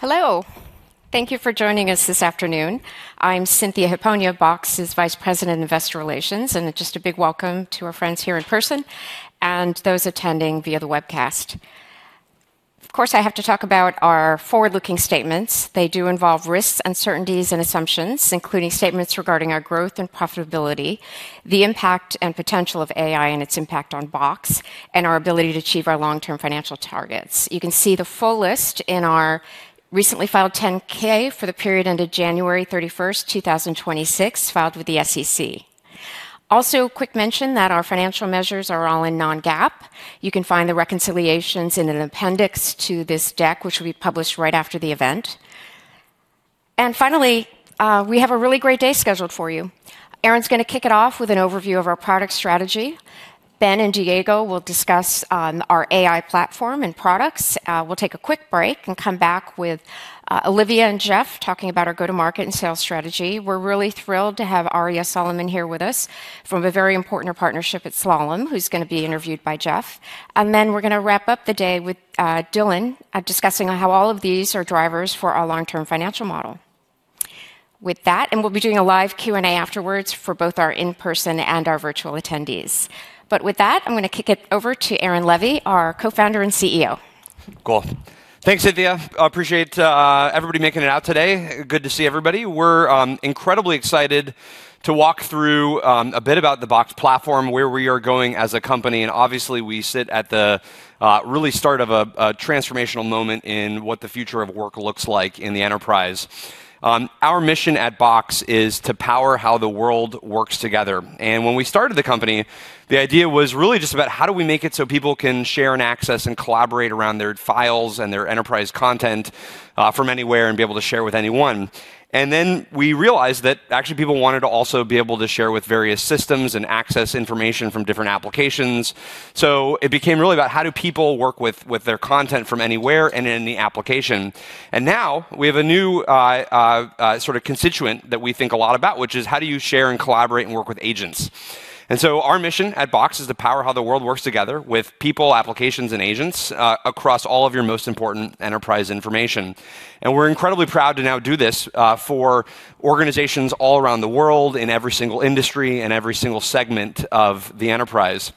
Hello. Thank you for joining us this afternoon. I'm Cynthia Hiponia, Box's Vice President of Investor Relations, and just a big welcome to our friends here in person and those attending via the webcast. Of course, I have to talk about our forward-looking statements. They do involve risks, uncertainties, and assumptions, including statements regarding our growth and profitability, the impact and potential of AI and its impact on Box, and our ability to achieve our long-term financial targets. You can see the full list in our recently filed 10-K for the period ended January 31st, 2026, filed with the SEC. Also, quick mention that our financial measures are all in non-GAAP. You can find the reconciliations in an appendix to this deck, which will be published right after the event. Finally, we have a really great day scheduled for you. Aaron's gonna kick it off with an overview of our product strategy. Ben and Diego will discuss our AI platform and products. We'll take a quick break and come back with Olivia and Jeff talking about our go-to-market and sales strategy. We're really thrilled to have Araya Solomon here with us from a very important partnership at Slalom, who's gonna be interviewed by Jeff. Then we're gonna wrap up the day with Dylan discussing on how all of these are drivers for our long-term financial model. With that, we'll be doing a live Q&A afterwards for both our in-person and our virtual attendees. With that, I'm gonna kick it over to Aaron Levie, our Co-Founder and CEO. Cool. Thanks, Cynthia. Appreciate everybody making it out today. Good to see everybody. We're incredibly excited to walk through a bit about the Box Platform, where we are going as a company, and obviously, we sit at the really start of a transformational moment in what the future of work looks like in the enterprise. Our mission at Box is to power how the world works together. When we started the company, the idea was really just about how do we make it so people can share and access and collaborate around their files and their enterprise content from anywhere and be able to share with anyone. Then we realized that actually people wanted to also be able to share with various systems and access information from different applications. It became really about how do people work with their content from anywhere and in the application. Now we have a new, sort of constituent that we think a lot about, which is how do you share and collaborate and work with agents. Our mission at Box is to power how the world works together with people, applications, and agents, across all of your most important enterprise information. We're incredibly proud to now do this, for organizations all around the world in every single industry and every single segment of the enterprise.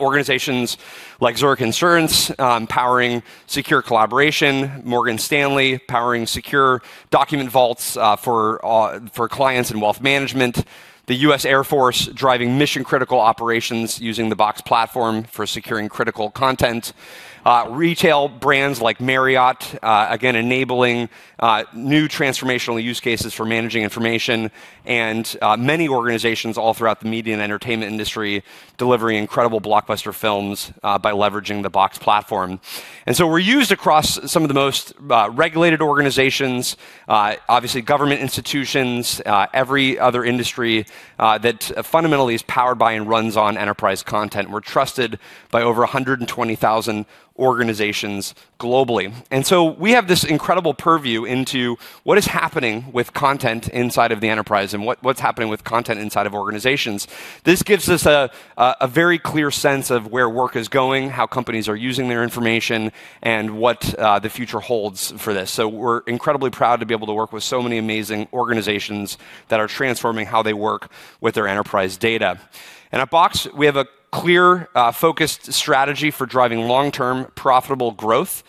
Organizations like Zurich Insurance, powering secure collaboration, Morgan Stanley powering secure document vaults, for clients in wealth management, the U.S. Air Force driving mission-critical operations using the Box Platform for securing critical content, retail brands like Marriott, again, enabling new transformational use cases for managing information, and many organizations all throughout the media and entertainment industry delivering incredible blockbuster films, by leveraging the Box Platform. We're used across some of the most regulated organizations, obviously government institutions, every other industry, that fundamentally is powered by and runs on enterprise content. We're trusted by over 120,000 organizations globally. We have this incredible purview into what is happening with content inside of the enterprise and what's happening with content inside of organizations. This gives us a very clear sense of where work is going, how companies are using their information, and what the future holds for this. We're incredibly proud to be able to work with so many amazing organizations that are transforming how they work with their enterprise data. At Box, we have a clear, focused strategy for driving long-term profitable growth.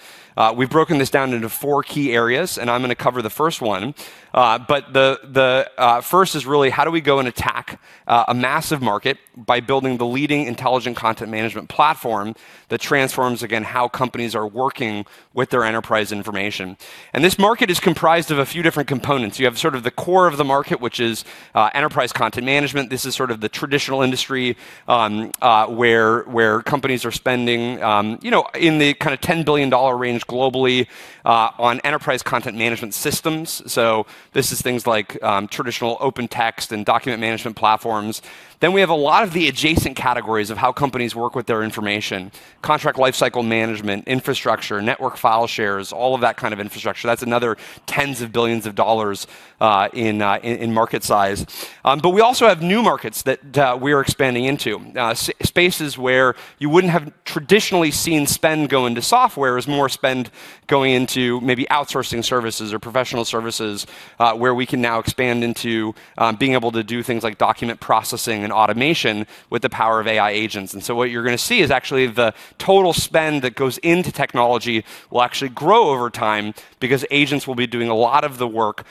We've broken this down into four key areas, and I'm gonna cover the first one. The first is really how do we go and attack a massive market by building the leading intelligent content management platform that transforms, again, how companies are working with their enterprise information. This market is comprised of a few different components. You have sort of the core of the market, which is enterprise content management. This is sort of the traditional industry, where companies are spending, you know, in the kinda $10 billion range globally, on enterprise content management systems. This is things like traditional OpenText and document management platforms. We have a lot of the adjacent categories of how companies work with their information, contract lifecycle management, infrastructure, network file shares, all of that kind of infrastructure. That's another tens of billions of dollars in market size. We also have new markets that we are expanding into. Spaces where you wouldn't have traditionally seen spend go into software, it's more spend going into maybe outsourcing services or professional services, where we can now expand into being able to do things like document processing and automation with the power of AI agents. What you're gonna see is actually the total spend that goes into technology will actually grow over time because agents will be doing a lot of the work,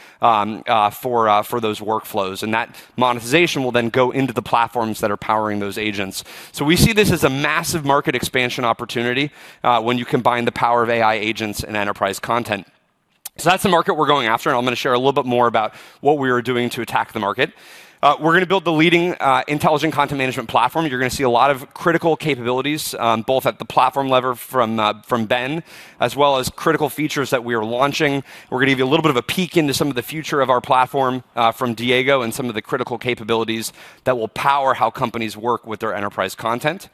for those workflows, and that monetization will then go into the platforms that are powering those agents. We see this as a massive market expansion opportunity, when you combine the power of AI agents and enterprise content. That's the market we're going after, and I'm going to share a little bit more about what we are doing to attack the market. We're going to build the leading, intelligent content management platform. You're going to see a lot of critical capabilities, both at the platform level from Ben, as well as critical features that we are launching. We're going to give you a little bit of a peek into some of the future of our platform, from Diego and some of the critical capabilities that will power how companies work with their enterprise content.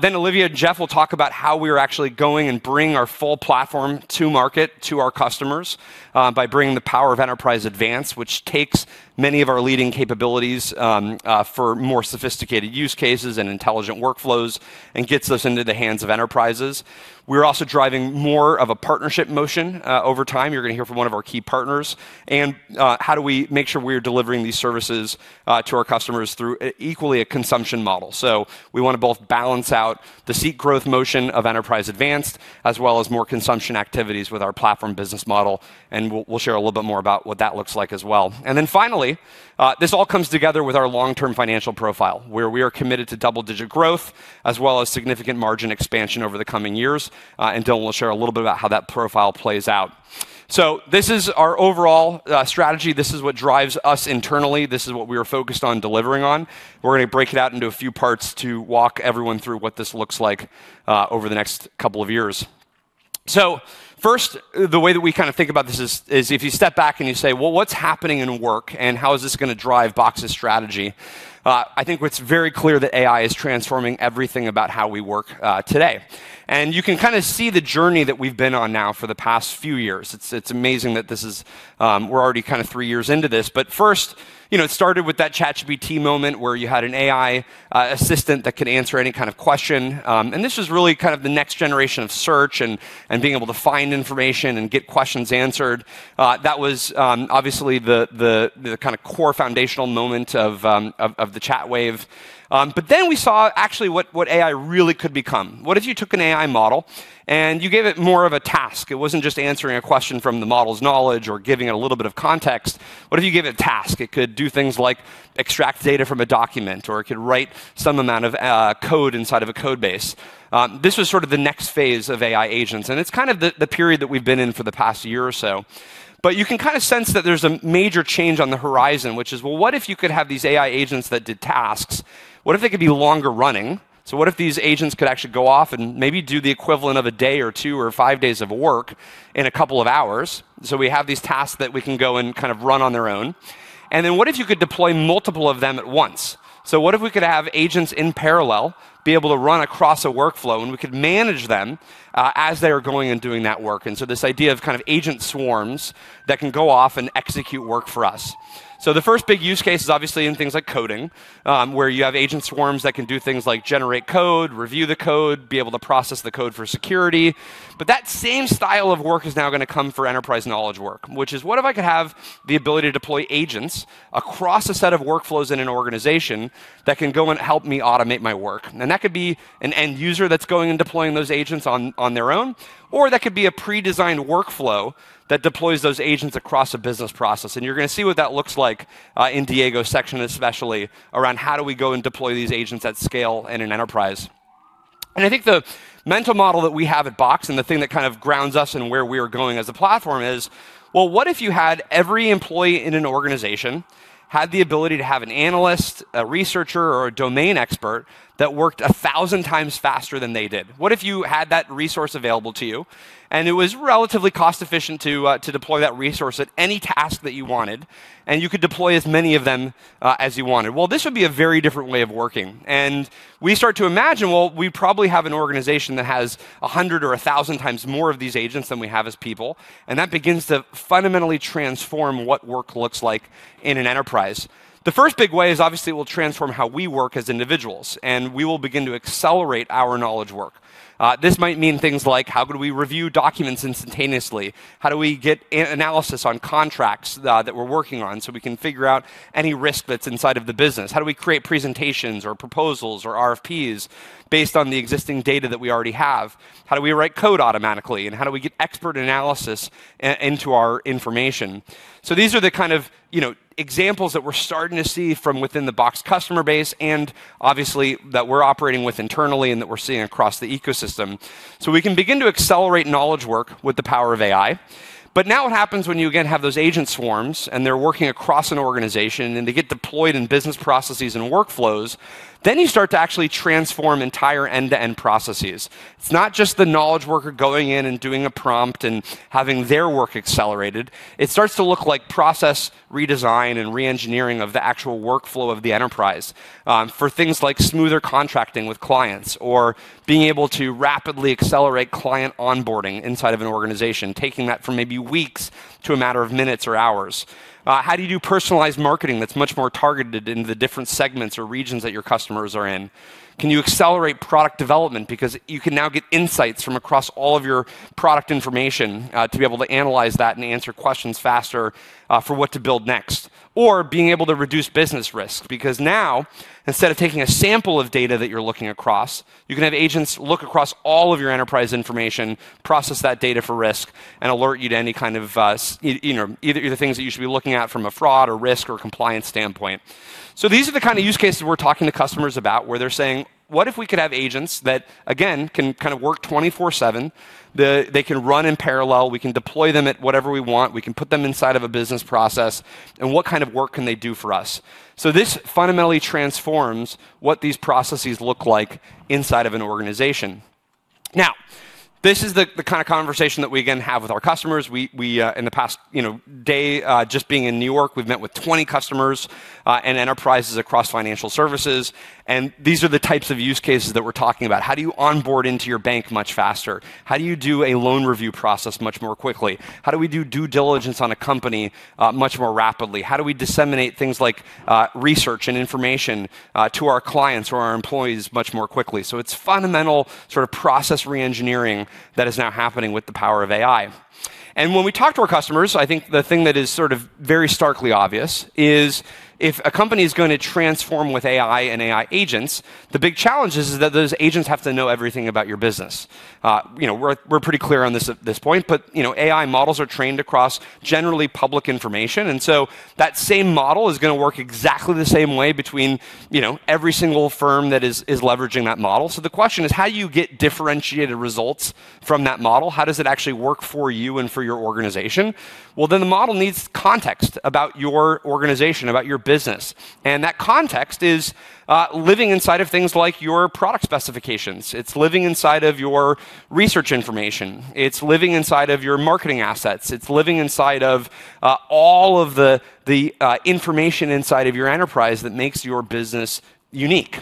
Then Olivia and Jeff will talk about how we are actually going and bringing our full platform to market to our customers, by bringing the power of Enterprise Advanced, which takes many of our leading capabilities, for more sophisticated use cases and intelligent workflows and gets us into the hands of enterprises. We're also driving more of a partnership motion, over time. You're going to hear from one of our key partners and, how do we make sure we are delivering these services, to our customers through equally a consumption model. We want to both balance out the seat growth motion of Enterprise Advanced as well as more consumption activities with our platform business model, and we'll share a little bit more about what that looks like as well. Finally, this all comes together with our long-term financial profile, where we are committed to double-digit growth as well as significant margin expansion over the coming years. Dylan will share a little bit about how that profile plays out. This is our overall strategy. This is what drives us internally. This is what we are focused on delivering on. We're going to break it out into a few parts to walk everyone through what this looks like over the next couple of years. First, the way that we kind of think about this is if you step back and you say, "Well, what's happening in work, and how is this going to drive Box's strategy?" I think what's very clear that AI is transforming everything about how we work today. You can kind of see the journey that we've been on now for the past few years. It's amazing we're already kind of three years into this. First, you know, it started with that ChatGPT moment where you had an AI assistant that could answer any kind of question. This was really kind of the next generation of search and being able to find information and get questions answered. That was obviously the kind of core foundational moment of the chat wave. We saw actually what AI really could become. What if you took an AI model and you gave it more of a task? It wasn't just answering a question from the model's knowledge or giving it a little bit of context. What if you gave it a task? It could do things like extract data from a document, or it could write some amount of code inside of a code base. This was sort of the next phase of AI agents, and it's kind of the period that we've been in for the past year or so. You can kind of sense that there's a major change on the horizon, which is, well, what if you could have these AI agents that did tasks? What if they could be longer running? What if these agents could actually go off and maybe do the equivalent of a day or two or five days of work in a couple of hours? We have these tasks that we can go and kind of run on their own. What if you could deploy multiple of them at once? What if we could have agents in parallel be able to run across a workflow, and we could manage them, as they are going and doing that work? This idea of kind of agent swarms that can go off and execute work for us. The first big use case is obviously in things like coding, where you have agent swarms that can do things like generate code, review the code, be able to process the code for security. That same style of work is now going to come for enterprise knowledge work, which is what if I could have the ability to deploy agents across a set of workflows in an organization that can go and help me automate my work? That could be an end user that's going and deploying those agents on their own, or that could be a pre-designed workflow that deploys those agents across a business process. You're going to see what that looks like, in Diego's section, especially around how do we go and deploy these agents at scale in an enterprise. I think the mental model that we have at Box and the thing that kind of grounds us in where we are going as a platform is, well, what if you had every employee in an organization had the ability to have an analyst, a researcher, or a domain expert that worked 1,000 times faster than they did? What if you had that resource available to you, and it was relatively cost efficient to deploy that resource at any task that you wanted, and you could deploy as many of them as you wanted? Well, this would be a very different way of working. We start to imagine, well, we probably have an organization that has a hundred or a thousand times more of these agents than we have as people, and that begins to fundamentally transform what work looks like in an enterprise. The first big way is obviously it will transform how we work as individuals, and we will begin to accelerate our knowledge work. This might mean things like, how could we review documents instantaneously? How do we get analysis on contracts that we're working on so we can figure out any risk that's inside of the business? How do we create presentations or proposals or RFPs based on the existing data that we already have? How do we write code automatically, and how do we get expert analysis into our information? These are the kind of, you know, examples that we're starting to see from within the Box customer base, and obviously that we're operating with internally and that we're seeing across the ecosystem. We can begin to accelerate knowledge work with the power of AI. Now what happens when you again have those agent swarms and they're working across an organization and they get deployed in business processes and workflows, then you start to actually transform entire end-to-end processes. It's not just the knowledge worker going in and doing a prompt and having their work accelerated. It starts to look like process redesign and re-engineering of the actual workflow of the enterprise, for things like smoother contracting with clients or being able to rapidly accelerate client onboarding inside of an organization, taking that from maybe weeks to a matter of minutes or hours. How do you do personalized marketing that's much more targeted in the different segments or regions that your customers are in? Can you accelerate product development because you can now get insights from across all of your product information, to be able to analyze that and answer questions faster, for what to build next? Or being able to reduce business risk because now instead of taking a sample of data that you're looking across, you can have agents look across all of your enterprise information, process that data for risk, and alert you to any kind of, you know, either the things that you should be looking at from a fraud or risk or compliance standpoint. These are the kind of use cases we're talking to customers about where they're saying, "What if we could have agents that, again, can kind of work 24/7? They can run in parallel; we can deploy them at whatever we want, we can put them inside of a business process, and what kind of work can they do for us?" This fundamentally transforms what these processes look like inside of an organization. Now, this is the kind of conversation that we again have with our customers. We in the past day, you know, just being in New York, we've met with 20 customers and enterprises across financial services, and these are the types of use cases that we're talking about. How do you onboard into your bank much faster? How do you do a loan review process much more quickly? How do we do due diligence on a company much more rapidly? How do we disseminate things like, research and information, to our clients or our employees much more quickly? It's fundamental sort of process reengineering that is now happening with the power of AI. When we talk to our customers, I think the thing that is sort of very starkly obvious is if a company is gonna transform with AI and AI agents, the big challenge is that those agents have to know everything about your business. You know, we're pretty clear on this at this point, but, you know, AI models are trained across generally public information, and so that same model is gonna work exactly the same way between, you know, every single firm that is leveraging that model. The question is, how do you get differentiated results from that model? How does it actually work for you and for your organization? Well, then the model needs context about your organization, about your business. That context is living inside of things like your product specifications. It's living inside of your research information. It's living inside of your marketing assets. It's living inside of all of the information inside of your enterprise that makes your business unique.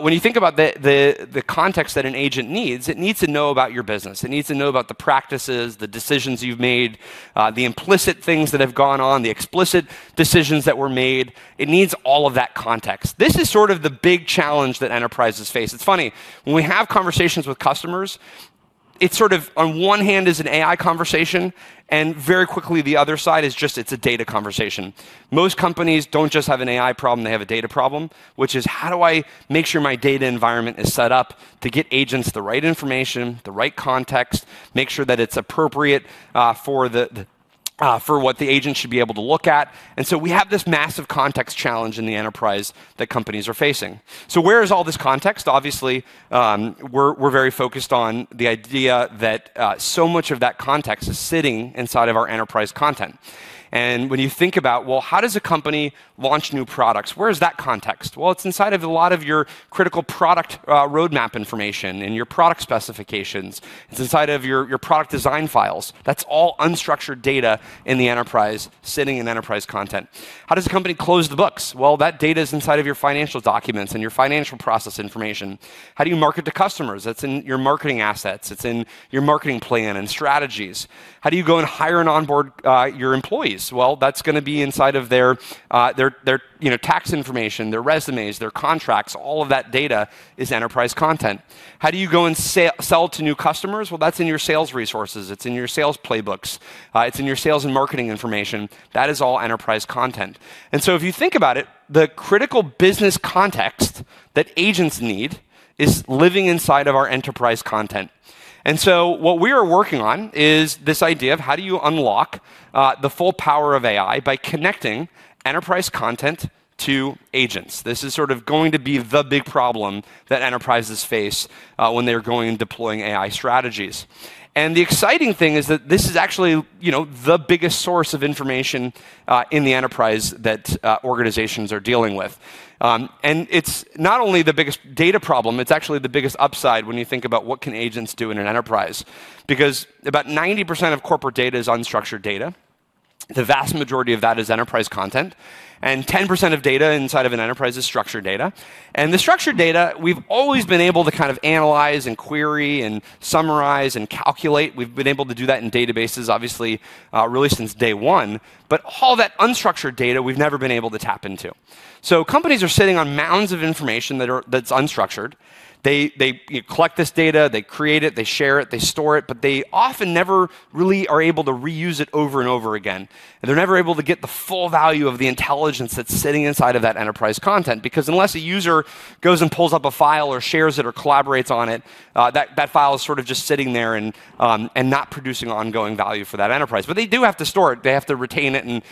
When you think about the context that an agent needs, it needs to know about your business. It needs to know about the practices, the decisions you've made, the implicit things that have gone on, the explicit decisions that were made. It needs all of that context. This is sort of the big challenge that enterprises face. It's funny, when we have conversations with customers, it sort of on one hand is an AI conversation, and very quickly the other side is just it's a data conversation. Most companies don't just have an AI problem, they have a data problem, which is, how do I make sure my data environment is set up to get agents the right information, the right context, make sure that it's appropriate for what the agent should be able to look at? We have this massive context challenge in the enterprise that companies are facing. Where is all this context? Obviously, we're very focused on the idea that so much of that context is sitting inside of our enterprise content. When you think about, well, how does a company launch new products? Where is that context? Well, it's inside of a lot of your critical product roadmap information and your product specifications. It's inside of your product design files. That's all unstructured data in the enterprise sitting in enterprise content. How does a company close the books? Well, that data is inside of your financial documents and your financial process information. How do you market to customers? That's in your marketing assets. It's in your marketing plan and strategies. How do you go and hire and onboard your employees? Well, that's gonna be inside of their, you know tax information, their resumes, their contracts, all of that data is enterprise content. How do you go and sell to new customers? Well, that's in your sales resources. It's in your sales playbooks. It's in your sales and marketing information. That is all enterprise content. If you think about it, the critical business context that agents need is living inside of our enterprise content. What we are working on is this idea of how do you unlock the full power of AI by connecting enterprise content to agents? This is sort of going to be the big problem that enterprises face when they're going and deploying AI strategies. The exciting thing is that this is actually, you know, the biggest source of information in the enterprise that organizations are dealing with. It's not only the biggest data problem, it's actually the biggest upside when you think about what can agents do in an enterprise? Because about 90% of corporate data is unstructured data. The vast majority of that is enterprise content, and 10% of data inside of an enterprise is structured data. The structured data, we've always been able to kind of analyze and query and summarize and calculate. We've been able to do that in databases obviously, really since day one, but all that unstructured data we've never been able to tap into. Companies are sitting on mounds of information that's unstructured. They collect this data, they create it, they share it, they store it, but they often never really are able to reuse it over and over again. They're never able to get the full value of the intelligence that's sitting inside of that enterprise content, because unless a user goes and pulls up a file or shares it or collaborates on it, that file is sort of just sitting there and not producing ongoing value for that enterprise. They do have to store it. They have to retain it and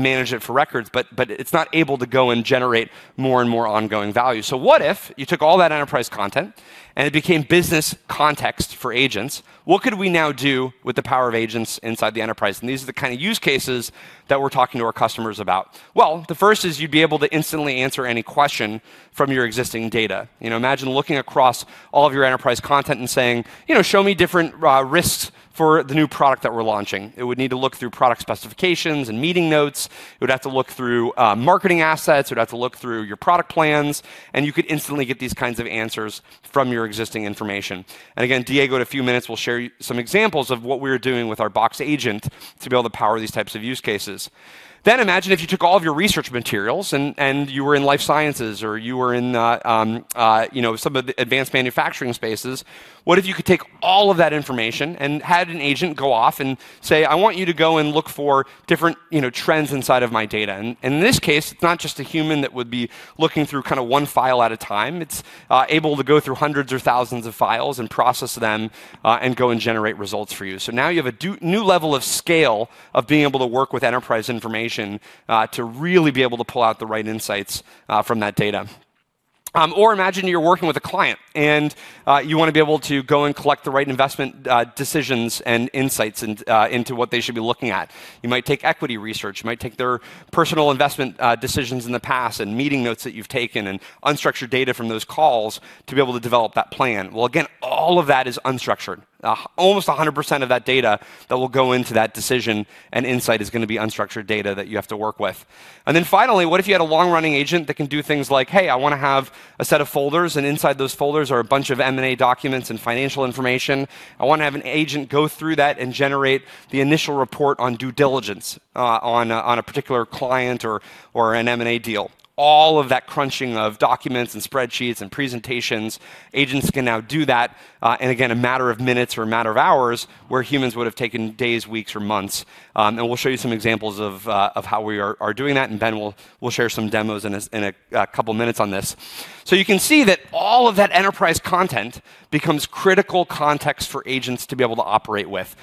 manage it for records, but it's not able to go and generate more and more ongoing value. What if you took all that enterprise content and it became business context for agents? What could we now do with the power of agents inside the enterprise? These are the kind of use cases that we're talking to our customers about. Well, the first is you'd be able to instantly answer any question from your existing data. You know, imagine looking across all of your enterprise content and saying, you know, "Show me different risks for the new product that we're launching." It would need to look through product specifications and meeting notes. It would have to look through marketing assets. It would have to look through your product plans, and you could instantly get these kinds of answers from your existing information. Again, Diego in a few minutes will share some examples of what we're doing with our Box agent to be able to power these types of use cases. Imagine if you took all of your research materials and you were in life sciences or you were in you know, some of the advanced manufacturing spaces. What if you could take all of that information and had an agent go off and say, "I want you to go and look for different, you know, trends inside of my data?" In this case, it's not just a human that would be looking through kinda one file at a time. It's able to go through hundreds or thousands of files and process them, and go and generate results for you. Now you have a new level of scale of being able to work with enterprise information, to really be able to pull out the right insights, from that data. Imagine you're working with a client, and you wanna be able to go and collect the right investment, decisions and insights into what they should be looking at. You might take equity research. You might take their personal investment, decisions in the past and meeting notes that you've taken and unstructured data from those calls to be able to develop that plan. Well, again, all of that is unstructured. Almost 100% of that data that will go into that decision and insight is gonna be unstructured data that you have to work with. Finally, what if you had a long-running agent that can do things like, "Hey, I wanna have a set of folders, and inside those folders are a bunch of M&A documents and financial information. I wanna have an agent go through that and generate the initial report on due diligence on a particular client or an M&A deal." All of that crunching of documents and spreadsheets and presentations, agents can now do that in again a matter of minutes or a matter of hours, where humans would have taken days, weeks, or months. We'll show you some examples of how we are doing that, and Ben will share some demos in a couple minutes on this. You can see that all of that enterprise content becomes critical context for agents to be able to operate with.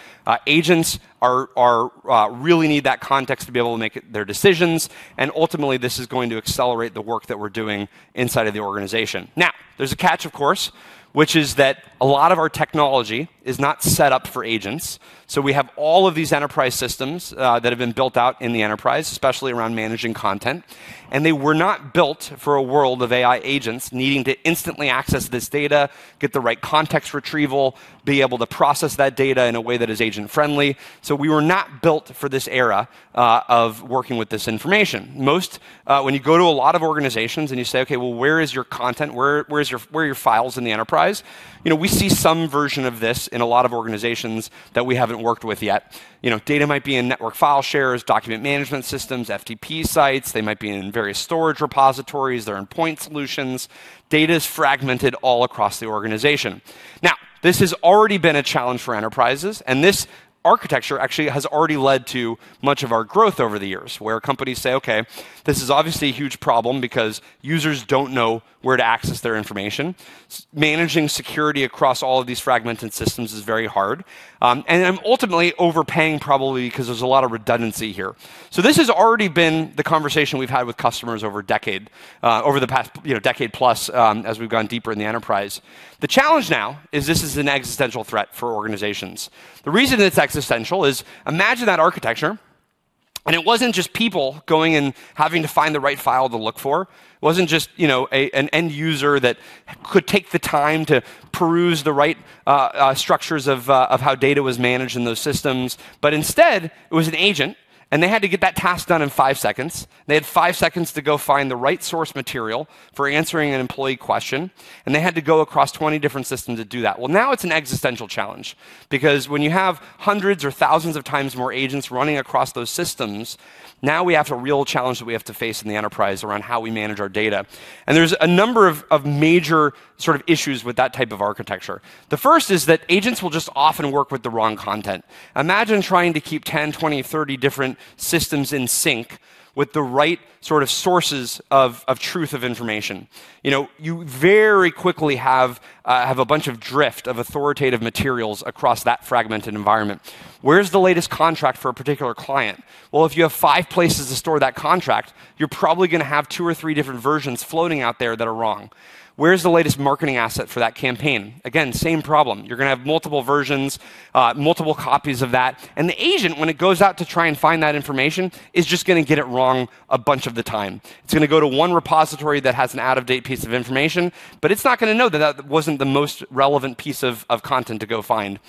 Agents really need that context to be able to make their decisions, and ultimately, this is going to accelerate the work that we're doing inside of the organization. Now, there's a catch, of course, which is that a lot of our technology is not set up for agents. We have all of these enterprise systems that have been built out in the enterprise, especially around managing content, and they were not built for a world of AI agents needing to instantly access this data, get the right context retrieval, be able to process that data in a way that is agent-friendly. We were not built for this era of working with this information. Most when you go to a lot of organizations and you say, "Okay, well, where is your content? Where are your files in the enterprise?" You know, we see some version of this in a lot of organizations that we haven't worked with yet. You know, data might be in network file shares, document management systems, FTP sites. They might be in various storage repositories. They're in point solutions. Data is fragmented all across the organization. Now, this has already been a challenge for enterprises, and this architecture actually has already led to much of our growth over the years, where companies say, "Okay, this is obviously a huge problem because users don't know where to access their information. Managing security across all of these fragmented systems is very hard, and I'm ultimately overpaying probably because there's a lot of redundancy here." This has already been the conversation we've had with customers over a decade, over the past, you know, decade plus, as we've gone deeper in the enterprise. The challenge now is this is an existential threat for organizations. The reason it's existential is imagine that architecture, and it wasn't just people going and having to find the right file to look for. It wasn't just an end user that could take the time to peruse the right structures of how data was managed in those systems. Instead, it was an agent, and they had to get that task done in five seconds. They had five seconds to go find the right source material for answering an employee question, and they had to go across 20 different systems to do that. Now it's an existential challenge because when you have hundreds or thousands of times more agents running across those systems, now we have a real challenge that we have to face in the enterprise around how we manage our data. There's a number of major sort of issues with that type of architecture. The first is that agents will just often work with the wrong content. Imagine trying to keep 10, 20, 30 different systems in sync with the right sort of sources of truth of information. You know, you very quickly have a bunch of drift of authoritative materials across that fragmented environment. Where's the latest contract for a particular client? Well, if you have five places to store that contract, you're probably gonna have two or three different versions floating out there that are wrong. Where's the latest marketing asset for that campaign? Again, same problem. You're gonna have multiple versions, multiple copies of that, and the agent, when it goes out to try and find that information, is just gonna get it wrong a bunch of the time. It's gonna go to one repository that has an out-of-date piece of information, but it's not gonna know that that wasn't the most relevant piece of content to go find.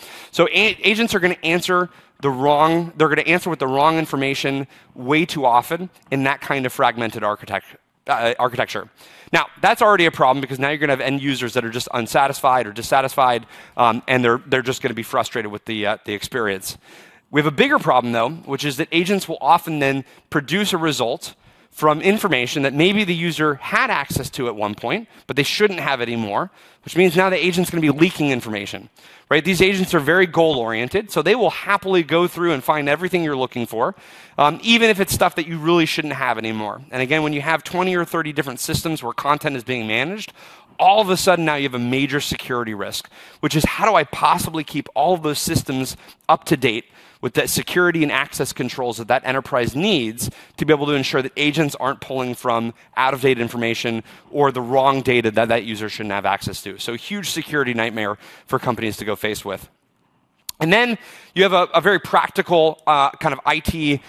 Agents are gonna answer with the wrong information way too often in that kind of fragmented architecture. Now, that's already a problem because now you're gonna have end users that are just unsatisfied or dissatisfied, and they're just gonna be frustrated with the experience. We have a bigger problem, though, which is that agents will often then produce a result from information that maybe the user had access to at one point, but they shouldn't have anymore, which means now the agent's gonna be leaking information, right? These agents are very goal-oriented. They will happily go through and find everything you're looking for, even if it's stuff that you really shouldn't have anymore. Again, when you have 20 or 30 different systems where content is being managed, all of a sudden now you have a major security risk, which is how do I possibly keep all of those systems up to date with the security and access controls that enterprise needs to be able to ensure that agents aren't pulling from out-of-date information or the wrong data that user shouldn't have access to? A huge security nightmare for companies to go face with. Then you have a very practical kind of IT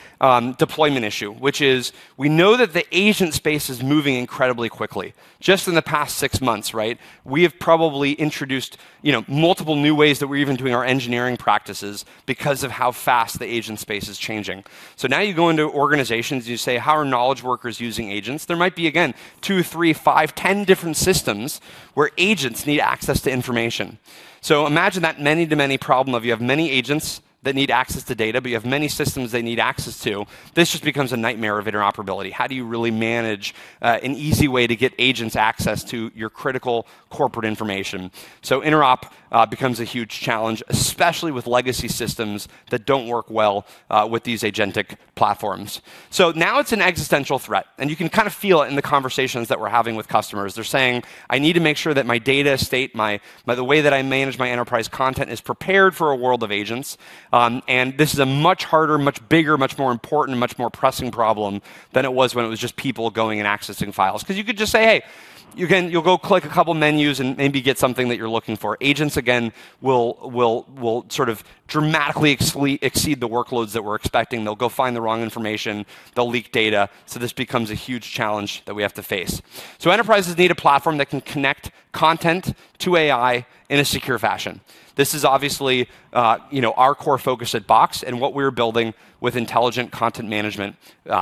deployment issue, which is we know that the agent space is moving incredibly quickly. Just in the past six months, right, we have probably introduced, you know, multiple new ways that we're even doing our engineering practices because of how fast the agent space is changing. Now you go into organizations, and you say, "How are knowledge workers using agents?" There might be, again, two, three, five, 10 different systems where agents need access to information. Imagine that many-to-many problem of you have many agents that need access to data, but you have many systems they need access to. This just becomes a nightmare of interoperability. How do you really manage an easy way to get agents access to your critical corporate information? Interop becomes a huge challenge, especially with legacy systems that don't work well with these agentic platforms. Now it's an existential threat, and you can kind of feel it in the conversations that we're having with customers. They're saying, "I need to make sure that my data state, the way that I manage my enterprise content is prepared for a world of agents." This is a much harder, much bigger, much more important, much more pressing problem than it was when it was just people going and accessing files. 'Cause you could just say, "Hey, you'll go click a couple menus and maybe get something that you're looking for." Agents, again, will sort of dramatically exceed the workloads that we're expecting. They'll go find the wrong information. They'll leak data. This becomes a huge challenge that we have to face. Enterprises need a platform that can connect content to AI in a secure fashion. This is obviously, you know, our core focus at Box and what we're building with intelligent content management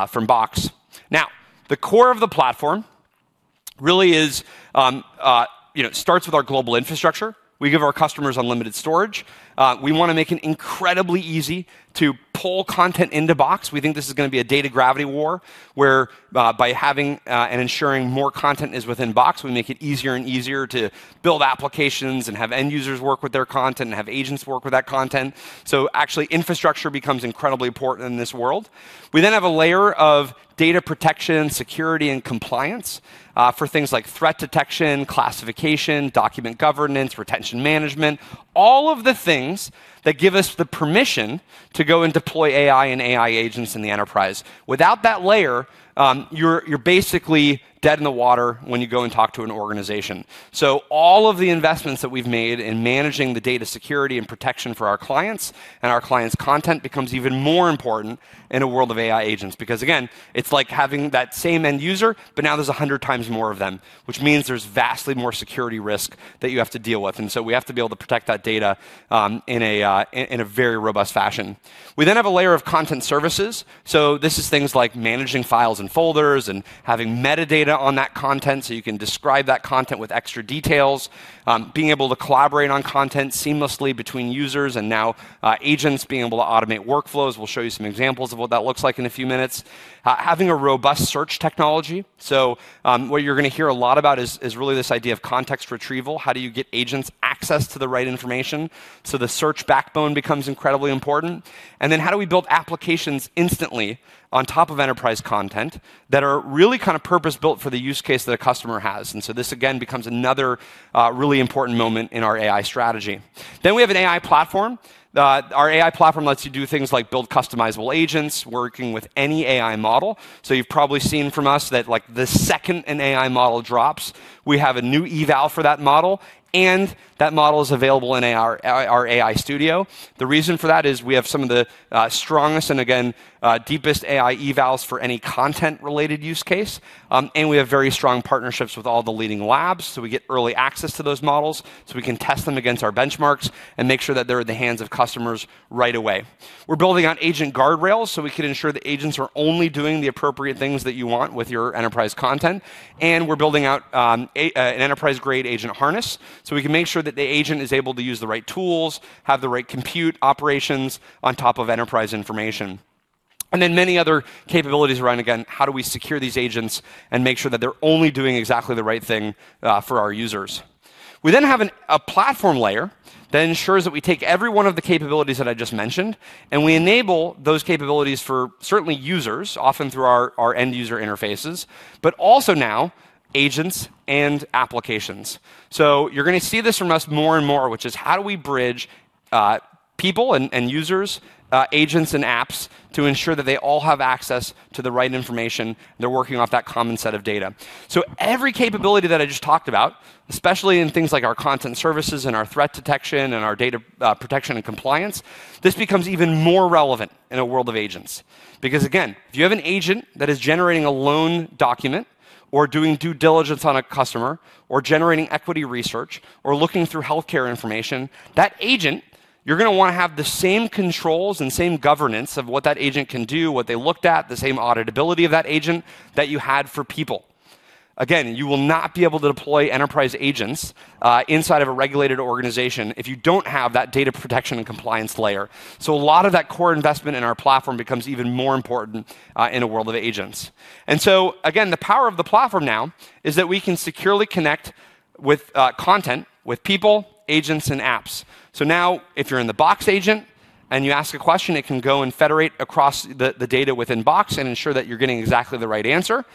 from Box. Now, the core of the platform really is, you know, it starts with our global infrastructure. We give our customers unlimited storage. We want to make it incredibly easy to pull content into Box. We think this is going to be a data gravity war, where, by having and ensuring more content is within Box, we make it easier and easier to build applications and have end users work with their content and have agents work with that content. So actually, infrastructure becomes incredibly important in this world. We then have a layer of data protection, security, and compliance, for things like threat detection, classification, document governance, retention management. All of the things that give us the permission to go and deploy AI and AI agents in the enterprise. Without that layer, you're basically dead in the water when you go and talk to an organization. All of the investments that we've made in managing the data security and protection for our clients and our clients' content becomes even more important in a world of AI agents. Again, it's like having that same end user, but now there's 100 times more of them, which means there's vastly more security risk that you have to deal with. We have to be able to protect that data in a very robust fashion. We then have a layer of content services. This is things like managing files and folders and having metadata on that content, so you can describe that content with extra details. Being able to collaborate on content seamlessly between users and now agents being able to automate workflows. We'll show you some examples of what that looks like in a few minutes. Having a robust search technology. What you're going to hear a lot about is really this idea of context retrieval. How do you get agents access to the right information? The search backbone becomes incredibly important. How do we build applications instantly on top of enterprise content that are really kind of purpose-built for the use case that a customer has? This again becomes another really important moment in our AI strategy. We have an AI platform. Our AI platform lets you do things like build customizable agents working with any AI model. You've probably seen from us that, like, the second an AI model drops, we have a new eval for that model, and that model is available in our AI Studio. The reason for that is we have some of the strongest and again deepest AI evals for any content-related use case. We have very strong partnerships with all the leading labs, so we get early access to those models, so we can test them against our benchmarks and make sure that they're in the hands of customers right away. We're building out agent guardrails so we can ensure the agents are only doing the appropriate things that you want with your enterprise content. We're building out an enterprise-grade agent harness so we can make sure that the agent is able to use the right tools, have the right compute operations on top of enterprise information. Then many other capabilities around, again, how do we secure these agents and make sure that they're only doing exactly the right thing, for our users. We then have a platform layer that ensures that we take every one of the capabilities that I just mentioned, and we enable those capabilities for certainly users, often through our end user interfaces, but also now agents and applications. You're gonna see this from us more and more, which is how do we bridge people and users, agents and apps to ensure that they all have access to the right information, they're working off that common set of data. Every capability that I just talked about, especially in things like our content services and our threat detection and our data protection and compliance, this becomes even more relevant in a world of agents. Because again, if you have an agent that is generating a loan document or doing due diligence on a customer or generating equity research or looking through healthcare information, that agent, you're gonna wanna have the same controls and same governance of what that agent can do, what they looked at, the same auditability of that agent that you had for people. Again, you will not be able to deploy enterprise agents inside of a regulated organization if you don't have that data protection and compliance layer. A lot of that core investment in our platform becomes even more important in a world of agents. Again, the power of the platform now is that we can securely connect with content, with people, agents, and apps. Now if you're in the Box agent and you ask a question, it can go and federate across the data within Box and ensure that you're getting exactly the right answer.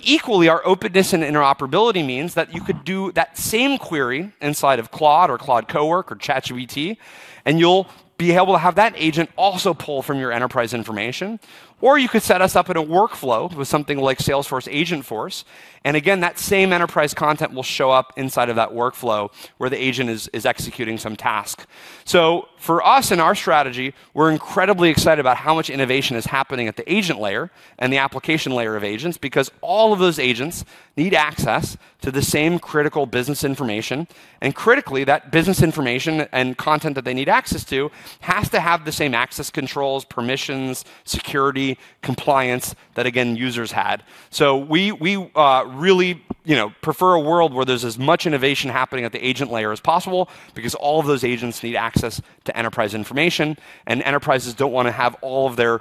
Equally, our openness and interoperability means that you could do that same query inside of Claude or Claude Cowork or ChatGPT, and you'll be able to have that agent also pull from your enterprise information. You could set us up in a workflow with something like Salesforce Agentforce, and again, that same enterprise content will show up inside of that workflow where the agent is executing some tasks. For us and our strategy, we're incredibly excited about how much innovation is happening at the agent layer and the application layer of agents because all of those agents need access to the same critical business information. Critically, that business information and content that they need access to has to have the same access controls, permissions, security, compliance that again, users had. We really, you know, prefer a world where there's as much innovation happening at the agent layer as possible because all of those agents need access to enterprise information, and enterprises don't want to have all of their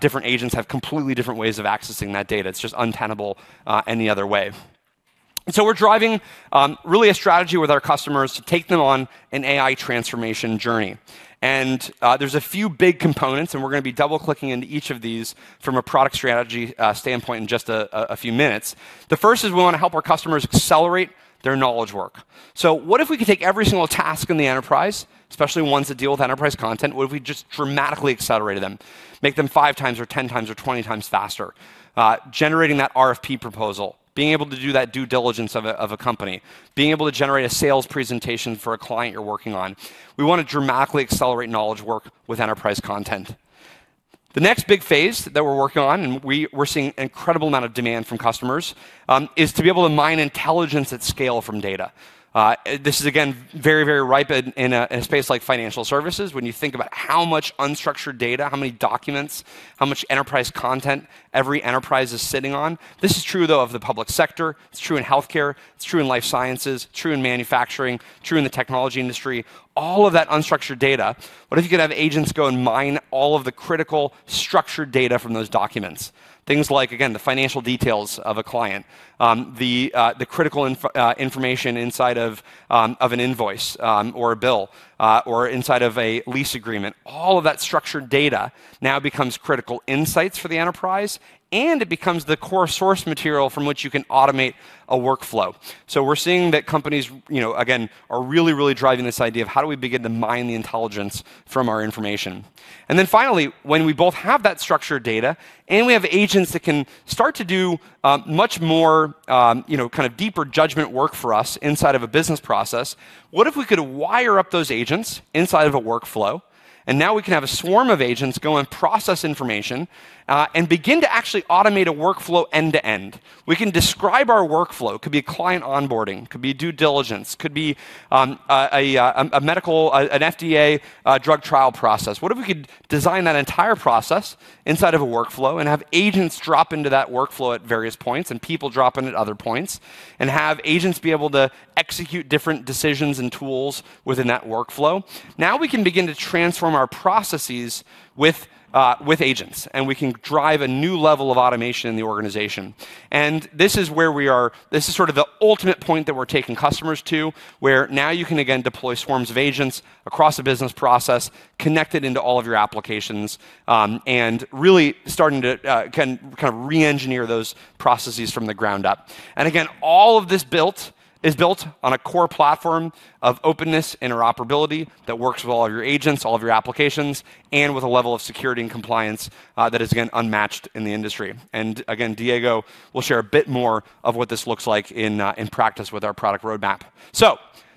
different agents have completely different ways of accessing that data. It's just untenable any other way. We're driving really a strategy with our customers to take them on an AI transformation journey. There's a few big components, and we're gonna be double-clicking into each of these from a product strategy standpoint in just a few minutes. The first is we want to help our customers accelerate their knowledge work. What if we could take every single task in the enterprise, especially ones that deal with enterprise content, what if we just dramatically accelerated them? Make them 5 times or 10 times or 20 times faster. Generating that RFP proposal, being able to do that due diligence of a company, being able to generate a sales presentation for a client you're working on. We want to dramatically accelerate knowledge work with enterprise content. The next big phase that we're working on, and we're seeing an incredible amount of demand from customers, is to be able to mine intelligence at scale from data. This is again, very, very ripe in a space like financial services when you think about how much unstructured data, how many documents, how much enterprise content every enterprise is sitting on. This is true of the public sector, it's true in healthcare, it's true in life sciences, true in manufacturing, true in the technology industry, all of that unstructured data. What if you could have agents go and mine all of the critical structured data from those documents? Things like, again, the financial details of a client, the critical information inside of an invoice, or a bill, or inside of a lease agreement. All of that structured data now becomes critical insights for the enterprise, and it becomes the core source material from which you can automate a workflow. We're seeing that companies, you know, again, are really, really driving this idea of how do we begin to mine the intelligence from our information. Then finally, when we both have that structured data and we have agents that can start to do much more, you know, kind of deeper judgment work for us inside of a business process, what if we could wire up those agents inside of a workflow, and now we can have a swarm of agents go and process information and begin to actually automate a workflow end to end? We can describe our workflow. It could be client onboarding, it could be due diligence, it could be an FDA drug trial process. What if we could design that entire process inside of a workflow and have agents drop into that workflow at various points and people drop in at other points, and have agents be able to execute different decisions and tools within that workflow? Now we can begin to transform our processes with agents, and we can drive a new level of automation in the organization. This is where we are. This is sort of the ultimate point that we're taking customers to, where now you can again deploy swarms of agents across a business process, connect it into all of your applications, and really kind of re-engineer those processes from the ground up. Again, all of this is built on a core platform of openness, interoperability that works with all of your agents, all of your applications, and with a level of security and compliance that is, again, unmatched in the industry. Again, Diego will share a bit more of what this looks like in practice with our product roadmap.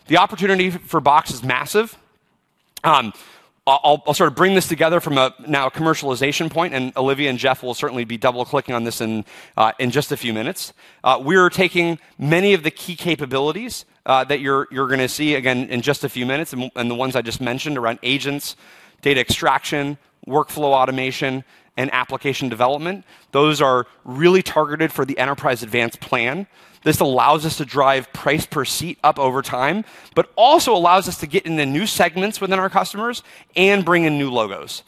The opportunity for Box is massive. I'll sort of bring this together from a commercialization point, and Olivia and Jeff will certainly be double-clicking on this in just a few minutes. We're taking many of the key capabilities that you're gonna see again in just a few minutes, and the ones I just mentioned around agents, data extraction, workflow automation, and application development. Those are really targeted for the Enterprise Advanced plan. This allows us to drive price per seat up over time, but also allows us to get into new segments within our customers and bring in new logos.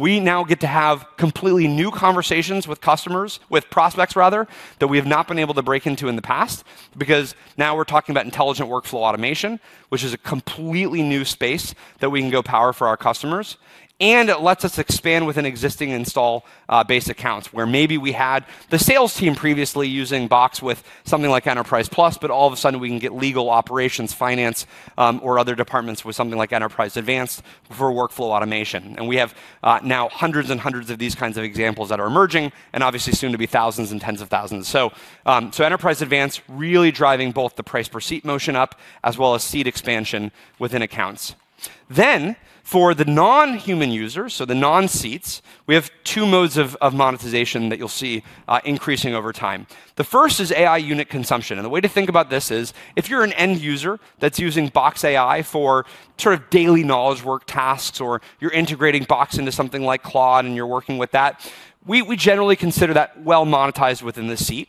We now get to have completely new conversations with customers, with prospects rather, that we have not been able to break into in the past, because now we're talking about intelligent workflow automation, which is a completely new space that we can empower for our customers. It lets us expand within existing installed base accounts, where maybe we had the sales team previously using Box with something like Enterprise Plus, but all of a sudden we can get legal operations, finance, or other departments with something like Enterprise Advanced for workflow automation. We have now hundreds and hundreds of these kinds of examples that are emerging, and obviously soon to be thousands and tens of thousands. Enterprise Advanced really driving both the price per seat motion up as well as seat expansion within accounts. For the non-human users, the non-seats, we have two modes of monetization that you'll see increasing over time. The first is AI unit consumption. The way to think about this is if you're an end user that's using Box AI for sort of daily knowledge work tasks, or you're integrating Box into something like Claude and you're working with that, we generally consider that well-monetized within the seat.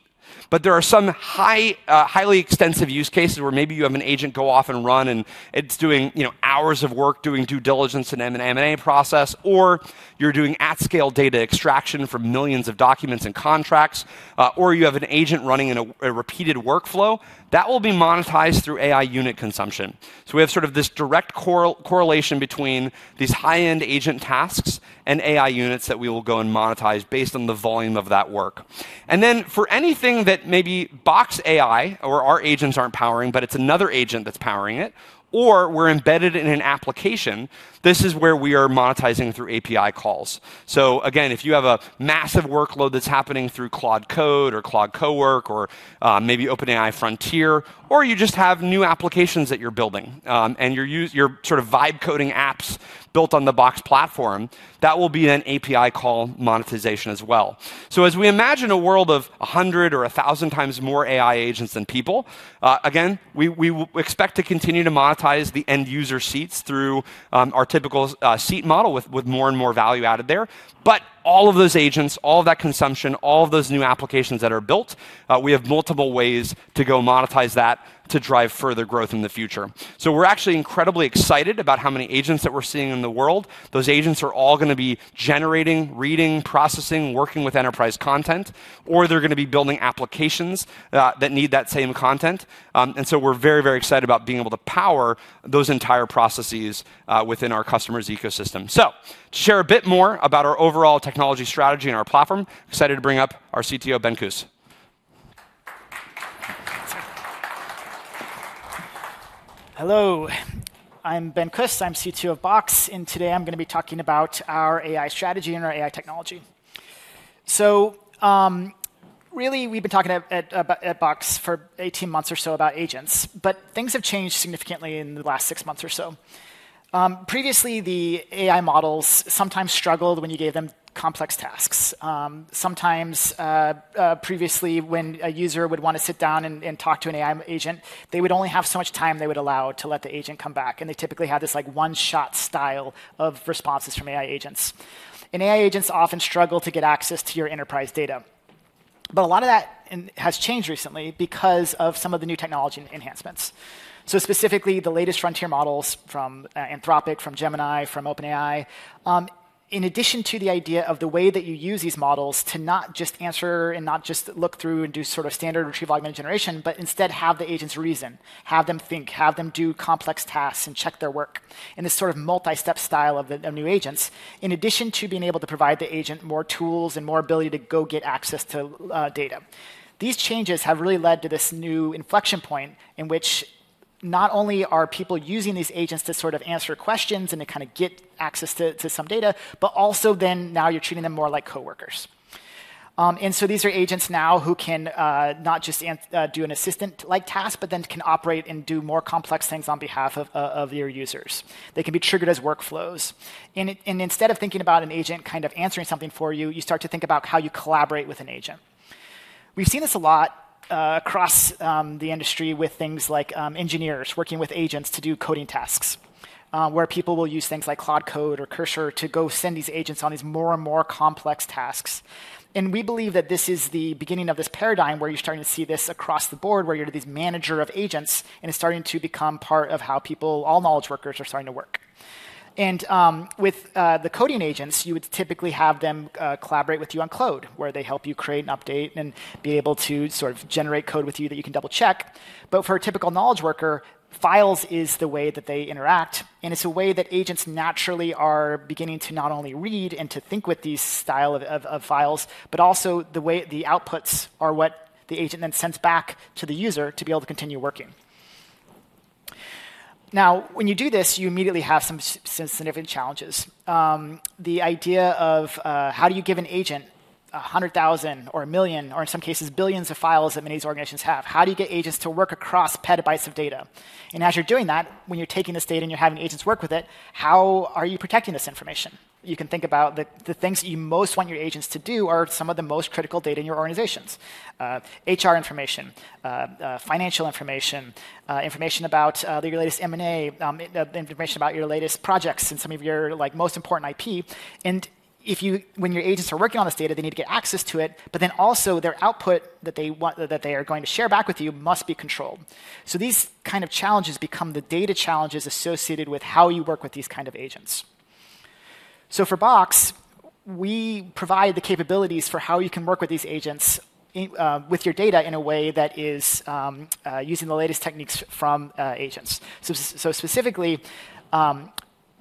There are some highly extensive use cases where maybe you have an agent go off and run and it's doing, you know, hours of work doing due diligence in an M&A process, or you're doing at-scale data extraction from millions of documents and contracts, or you have an agent running in a repeated workflow, that will be monetized through AI unit consumption. We have sort of this direct correlation between these high-end agent tasks and AI units that we will go and monetize based on the volume of that work. For anything that maybe Box AI or our agents aren't powering, but it's another agent that's powering it, or we're embedded in an application, this is where we are monetizing through API calls. Again, if you have a massive workload that's happening through Claude Code or Claude Cowork, or, maybe OpenAI Frontier, or you just have new applications that you're building, and you're sort of vibe coding apps built on the Box Platform, that will be an API call monetization as well. As we imagine a world of 100 or 1,000 times more AI agents than people, again, we expect to continue to monetize the end user seats through our typical seat model with more and more value added there. But all of those agents, all of that consumption, all of those new applications that are built, we have multiple ways to go monetize that to drive further growth in the future. We're actually incredibly excited about how many agents that we're seeing in the world. Those agents are all gonna be generating, reading, processing, working with enterprise content, or they're gonna be building applications that need that same content. We're very, very excited about being able to power those entire processes within our customers' ecosystem. To share a bit more about our overall technology strategy and our platform, excited to bring up our CTO, Ben Kus. Hello, I'm Ben Kus. I'm CTO of Box, and today I'm gonna be talking about our AI strategy and our AI technology. Really, we've been talking at Box for 18 months or so about agents, but things have changed significantly in the last six months or so. Previously, the AI models sometimes struggled when you gave them complex tasks. Sometimes, previously when a user would want to sit down and talk to an AI agent, they would only have so much time they would allow to let the agent come back, and they typically had this, like, one-shot style of responses from AI agents. AI agents often struggle to get access to your enterprise data. A lot of that has changed recently because of some of the new technology enhancements. Specifically, the latest frontier models from Anthropic, from Gemini, from OpenAI. In addition to the idea of the way that you use these models to not just answer and not just look through and do sort of standard retrieval-augmented generation, but instead have the agents reason, have them think, have them do complex tasks and check their work in this sort of multi-step style of the new agents. In addition to being able to provide the agent more tools and more ability to go get access to data. These changes have really led to this new inflection point in which not only are people using these agents to sort of answer questions and to get access to some data, but also then now you're treating them more like coworkers. These are agents now who can not just do an assistant-like task, but then can operate and do more complex things on behalf of your users. They can be triggered as workflows. Instead of thinking about an agent kind of answering something for you start to think about how you collaborate with an agent. We've seen this a lot across the industry with things like engineers working with agents to do coding tasks, where people will use things like Claude Code or Cursor to go send these agents on these more and more complex tasks. We believe that this is the beginning of this paradigm where you're starting to see this across the board where you're the manager of agents, and it's starting to become part of how people all knowledge workers are starting to work. With the coding agents, you would typically have them collaborate with you on code, where they help you create and update and be able to sort of generate code with you that you can double-check. But for a typical knowledge worker, files is the way that they interact, and it's a way that agents naturally are beginning to not only read and to think with these style of files, but also the way the outputs are what the agent then sends back to the user to be able to continue working. Now, when you do this, you immediately have some significant challenges. The idea of how do you give an agent a hundred thousand or a million or in some cases billions of files that many of these organizations have? How do you get agents to work across petabytes of data? As you're doing that, when you're taking this data and you're having agents work with it, how are you protecting this information? You can think about the things that you most want your agents to do are some of the most critical data in your organizations. HR information, financial information about your latest M&A, information about your latest projects and some of your, like, most important IP. When your agents are working on this data, they need to get access to it, but then also their output that they are going to share back with you must be controlled. These kinds of challenges become the data challenges associated with how you work with these kinds of agents. For Box, we provide the capabilities for how you can work with these agents with your data in a way that is using the latest techniques from agents. Specifically,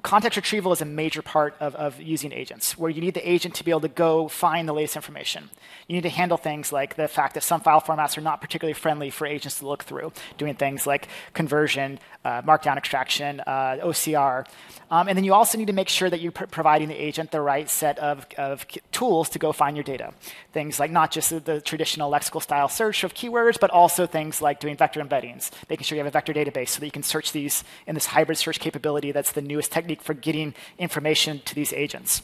context retrieval is a major part of using agents, where you need the agent to be able to go find the latest information. You need to handle things like the fact that some file formats are not particularly friendly for agents to look through, doing things like conversion, markdown extraction, OCR. You also need to make sure that you're providing the agent the right set of tools to go find your data. Things like not just the traditional lexical style search of keywords, but also things like doing vector embeddings, making sure you have a vector database so that you can search these in this hybrid search capability that's the newest technique for getting information to these agents.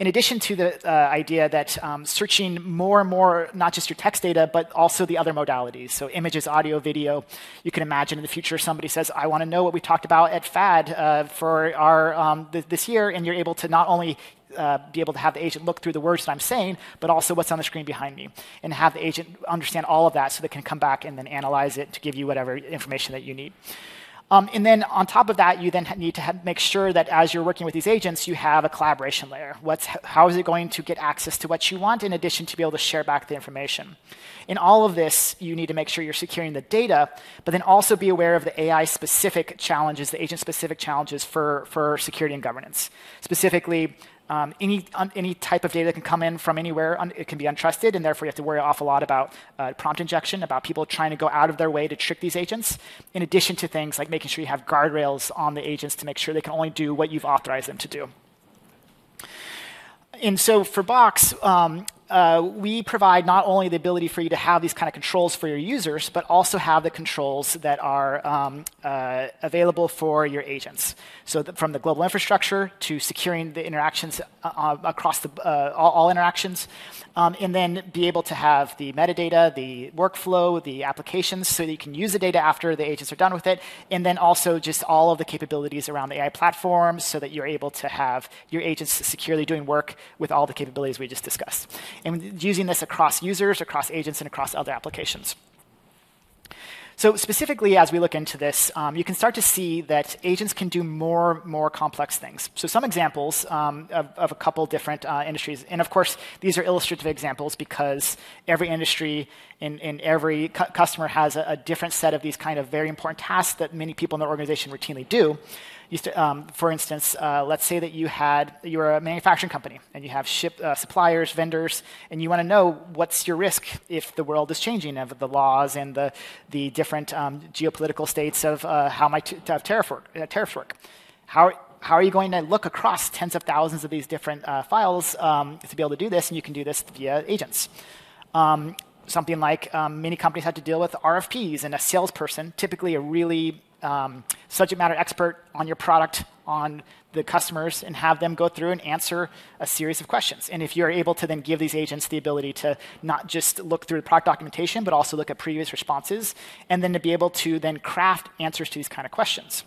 In addition to the idea that searching more and more, not just your text data, but also the other modalities, so images, audio, video. You can imagine in the future, somebody says, "I wanna know what we talked about at FAD for our this year?" and you're able to not only be able to have the agent look through the words that I'm saying, but also what's on the screen behind me, and have the agent understand all of that, so they can come back and then analyze it to give you whatever information that you need. On top of that, you need to make sure that as you're working with these agents, you have a collaboration layer. What's how is it going to get access to what you want in addition to be able to share back the information? In all of this, you need to make sure you're securing the data, but then also be aware of the AI-specific challenges, the agent-specific challenges for security and governance. Specifically, any type of data can come in from anywhere, it can be untrusted, and therefore you have to worry an awful lot about prompt injection, about people trying to go out of their way to trick these agents, in addition to things like making sure you have guardrails on the agents to make sure they can only do what you've authorized them to do. For Box, we provide not only the ability for you to have these kinds of controls for your users but also have the controls that are available for your agents. From the global infrastructure to securing the interactions across all interactions, and then be able to have the metadata, the workflow, the applications, so that you can use the data after the agents are done with it, and then also just all of the capabilities around the AI platform so that you're able to have your agents securely doing work with all the capabilities we just discussed, and using this across users, across agents, and across other applications. Specifically, as we look into this, you can start to see that agents can do more complex things. Some examples of a couple different industries, and of course, these are illustrative examples because every industry and every customer have a different set of these kinds of very important tasks that many people in the organization routinely do. For instance, let's say that you had. You're a manufacturing company, and you have suppliers, vendors, and you wanna know what's your risk if the world is changing of the laws and the different geopolitical states of how tariffs work. How are you going to look across tens of thousands of these different files to be able to do this? You can do this via agents. Many companies had to deal with RFPs and a salesperson, typically a really subject matter expert on your product, on the customers, and have them go through and answer a series of questions. If you're able to then give these agents the ability to not just look through the product documentation, but also look at previous responses, and then to be able to then craft answers to these kind of questions.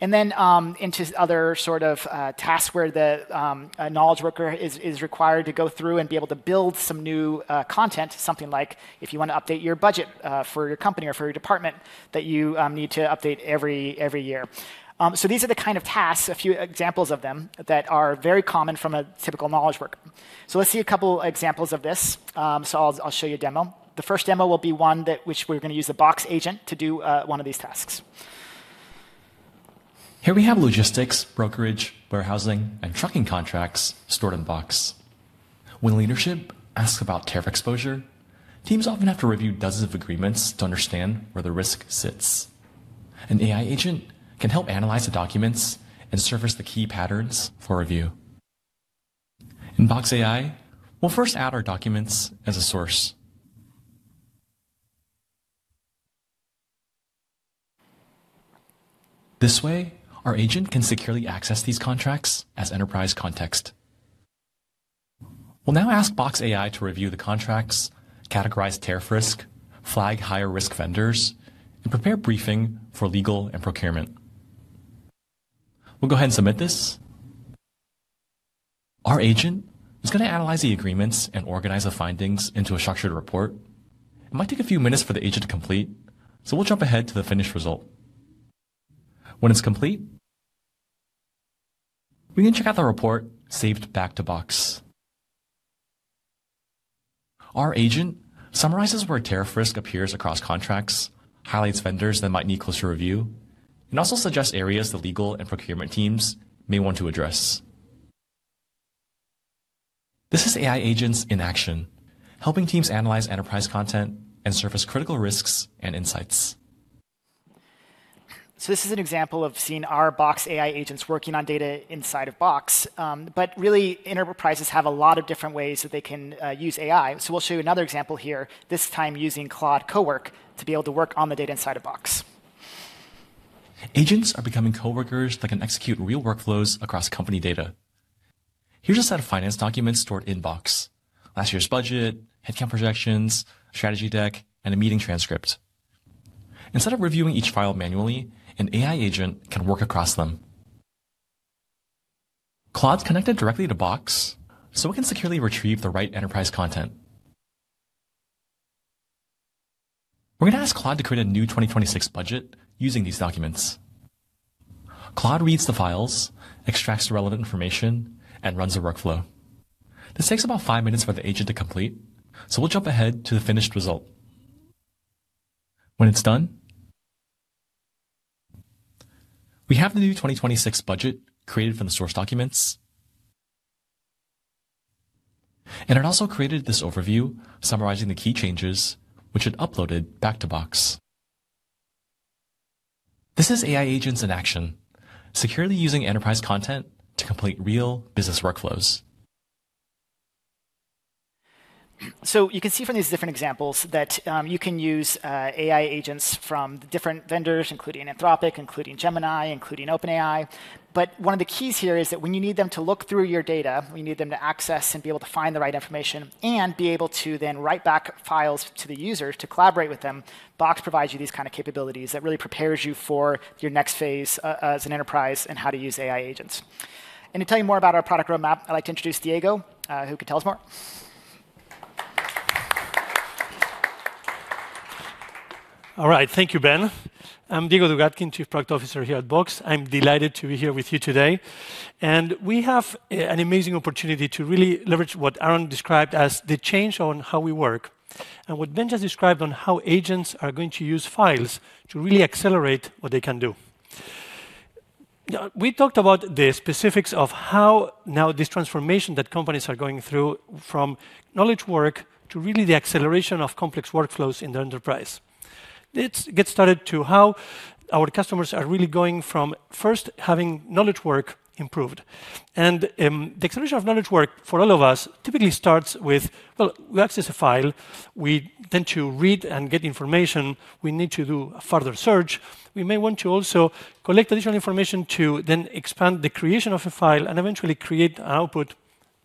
Into other sort of tasks where a knowledge worker is required to go through and be able to build some new content, something like if you want to update your budget for your company or for your department that you need to update every year. These are the kind of tasks, a few examples of them, that are very common for a typical knowledge worker. Let's see a couple examples of this. I'll show you a demo. The first demo will be one which we're going to use a Box agent to do one of these tasks. Here we have logistics, brokerage, warehousing, and trucking contracts stored in Box. When leadership asks about tariff exposure, teams often have to review dozens of agreements to understand where the risk sits. An AI agent can help analyze the documents and surface the key patterns for review. In Box AI, we'll first add our documents as a source. This way, our agent can securely access these contracts as enterprise context. We'll now ask Box AI to review the contracts, categorize tariff risk, flag higher-risk vendors, and prepare briefing for legal and procurement. We'll go ahead and submit this. Our agent is going to analyze the agreements and organize the findings into a structured report. It might take a few minutes for the agent to complete, so we'll jump ahead to the finished result. When it's complete, we can check out the report saved back to Box. Our agent summarizes where tariff risk appears across contracts, highlights vendors that might need closer review, and also suggests areas the legal and procurement teams may want to address. This is AI agents in action, helping teams analyze enterprise content and surface critical risks and insights. This is an example of seeing our Box AI Agents working on data inside of Box. Really enterprises have a lot of different ways that they can use AI. We'll show you another example here, this time using Claude Cowork to be able to work on the data inside of Box. Agents are becoming coworkers that can execute real workflows across company data. Here's a set of finance documents stored in Box: last year's budget, headcount projections, strategy deck, and a meeting transcript. Instead of reviewing each file manually, an AI agent can work across them. Claude's connected directly to Box, so it can securely retrieve the right enterprise content. We're going to ask Claude to create a new 2026 budget using these documents. Claude reads the files, extracts the relevant information, and runs a workflow. This takes about five minutes for the agent to complete, so we'll jump ahead to the finished result. When it's done, we have the new 2026 budget created from the source documents. It also created this overview summarizing the key changes, which it uploaded back to Box. This is AI Agents in action, securely using enterprise content to complete real business workflows. You can see from these different examples that you can use AI Agents from different vendors, including Anthropic, including Gemini, including OpenAI. One of the keys here is that when you need them to look through your data, when you need them to access and be able to find the right information and be able to then write back files to the user to collaborate with them, Box provides you these kind of capabilities that really prepares you for your next phase as an enterprise and how to use AI Agents. To tell you more about our product roadmap, I'd like to introduce Diego, who can tell us more. All right. Thank you, Ben. I'm Diego Dugatkin, Chief Product Officer here at Box. I'm delighted to be here with you today. We have an amazing opportunity to really leverage what Aaron described as the change on how we work, and what Ben just described on how agents are going to use files to really accelerate what they can do. We talked about the specifics of how now this transformation that companies are going through from knowledge work to really the acceleration of complex workflows in the enterprise. Let's get started to how our customers are really going from first having knowledge work improved. The acceleration of knowledge work for all of us typically starts with, well, we access a file, we tend to read and get information, we need to do a further search. We may want to also collect additional information to then expand the creation of a file and eventually create an output,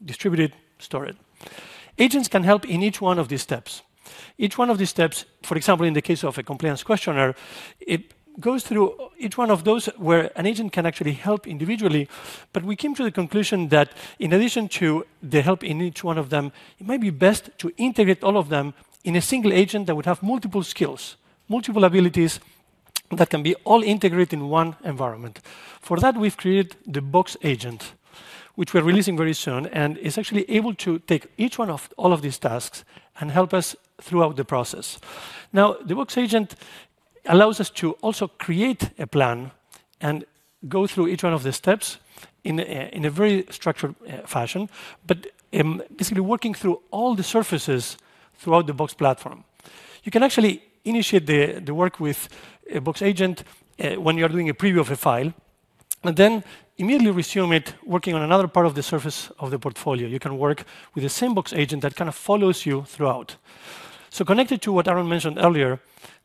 distribute it, store it. Agents can help in each one of these steps. Each one of these steps, for example, in the case of a compliance questionnaire, it goes through each one of those where an agent can actually help individually. We came to the conclusion that in addition to the help in each one of them, it might be best to integrate all of them in a single agent that would have multiple skills, multiple abilities that can be all integrated in one environment. For that, we've created the Box AI Agents, which we're releasing very soon, and it's actually able to take each one of all of these tasks and help us throughout the process. Now, the Box AI Agents allows us to also create a plan and go through each one of the steps in a very structured fashion but basically working through all the surfaces throughout the Box Platform. You can actually initiate the work with a Box AI Agents when you're doing a preview of a file, and then immediately resume it working on another part of the surface of the portfolio. You can work with the same Box AI Agents that kind of follows you throughout. Connected to what Aaron mentioned earlier,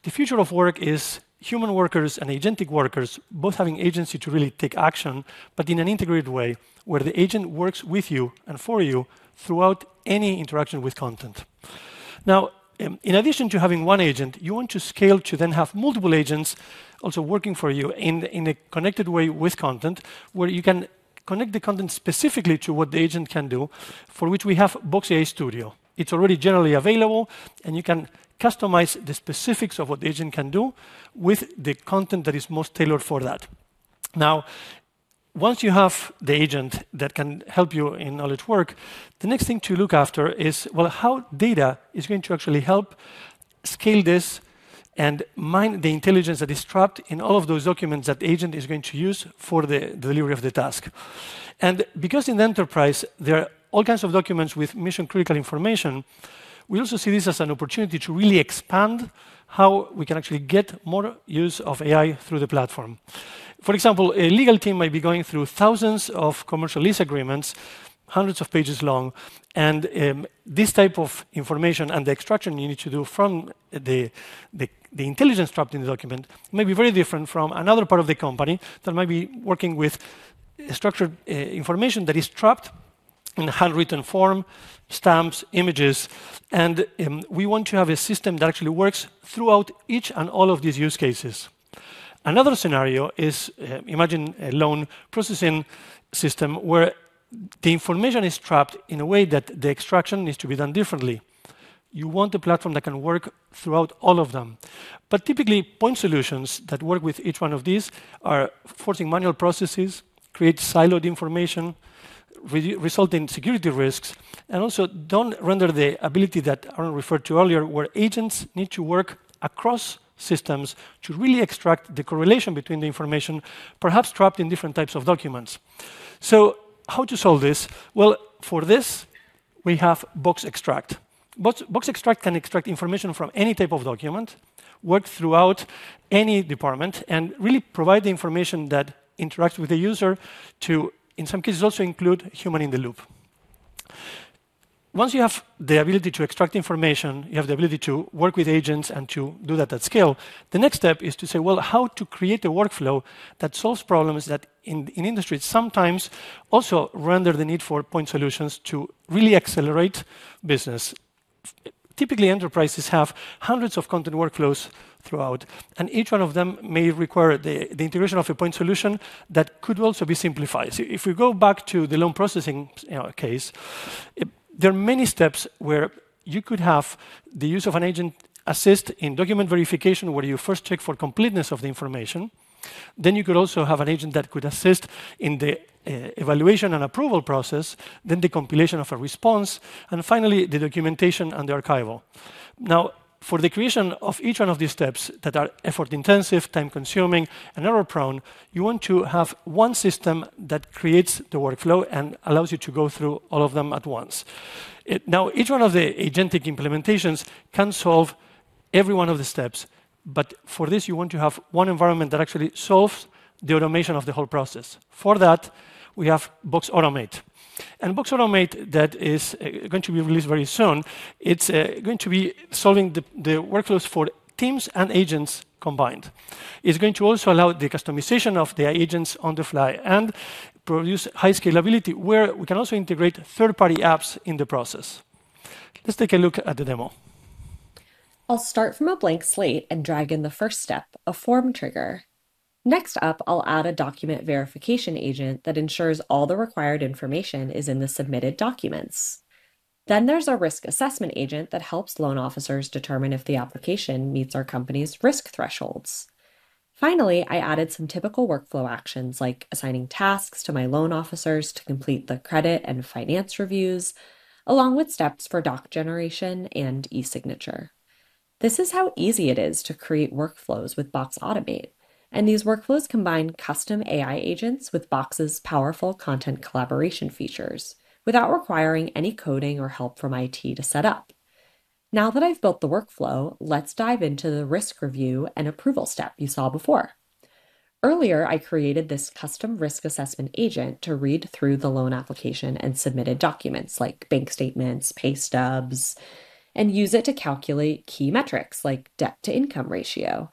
the future of work is human workers and agentic workers both having agency to really take action, but in an integrated way where the agent works with you and for you throughout any interaction with content. Now, in addition to having one agent, you want to scale to then have multiple agents also working for you in a connected way with content where you can connect the content specifically to what the agent can do, for which we have Box AI Studio. It's already generally available, and you can customize the specifics of what the agent can do with the content that is most tailored for that. Now, once you have the agent that can help you in all its work, the next thing to look after is, well, how data is going to actually help scale this and mine the intelligence that is trapped in all of those documents that the agent is going to use for the delivery of the task. Because in the enterprise there are all kinds of documents with mission-critical information, we also see this as an opportunity to really expand how we can actually get more use of AI through the platform. For example, a legal team might be going through thousands of commercial lease agreements, hundreds of pages long, and this type of information and the extraction you need to do from the intelligence trapped in the document may be very different from another part of the company that might be working with structured information that is trapped in handwritten form, stamps, images, and we want to have a system that actually works throughout each and all of these use cases. Another scenario is, imagine a loan processing system where the information is trapped in a way that the extraction needs to be done differently. You want a platform that can work throughout all of them. Typically, point solutions that work with each one of these are forcing manual processes, create siloed information, result in security risks, and also don't render the ability that Aaron referred to earlier, where agents need to work across systems to really extract the correlation between the information perhaps trapped in different types of documents. How to solve this? Well, for this, we have Box Extract. Box Extract can extract information from any type of document, work throughout any department, and really provide the information that interacts with the user to, in some cases, also include human in the loop. Once you have the ability to extract information, you have the ability to work with agents and to do that at scale, the next step is to say, "Well, how to create a workflow that solves problems that in industry sometimes also render the need for point solutions to really accelerate business?" Typically, enterprises have hundreds of content workflows throughout, and each one of them may require the integration of a point solution that could also be simplified. If we go back to the loan processing, you know, case, there are many steps where you could have the use of an agent assist in document verification, where you first check for completeness of the information. Then you could also have an agent that could assist in the evaluation and approval process, then the compilation of a response, and finally, the documentation and the archival. Now, for the creation of each one of these steps that are effort-intensive, time-consuming, and error-prone, you want to have one system that creates the workflow and allows you to go through all of them at once. Now, each one of the agentic implementations can solve every one of the steps, but for this you want to have one environment that actually solves the automation of the whole process. For that, we have Box Automate. Box Automate that is going to be released very soon, it's going to be solving the workflows for teams and agents combined. It's going to also allow the customization of the agents on the fly and produce high scalability where we can also integrate third-party apps in the process. Let's take a look at the demo. I'll start from a blank slate and drag in the first step, a form trigger. Next up, I'll add a document verification agent that ensures all the required information is in the submitted documents. Then there's a risk assessment agent that helps loan officers determine if the application meets our company's risk thresholds. Finally, I added some typical workflow actions like assigning tasks to my loan officers to complete the credit and finance reviews, along with steps for doc generation and e-signature. This is how easy it is to create workflows with Box Automate, and these workflows combine custom AI Agents with Box's powerful content collaboration features without requiring any coding or help from IT to set up. Now that I've built the workflow, let's dive into the risk review and approval step you saw before. Earlier, I created this custom risk assessment agent to read through the loan application and submitted documents like bank statements, pay stubs, and use it to calculate key metrics like debt-to-income ratio.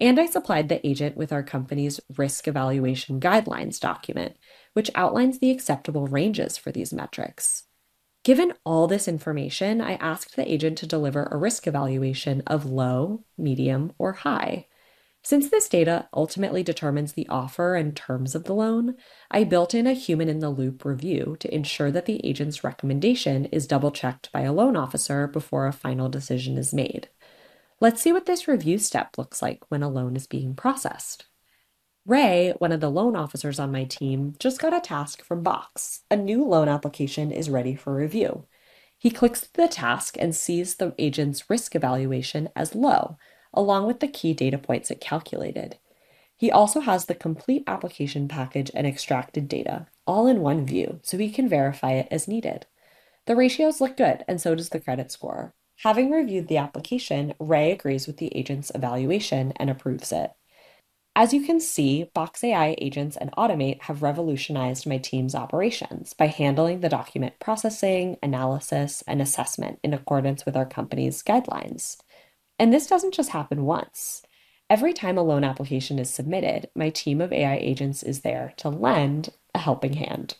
I supplied the agent with our company's risk evaluation guidelines document, which outlines the acceptable ranges for these metrics. Given all this information, I asked the agent to deliver a risk evaluation of low, medium, or high. Since this data ultimately determines the offer and terms of the loan, I built in a human-in-the-loop review to ensure that the agent's recommendation is double-checked by a loan officer before a final decision is made. Let's see what this review step looks like when a loan is being processed. Ray, one of the loan officers on my team, just got a task from Box. A new loan application is ready for review. He clicks the task and sees the agent's risk evaluation as low, along with the key data points it calculated. He also has the complete application package and extracted data all in one view, so he can verify it as needed. The ratios look good, and so does the credit score. Having reviewed the application, Ray agrees with the agent's evaluation and approves it. As you can see, Box AI Agents and Box Automate have revolutionized my team's operations by handling the document processing, analysis, and assessment in accordance with our company's guidelines. This doesn't just happen once. Every time a loan application is submitted, my team of Box AI Agents is there to lend a helping hand.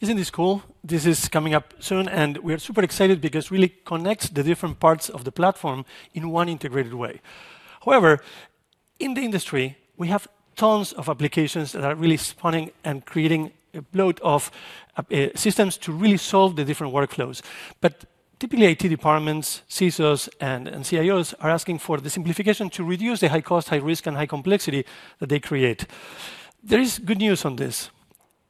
Isn't this cool? This is coming up soon, and we are super excited because really connects the different parts of the platform in one integrated way. However, in the industry, we have tons of applications that are really spawning and creating a bloat of systems to really solve the different workflows. Typically, IT departments, CISOs, and CIOs are asking for the simplification to reduce the high cost, high risk, and high complexity that they create. There is good news on this.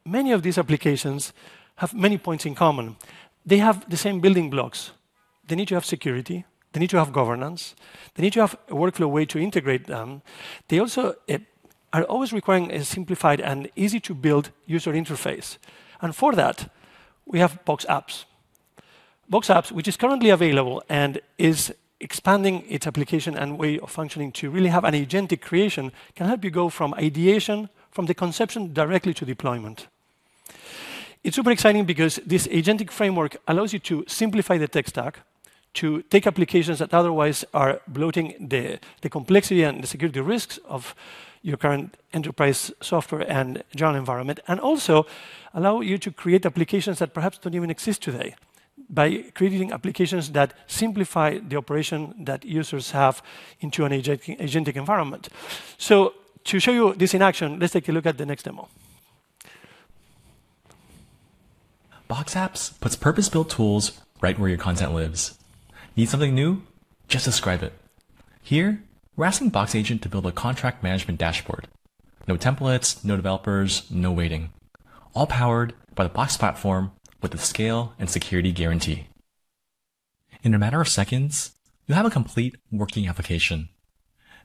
Many of these applications have many points in common. They have the same building blocks. They need to have security. They need to have governance. They need to have a workflow way to integrate them. They also are always requiring a simplified and easy-to-build user interface. For that, we have Box Apps. Box Apps, which is currently available and is expanding its application and way of functioning to really have an agentic creation, can help you go from ideation, from the conception directly to deployment. It's super exciting because this agentic framework allows you to simplify the tech stack, to take applications that otherwise are bloating the complexity and the security risks of your current enterprise software and general environment, and also allow you to create applications that perhaps don't even exist today by creating applications that simplify the operation that users have into an agentic environment. To show you this in action, let's take a look at the next demo. Box Apps puts purpose-built tools right where your content lives. Need something new? Just describe it. Here, we're asking Box AI Agent to build a contract management dashboard. No templates, no developers, no waiting. All powered by the Box Platform with the scale and security guarantee. In a matter of seconds, you have a complete working application.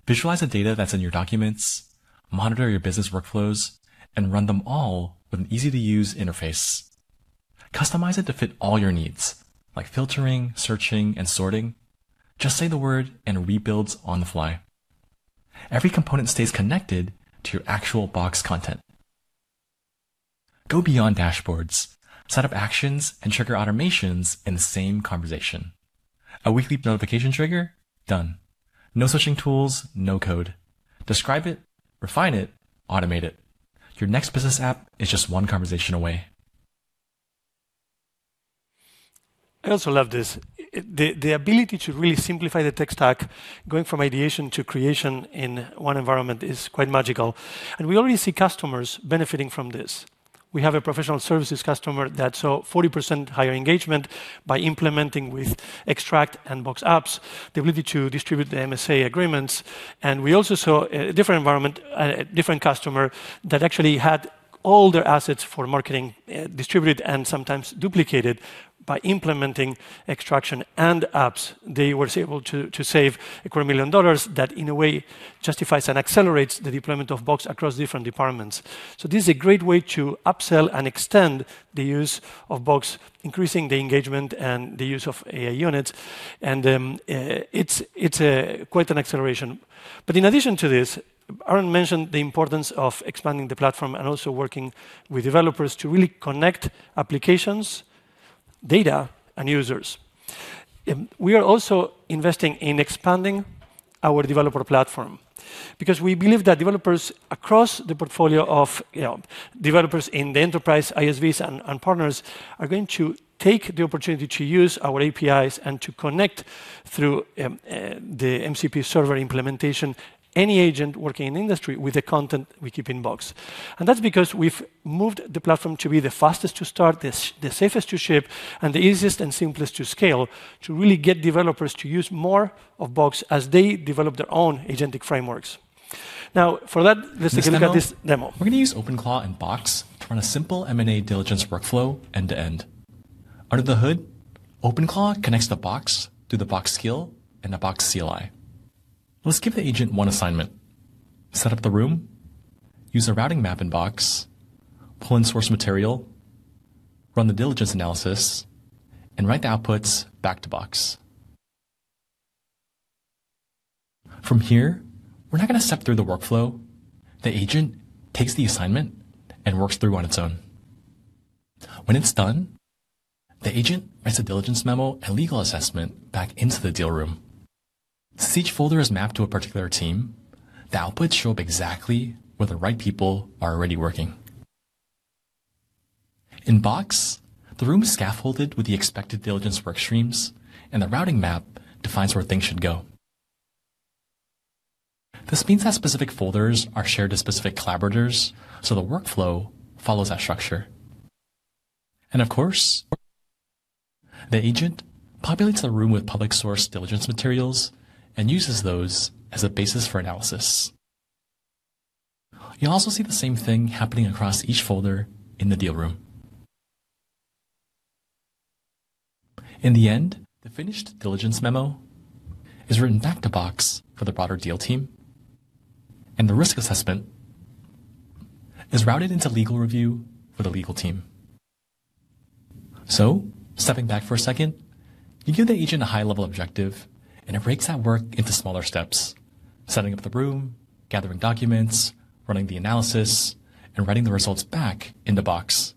Visualize the data that's in your documents, monitor your business workflows, and run them all with an easy-to-use interface. Customize it to fit all your needs, like filtering, searching, and sorting. Just say the word and it rebuilds on the fly. Every component stays connected to your actual Box content. Go beyond dashboards. Set up actions and trigger automations in the same conversation. A weekly notification trigger? Done. No switching tools, no code. Describe it, refine it, automate it. Your next business app is just one conversation away. I also love this. The ability to really simplify the tech stack, going from ideation to creation in one environment is quite magical, and we already see customers benefiting from this. We have a professional services customer that saw 40% higher engagement by implementing with Box Extract and Box Apps, the ability to distribute the MSA agreements. We also saw a different customer that actually had all their assets for marketing distributed and sometimes duplicated. By implementing Box Extract and Box Apps, they were able to save $250,000 that, in a way, justifies and accelerates the deployment of Box across different departments. This is a great way to upsell and extend the use of Box, increasing the engagement and the use of AI units. It's quite an acceleration. In addition to this, Aaron mentioned the importance of expanding the platform and also working with developers to really connect applications, data, and users. We are also investing in expanding our developer platform because we believe that developers across the portfolio of developers in the enterprise, ISVs, and partners are going to take the opportunity to use our APIs and to connect through the MCP server implementation, any agent working in industry with the content we keep in Box. That's because we've moved the platform to be the fastest to start, the safest to ship, and the easiest and simplest to scale to really get developers to use more of Box as they develop their own agentic frameworks. Now, for that, let's take a look at this demo. We're going to use Claude and Box to run a simple M&A diligence workflow end to end. Under the hood, Claude connects to Box through the Box skill and the Box CLI. Let's give the agent one assignment. Set up the room, use a routing map in Box, pull in source material, run the diligence analysis, and write the outputs back to Box. From here, we're not going to step through the workflow. The agent takes the assignment and works through on its own. When it's done, the agent writes a diligence memo and legal assessment back into the deal room. Since each folder is mapped to a particular team, the outputs show up exactly where the right people are already working. In Box, the room is scaffolded with the expected diligence workstreams, and the routing map defines where things should go. This means that specific folders are shared to specific collaborators, so the workflow follows that structure. Of course, the agent populates the room with public source diligence materials and uses those as a basis for analysis. You also see the same thing happening across each folder in the deal room. In the end, the finished diligence memo is written back to Box for the broader deal team, and the risk assessment is routed into legal review for the legal team. Stepping back for a second, you give the agent a high level objective, and it breaks that work into smaller steps, setting up the room, gathering documents, running the analysis, and writing the results back into Box.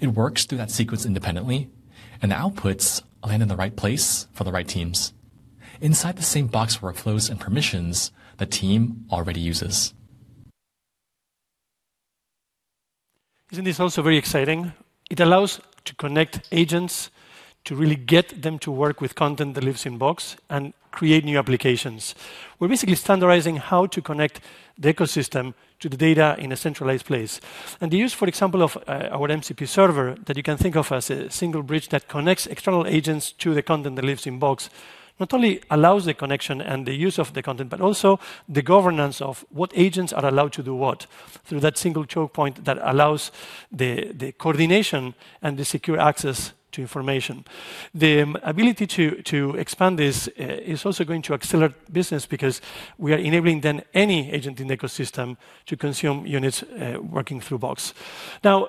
It works through that sequence independently, and the outputs land in the right place for the right teams inside the same Box workflows and permissions the team already uses. Isn't this also very exciting? It allows to connect agents to really get them to work with content that lives in Box and create new applications. We're basically standardizing how to connect the ecosystem to the data in a centralized place. The use, for example, of our MCP Server that you can think of as a single bridge that connects external agents to the content that lives in Box, not only allows the connection and the use of the content, but also the governance of what agents are allowed to do what through that single choke point that allows the coordination and the secure access to information. The ability to expand this is also going to accelerate business because we are enabling then any agent in the ecosystem to consume units working through Box. Now,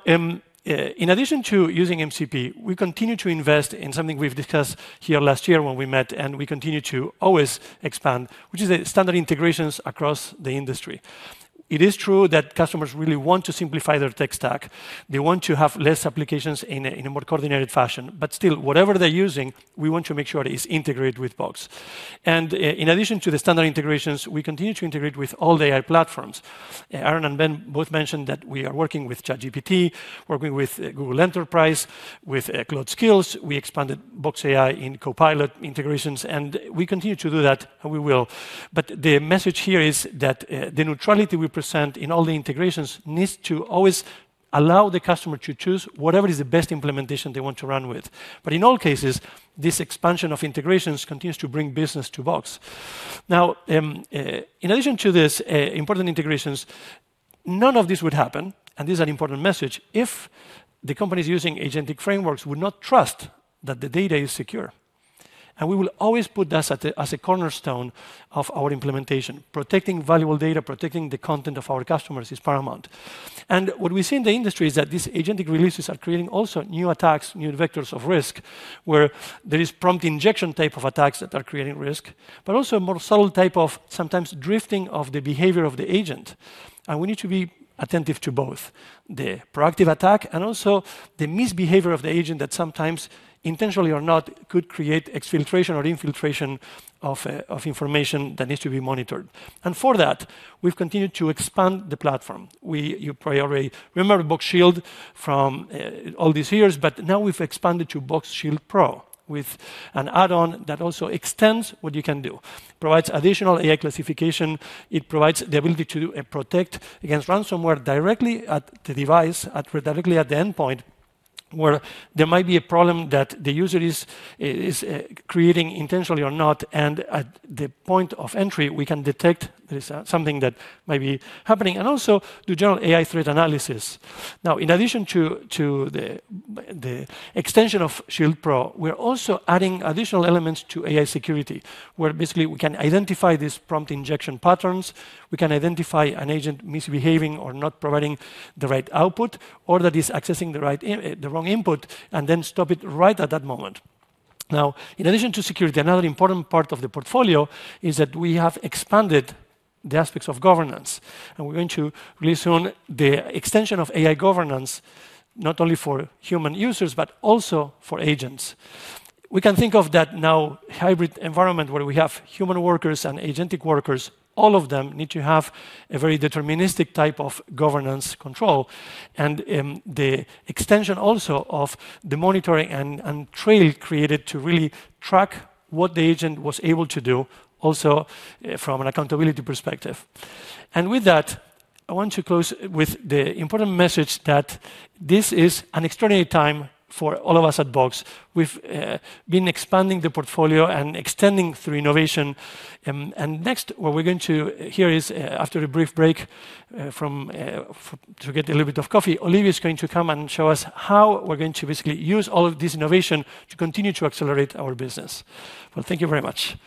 in addition to using MCP Server, we continue to invest in something we've discussed here last year when we met, and we continue to always expand, which is the standard integrations across the industry. It is true that customers really want to simplify their tech stack. They want to have less applications in a more coordinated fashion. Still, whatever they're using, we want to make sure it is integrated with Box. In addition to the standard integrations, we continue to integrate with all the AI platforms. Aaron and Ben both mentioned that we are working with ChatGPT, working with Claude, with Google Cloud. We expanded Box AI and Copilot integrations, and we continue to do that, and we will. The message here is that the neutrality we present in all the integrations needs to always allow the customer to choose whatever is the best implementation they want to run with. In all cases, this expansion of integrations continues to bring business to Box. In addition to this important integrations, none of this would happen, and this is an important message, if the companies using agentic frameworks would not trust that the data is secure. We will always put this as a cornerstone of our implementation. Protecting valuable data, protecting the content of our customers is paramount. What we see in the industry is that these agentic releases are creating also new attacks, new vectors of risk, where there is prompt injection type of attacks that are creating risk, but also a more subtle type of sometimes drifting of the behavior of the agent. We need to be attentive to both the proactive attack and also the misbehavior of the agent that sometimes, intentionally or not, could create exfiltration or infiltration of information that needs to be monitored. For that, we've continued to expand the platform. You probably already remember Box Shield from all these years, but now we've expanded to Box Shield Pro with an add-on that also extends what you can do. Provides additional AI classification. It provides the ability to protect against ransomware directly at the device, directly at the endpoint, where there might be a problem that the user is creating intentionally or not. At the point of entry, we can detect there's something that may be happening. Also do general AI threat analysis. Now, in addition to the extension of Box Shield Pro, we're also adding additional elements to AI security, where basically we can identify these prompt injection patterns. We can identify an agent misbehaving or not providing the right output, or that is accessing the wrong input, and then stop it right at that moment. Now, in addition to security, another important part of the portfolio is that we have expanded the aspects of governance, and we're going to release soon the extension of AI governance, not only for human users, but also for agents. We can think of that now hybrid environment where we have human workers and agentic workers, all of them need to have a very deterministic type of governance control. The extension also of the monitoring and audit trail created to really track what the agent was able to do also from an accountability perspective. With that, I want to close with the important message that this is an extraordinary time for all of us at Box. We've been expanding the portfolio and extending through innovation. Next, what we're going to hear is, after a brief break to get a little bit of coffee, Olivia is going to come and show us how we're going to basically use all of this innovation to continue to accelerate our business. Well, thank you very much.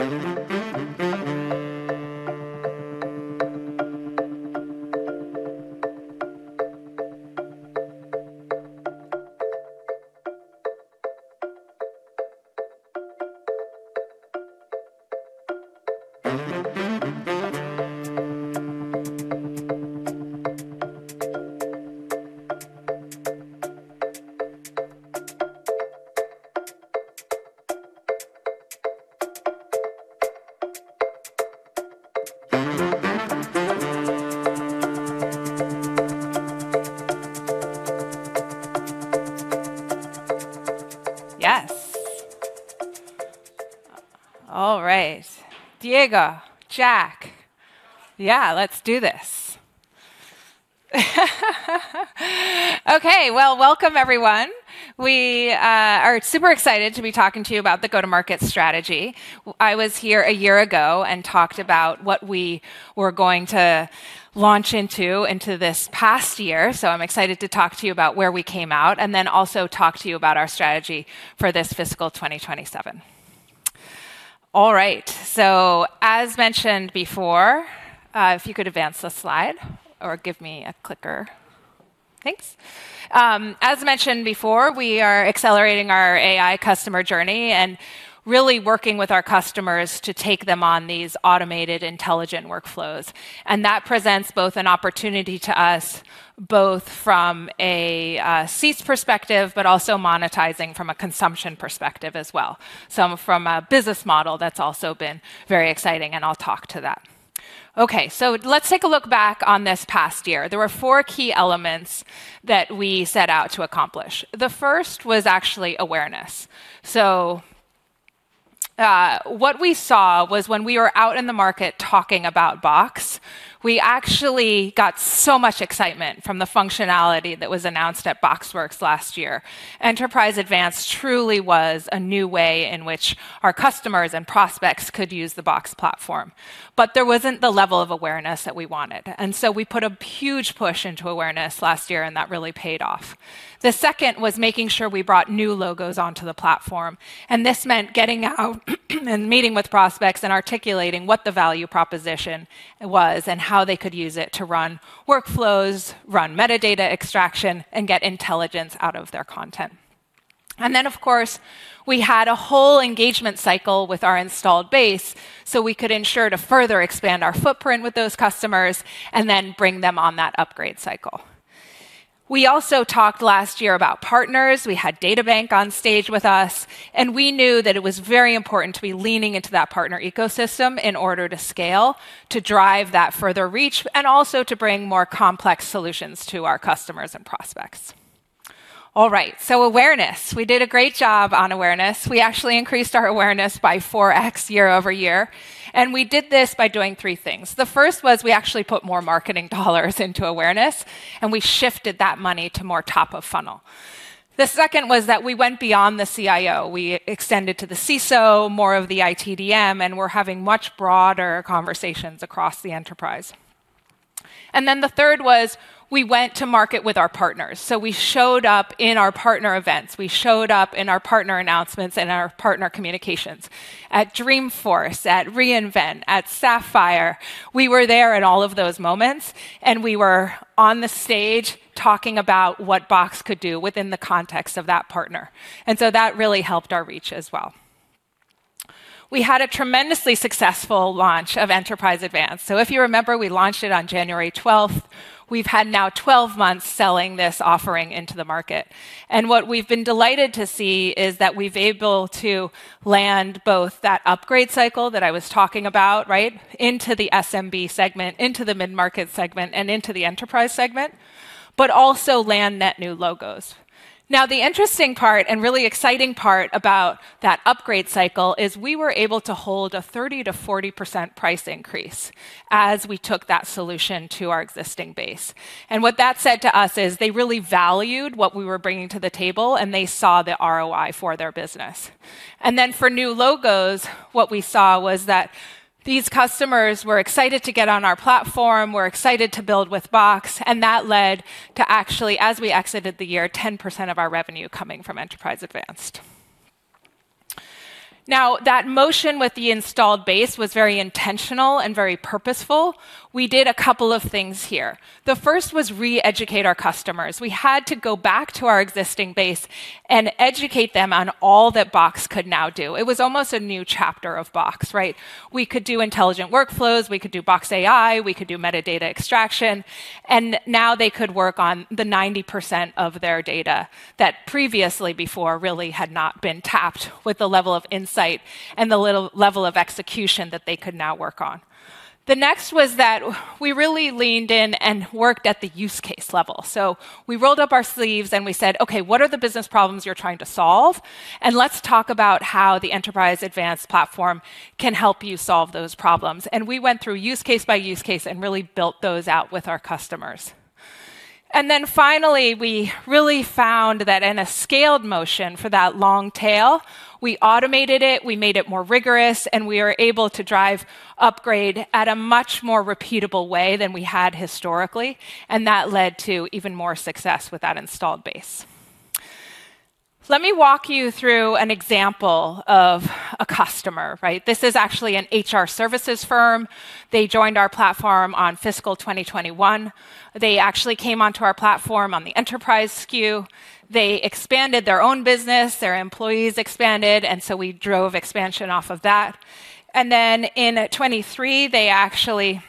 Yes. All right. Diego, Jack. Yeah, let's do this. Okay, well, welcome everyone. We are super excited to be talking to you about the go-to-market strategy. I was here a year ago and talked about what we were going to launch into this past year, so I'm excited to talk to you about where we came out, and then also talk to you about our strategy for this fiscal 2027. All right. As mentioned before, if you could advance the slide or give me a clicker. Thanks. As mentioned before, we are accelerating our AI customer journey and really working with our customers to take them on these automated intelligent workflows. That presents both an opportunity to us, both from a SaaS perspective, but also monetizing from a consumption perspective as well. Some from a business model that's also been very exciting, and I'll talk to that. Okay, let's take a look back on this past year. There were four key elements that we set out to accomplish. The first was actually awareness. What we saw was when we were out in the market talking about Box, we actually got so much excitement from the functionality that was announced at BoxWorks last year. Enterprise Advanced truly was a new way in which our customers and prospects could use the Box Platform. There wasn't the level of awareness that we wanted, and so we put a huge push into awareness last year, and that really paid off. The second was making sure we brought new logos onto the platform, and this meant getting out and meeting with prospects and articulating what the value proposition was and how they could use it to run workflows, run metadata extraction, and get intelligence out of their content. Of course, we had a whole engagement cycle with our installed base, so we could ensure to further expand our footprint with those customers and then bring them on that upgrade cycle. We also talked last year about partners. We had DataBank on stage with us, and we knew that it was very important to be leaning into that partner ecosystem in order to scale, to drive that further reach, and also to bring more complex solutions to our customers and prospects. All right, awareness. We did a great job on awareness. We actually increased our awareness by 4x year-over-year, and we did this by doing three things. The first was we actually put more marketing dollars into awareness, and we shifted that money to more top of funnel. The second was that we went beyond the CIO. We extended to the CISO, more of the ITDM, and we're having much broader conversations across the enterprise. The third was we went to market with our partners. We showed up in our partner events. We showed up in our partner announcements and our partner communications. At Dreamforce, at re:Invent, at SAP Sapphire, we were there at all of those moments, and we were on the stage talking about what Box could do within the context of that partner. That really helped our reach as well. We had a tremendously successful launch of Enterprise Advanced. If you remember, we launched it on January 12th. We've had now 12 months selling this offering into the market. What we've been delighted to see is that we've able to land both that upgrade cycle that I was talking about, right, into the SMB segment, into the Mid-Market segment, and into the Enterprise segment, but also land net new logos. Now, the interesting part and really exciting part about that upgrade cycle is we were able to hold a 30%-40% price increase as we took that solution to our existing base. What that said to us is they really valued what we were bringing to the table, and they saw the ROI for their business. For new logos, what we saw was that these customers were excited to get on our platform, were excited to build with Box, and that led to actually, as we exited the year, 10% of our revenue coming from Enterprise Advanced. Now, that motion with the installed base was very intentional and very purposeful. We did a couple of things here. The first was re-educate our customers. We had to go back to our existing base and educate them on all that Box could now do. It was almost a new chapter of Box, right? We could do intelligent workflows, we could do Box AI, we could do metadata extraction, and now they could work on the 90% of their data that previously before really had not been tapped with the level of insight and the level of execution that they could now work on. The next was that we really leaned in and worked at the use case level. We rolled up our sleeves and we said, "Okay, what are the business problems you're trying to solve? And let's talk about how the Enterprise Advanced platform can help you solve those problems." We went through use case by use case and really built those out with our customers. Then finally, we really found that in a scaled motion for that long tail, we automated it, we made it more rigorous, and we are able to drive upgrade at a much more repeatable way than we had historically, and that led to even more success with that installed base. Let me walk you through an example of a customer, right? This is actually an HR services firm. They joined our platform on fiscal 2021. They actually came onto our platform on the enterprise SKU. They expanded their own business, their employees expanded, and so we drove expansion off of that. In 2023, they actually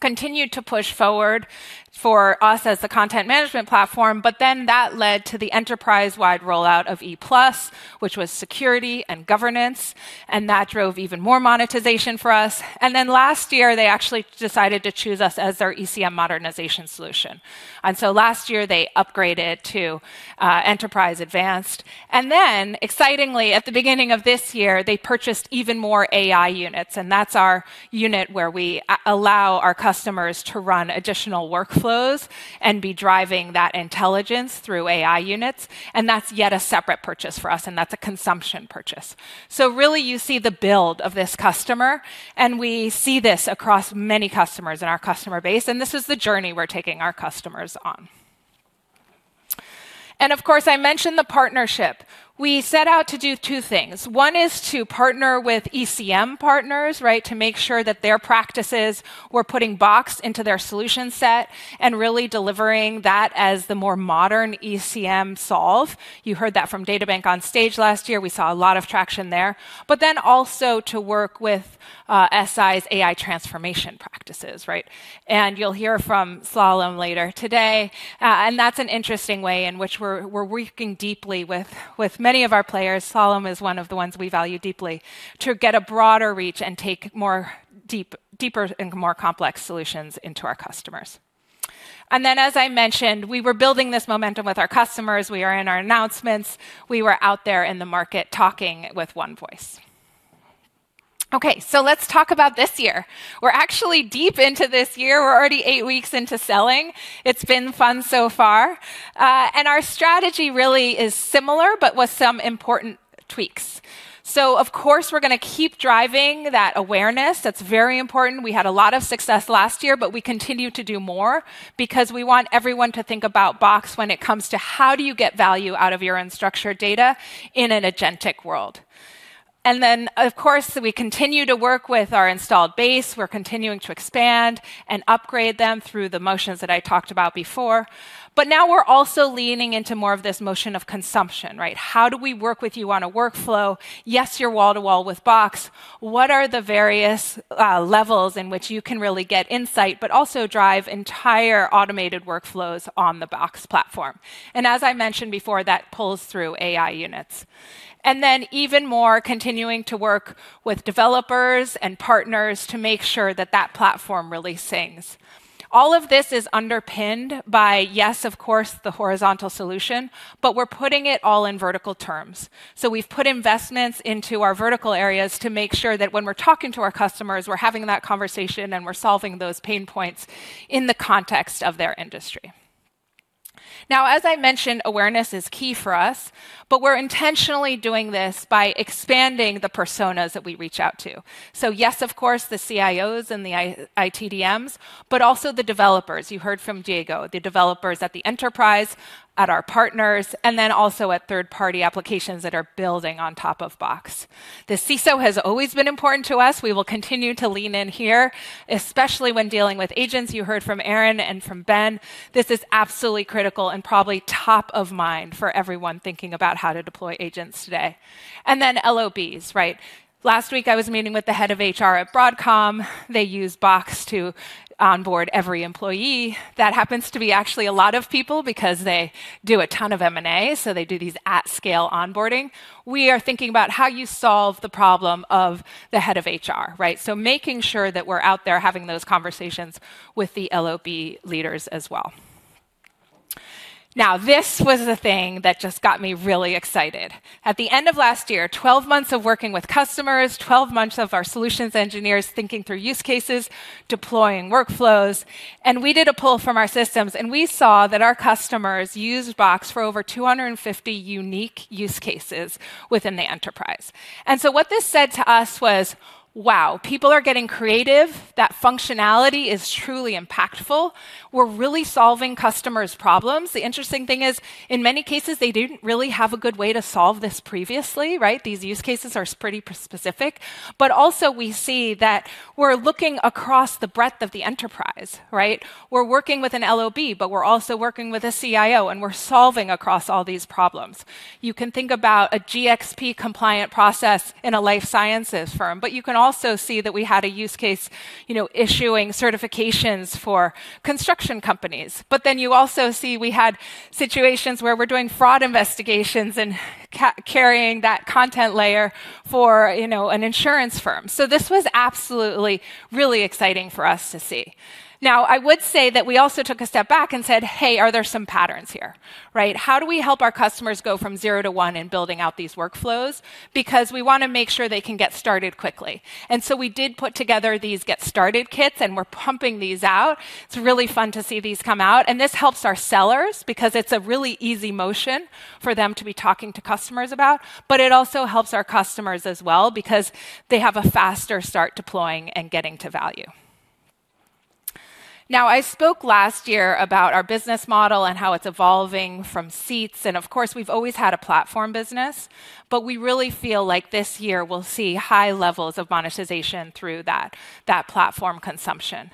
continued to push forward for us as the content management platform, but then that led to the enterprise-wide rollout of Enterprise Plus, which was security and governance, and that drove even more monetization for us. Last year, they actually decided to choose us as their ECM modernization solution. Last year, they upgraded to Enterprise Advanced. Excitingly, at the beginning of this year, they purchased even more AI units, and that's our unit where we allow our customers to run additional workflows and be driving that intelligence through AI units. That's yet a separate purchase for us, and that's a consumption purchase. Really, you see the build of this customer, and we see this across many customers in our customer base, and this is the journey we're taking our customers on. Of course, I mentioned the partnership. We set out to do two things. One is to partner with ECM partners, right? To make sure that their practices were putting Box into their solution set and really delivering that as the more modern ECM solve. You heard that from DataBank on stage last year. We saw a lot of traction there. Also to work with SI's AI transformation practices, right? You'll hear from Slalom later today, and that's an interesting way in which we're working deeply with many of our players. Slalom is one of the ones we value deeply, to get a broader reach and take deeper and more complex solutions into our customers. As I mentioned, we were building this momentum with our customers. We are in our announcements. We were out there in the market talking with one voice. Let's talk about this year. We're actually deep into this year. We're already eight weeks into selling. It's been fun so far. Our strategy really is similar, but with some important tweaks. Of course, we're gonna keep driving that awareness. That's very important. We had a lot of success last year, but we continue to do more because we want everyone to think about Box when it comes to how do you get value out of your unstructured data in an agentic world? Of course, we continue to work with our installed base. We're continuing to expand and upgrade them through the motions that I talked about before. Now we're also leaning into more of this motion of consumption, right? How do we work with you on a workflow? Yes, you're wall-to-wall with Box. What are the various levels in which you can really get insight but also drive entire automated workflows on the Box Platform? As I mentioned before, that pulls through AI units. Even more continuing to work with developers and partners to make sure that that platform really sings. All of this is underpinned by, yes, of course, the horizontal solution, but we're putting it all in vertical terms. We've put investments into our vertical areas to make sure that when we're talking to our customers, we're having that conversation, and we're solving those pain points in the context of their industry. Now, as I mentioned, awareness is key for us, but we're intentionally doing this by expanding the personas that we reach out to. Yes, of course, the CIOs and the ITDMs, but also the developers. You heard from Diego, the developers at the enterprise, at our partners, and then also at third-party applications that are building on top of Box. The CISO has always been important to us. We will continue to lean in here, especially when dealing with agents. You heard from Aaron and from Ben. This is absolutely critical and probably top of mind for everyone thinking about how to deploy agents today. Then LOBs, right? Last week, I was meeting with the head of HR at Broadcom. They use Box to onboard every employee. That happens to be actually a lot of people because they do a ton of M&A, so they do these at scale onboarding. We are thinking about how you solve the problem of the head of HR, right? Making sure that we're out there having those conversations with the LOB leaders as well. Now, this was the thing that just got me really excited. At the end of last year, twelve months of working with customers, twelve months of our solutions engineers thinking through use cases, deploying workflows, and we did a pull from our systems, and we saw that our customers used Box for over 250 unique use cases within the enterprise. What this said to us was, "Wow, people are getting creative. That functionality is truly impactful. We're really solving customers' problems." The interesting thing is, in many cases, they didn't really have a good way to solve this previously, right? These use cases are pretty specific. Also, we see that we're looking across the breadth of the enterprise, right? We're working with an LOB, but we're also working with a CIO, and we're solving across all these problems. You can think about a GXP-compliant process in a life sciences firm, but you can also see that we had a use case, you know, issuing certifications for construction companies. You also see we had situations where we're doing fraud investigations and carrying that content layer for, you know, an insurance firm. This was absolutely really exciting for us to see. Now, I would say that we also took a step back and said, "Hey, are there some patterns here?" Right? How do we help our customers go from zero to one in building out these workflows? Because we want to make sure they can get started quickly. We did put together these get started kits, and we're pumping these out. It's really fun to see these come out, and this helps our sellers because it's a really easy motion for them to be talking to customers about, but it also helps our customers as well because they have a faster start deploying and getting to value. Now, I spoke last year about our business model and how it's evolving from seats, and of course, we've always had a platform business, but we really feel like this year we'll see high levels of monetization through that platform consumption.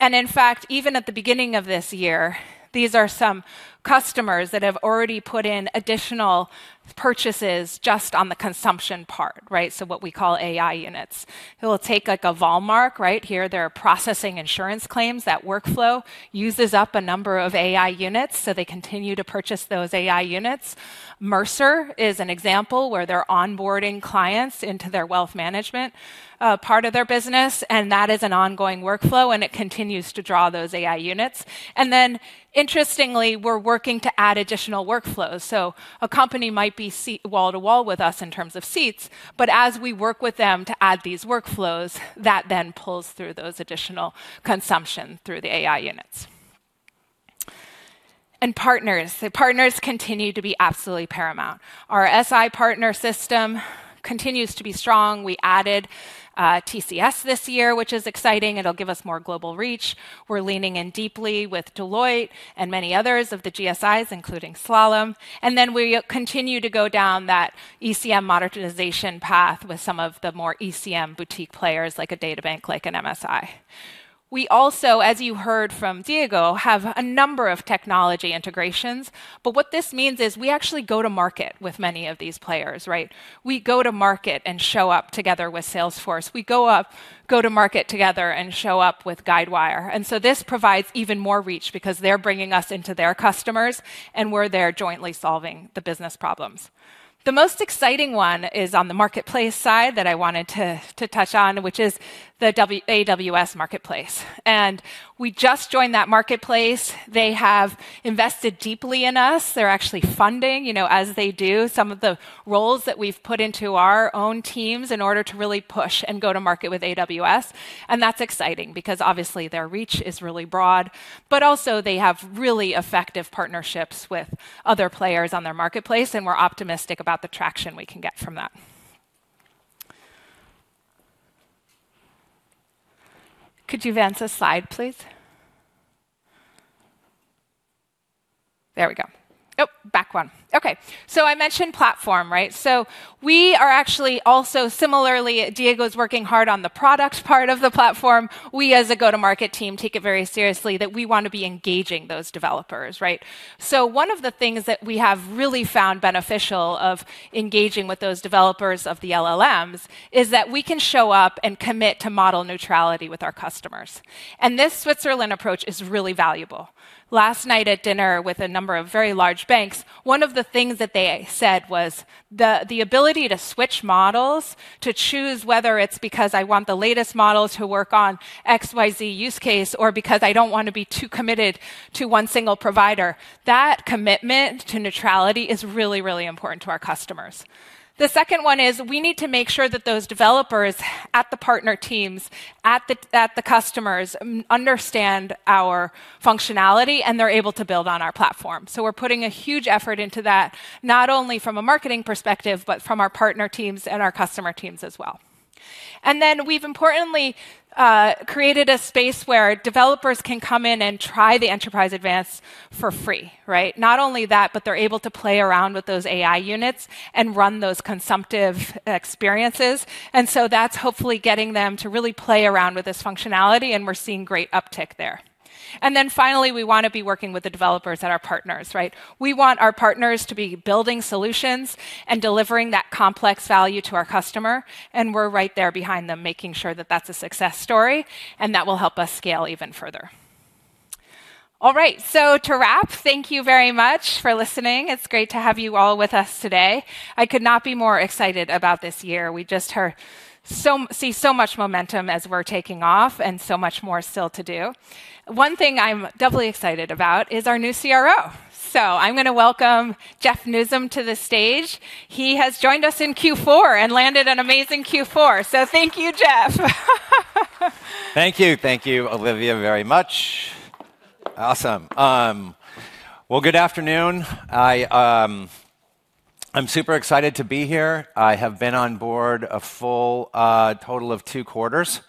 In fact, even at the beginning of this year, these are some customers that have already put in additional purchases just on the consumption part, right? So, what we call AI units. It will take like a Valmark, right? Here they are processing insurance claims. That workflow uses up a number of AI units, so they continue to purchase those AI units. Mercer is an example where they're onboarding clients into their wealth management part of their business, and that is an ongoing workflow, and it continues to draw those AI units. Then interestingly, we're working to add additional workflows. A company might be wall-to-wall with us in terms of seats, but as we work with them to add these workflows, that then pulls through those additional consumption through the AI units. Partners. The partners continue to be absolutely paramount. Our SI partner system continues to be strong. We added TCS this year, which is exciting. It'll give us more global reach. We're leaning in deeply with Deloitte and many others of the GSIs, including Slalom. Then we continue to go down that ECM monetization path with some of the more ECM boutique players like a DataBank, like an MSI. We also, as you heard from Diego, have a number of technology integrations. What this means is we actually go to market with many of these players, right? We go to market and show up together with Salesforce. We go to market together and show up with Guidewire. This provides even more reach because they're bringing us into their customers, and we're there jointly solving the business problems. The most exciting one is on the marketplace side that I wanted to touch on, which is the AWS Marketplace. We just joined that marketplace. They have invested deeply in us. They're actually funding, you know, as they do some of the roles that we've put into our own teams in order to really push and go to market with AWS. That's exciting because obviously their reach is really broad, but also, they have really effective partnerships with other players on their marketplace, and we're optimistic about the traction we can get from that. Could you advance a slide, please? There we go. Oh, back one. Okay, I mentioned platform, right? We are actually also similarly, Diego's working hard on the product part of the platform. We as a go-to-market team take it very seriously that we want to be engaging those developers, right? One of the things that we have really found beneficial of engaging with those developers of the LLMs is that we can show up and commit to model neutrality with our customers. This Switzerland approach is really valuable. Last night at dinner with a number of very large banks, one of the things that they said was the ability to switch models, to choose whether it's because I want the latest models to work on XYZ use case or because I don't want to be too committed to one single provider, that commitment to neutrality is really, really important to our customers. The second one is we need to make sure that those developers at the partner teams, at the customers, understand our functionality, and they're able to build on our platform. We're putting a huge effort into that, not only from a marketing perspective, but from our partner teams and our customer teams as well. We've importantly created a space where developers can come in and try the Enterprise Advanced for free, right? Not only that, but they're able to play around with those AI units and run those consumption experiences. That's hopefully getting them to really play around with this functionality, and we're seeing great uptick there. Finally, we want to be working with the developers and our partners, right? We want our partners to be building solutions and delivering that complex value to our customer, and we're right there behind them, making sure that that's a success story, and that will help us scale even further. All right. To wrap, thank you very much for listening. It's great to have you all with us today. I could not be more excited about this year. We see so much momentum as we're taking off and so much more still to do. One thing I'm doubly excited about is our new CRO. I'm gonna welcome Jeff Nuzum to the stage. He has joined us in Q4 and landed an amazing Q4. Thank you, Jeff. Thank you. Thank you, Olivia, very much. Awesome. Well, good afternoon. I'm super excited to be here. I have been on board a full, total of two quarters,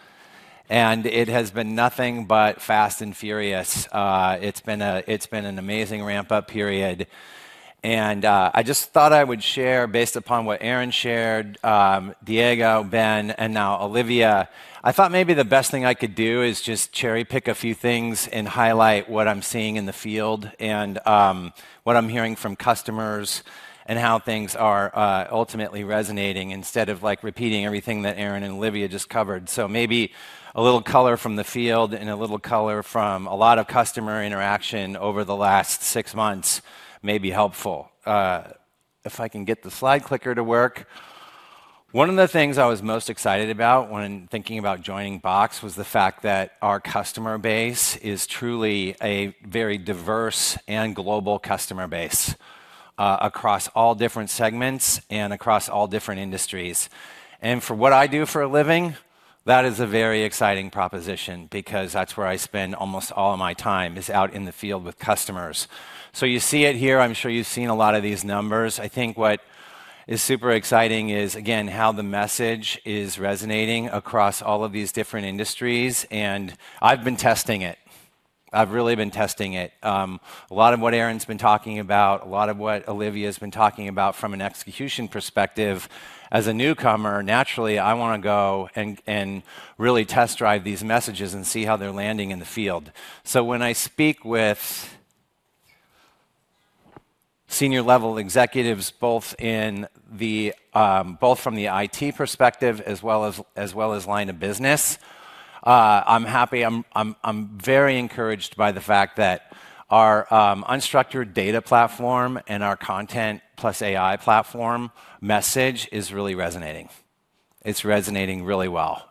and it has been nothing but fast and furious. It's been an amazing ramp-up period. I just thought I would share based upon what Aaron shared, Diego, Ben, and now Olivia. I thought maybe the best thing I could do is just cherry-pick a few things and highlight what I'm seeing in the field and what I'm hearing from customers and how things are ultimately resonating instead of like repeating everything that Aaron and Olivia just covered. Maybe a little color from the field and a little color from a lot of customer interaction over the last six months may be helpful. If I can get the slide clicker to work. One of the things I was most excited about when thinking about joining Box was the fact that our customer base is truly a very diverse and global customer base, across all different segments and across all different industries. For what I do for a living, that is a very exciting proposition because that's where I spend almost all of my time is out in the field with customers. You see it here. I'm sure you've seen a lot of these numbers. I think what is super exciting is, again, how the message is resonating across all of these different industries, and I've been testing it. I've really been testing it. A lot of what Aaron's been talking about, a lot of what Olivia's been talking about from an execution perspective, as a newcomer, naturally, I want to go and really test drive these messages and see how they're landing in the field. When I speak with senior level executives, both from the IT perspective as well as line of business, I'm happy. I'm very encouraged by the fact that our unstructured data platform and our content plus AI platform message is really resonating. It's resonating really well.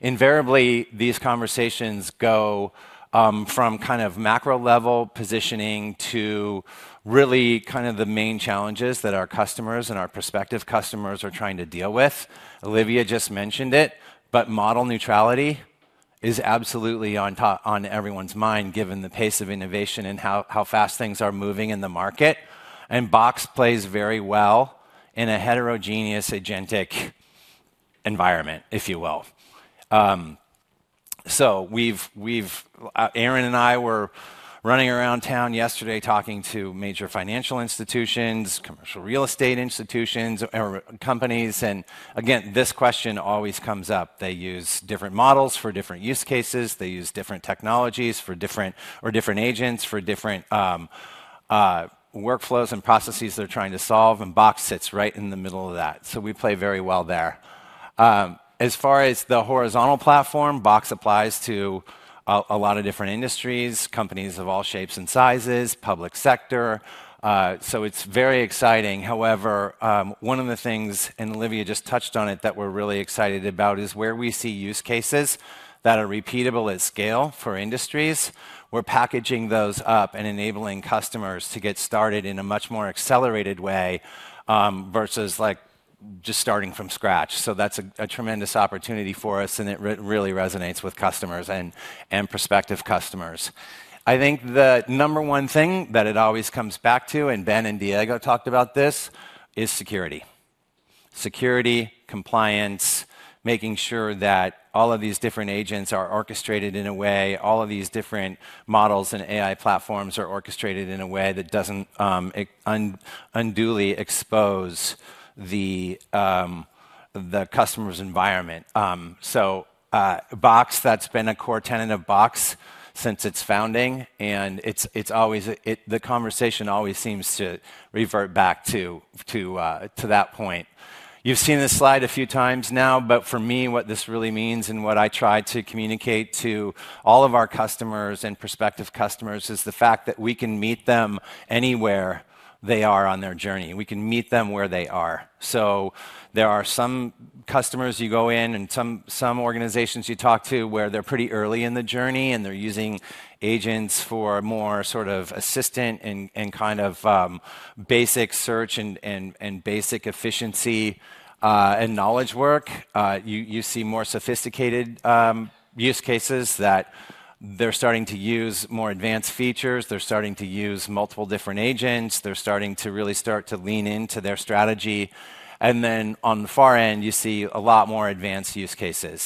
Invariably, these conversations go from kind of macro-level positioning to really kind of the main challenges that our customers and our prospective customers are trying to deal with. Olivia just mentioned it, but model neutrality is absolutely on everyone's mind given the pace of innovation and how fast things are moving in the market. Box plays very well in a heterogeneous agentic environment, if you will. Aaron and I were running around town yesterday talking to major financial institutions, commercial real estate institutions or companies, and again, this question always comes up. They use different models for different use cases. They use different technologies for different agents for different workflows and processes they're trying to solve, and Box sits right in the middle of that. We play very well there. As far as the horizontal platform, Box applies to a lot of different industries, companies of all shapes and sizes, public sector, so it's very exciting. However, one of the things, and Olivia just touched on it, that we're really excited about is where we see use cases that are repeatable at scale for industries. We're packaging those up and enabling customers to get started in a much more accelerated way, versus like just starting from scratch. That's a tremendous opportunity for us, and it really resonates with customers and prospective customers. I think the number one thing that it always comes back to, and Ben and Diego talked about this, is security. Security, compliance, making sure that all of these different agents are orchestrated in a way, all of these different models and AI platforms are orchestrated in a way that doesn't unduly expose the customer's environment. Box, that's been a core tenet of Box since its founding, and it's always. The conversation always seems to revert back to that point. You've seen this slide a few times now, but for me, what this really means and what I try to communicate to all of our customers and prospective customers is the fact that we can meet them anywhere they are on their journey. We can meet them where they are. There are some customers you go in and some organizations you talk to where they're pretty early in the journey, and they're using agents for more sort of assistant and kind of basic search and basic efficiency and knowledge work. You see more sophisticated use cases that they're starting to use more advanced features. They're starting to use multiple different agents. They're starting to really lean into their strategy. On the far end, you see a lot more advanced use cases.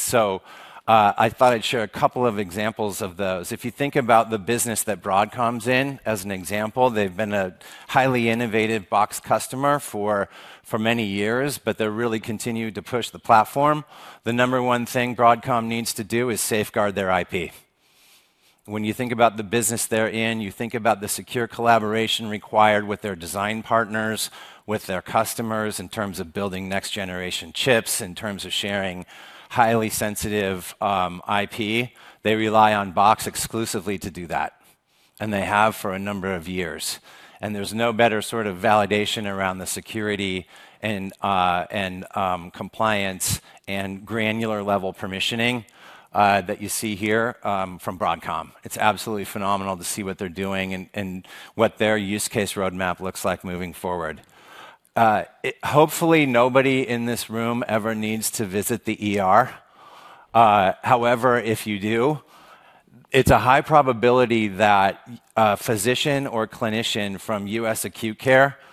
I thought I'd share a couple of examples of those. If you think about the business that Broadcom's in as an example, they've been a highly innovative Box customer for many years, but they're really continuing to push the platform. The number one thing Broadcom needs to do is safeguard their IP. When you think about the business they're in, you think about the secure collaboration required with their design partners, with their customers in terms of building next-generation chips, in terms of sharing highly sensitive IP. They rely on Box exclusively to do that, and they have for a number of years. There's no better sort of validation around the security and compliance and granular level permissioning that you see here from Broadcom. It's absolutely phenomenal to see what they're doing and what their use case roadmap looks like moving forward. Hopefully nobody in this room ever needs to visit the ER. However, if you do, it's a high probability that a physician or clinician from US Acute Care Solutions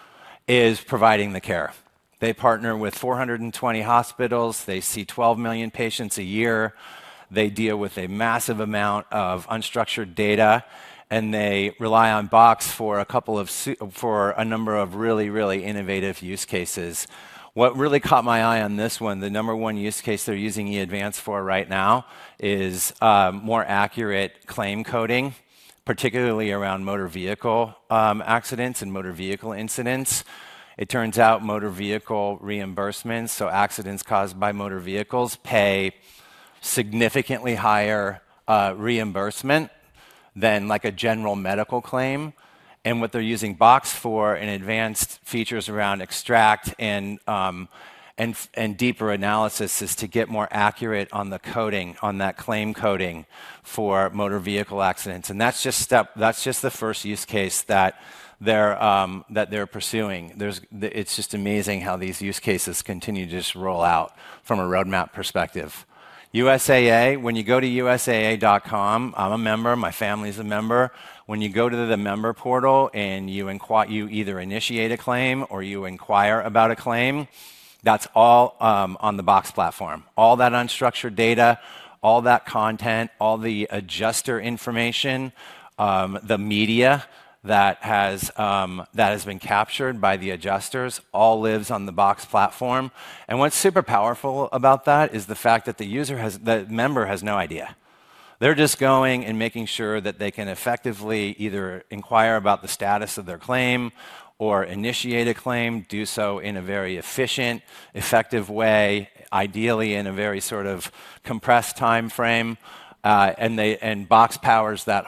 is providing the care. They partner with 420 hospitals. They see 12 million patients a year. They deal with a massive amount of unstructured data, and they rely on Box for a number of really, really innovative use cases. What really caught my eye on this one, the number one use case they're using Enterprise Advanced for right now is more accurate claim coding, particularly around motor vehicle accidents and motor vehicle incidents. It turns out motor vehicle reimbursements, so accidents caused by motor vehicles, pay significantly higher reimbursement than like a general medical claim. What they're using Box for in advanced features around extract and deeper analysis is to get more accurate on the coding, on that claim coding for motor vehicle accidents. That's just the first use case that they're pursuing. It's just amazing how these use cases continue to just roll out from a roadmap perspective. USAA, when you go to usaa.com, I'm a member, my family's a member. When you go to the member portal and you either initiate a claim or you inquire about a claim, that's all on the Box Platform. All that unstructured data, all that content, all the adjuster information, the media that has been captured by the adjusters all lives on the Box Platform. What's super powerful about that is the fact that the member has no idea. They're just going and making sure that they can effectively either inquire about the status of their claim or initiate a claim, do so in a very efficient, effective way, ideally in a very sort of compressed timeframe, and Box powers that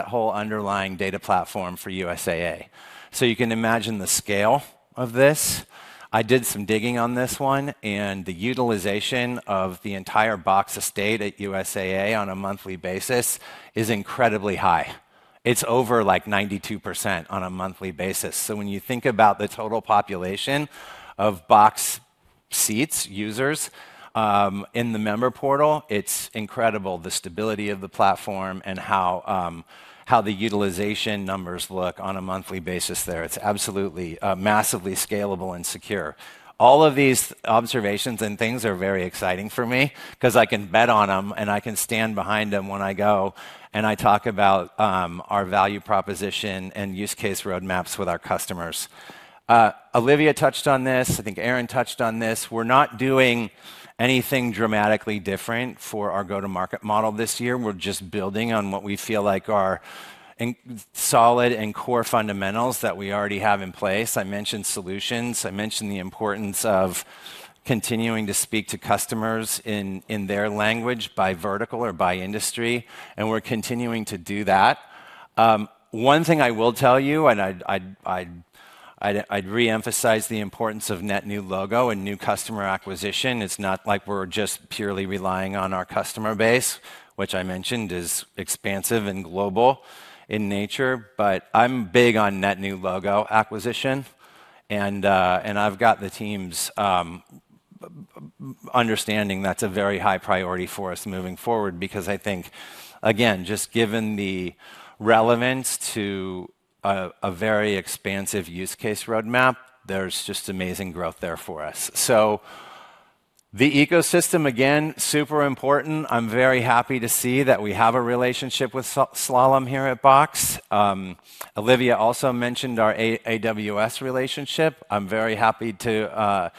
whole underlying data platform for USAA. You can imagine the scale of this. I did some digging on this one, and the utilization of the entire Box estate at USAA on a monthly basis is incredibly high. It's over like 92% on a monthly basis. When you think about the total population of Box seats, users, in the member portal, it's incredible the stability of the platform and how the utilization numbers look on a monthly basis there. It's absolutely, massively scalable and secure. All of these observations and things are very exciting for me 'cause I can bet on them, and I can stand behind them when I go and I talk about our value proposition and use case roadmaps with our customers. Olivia touched on this. I think Aaron touched on this. We're not doing anything dramatically different for our go-to-market model this year. We're just building on what we feel like are in solid and core fundamentals that we already have in place. I mentioned solutions. I mentioned the importance of continuing to speak to customers in their language by vertical or by industry, and we're continuing to do that. One thing I will tell you, and I'd reemphasize the importance of net new logo and new customer acquisition. It's not like we're just purely relying on our customer base, which I mentioned is expansive and global in nature, but I'm big on net new logo acquisition and I've got the teams understanding that's a very high priority for us moving forward because I think, again, just given the relevance to a very expansive use case roadmap, there's just amazing growth there for us. The ecosystem, again, super important. I'm very happy to see that we have a relationship with Slalom here at Box. Olivia also mentioned our AWS relationship. I'm very happy to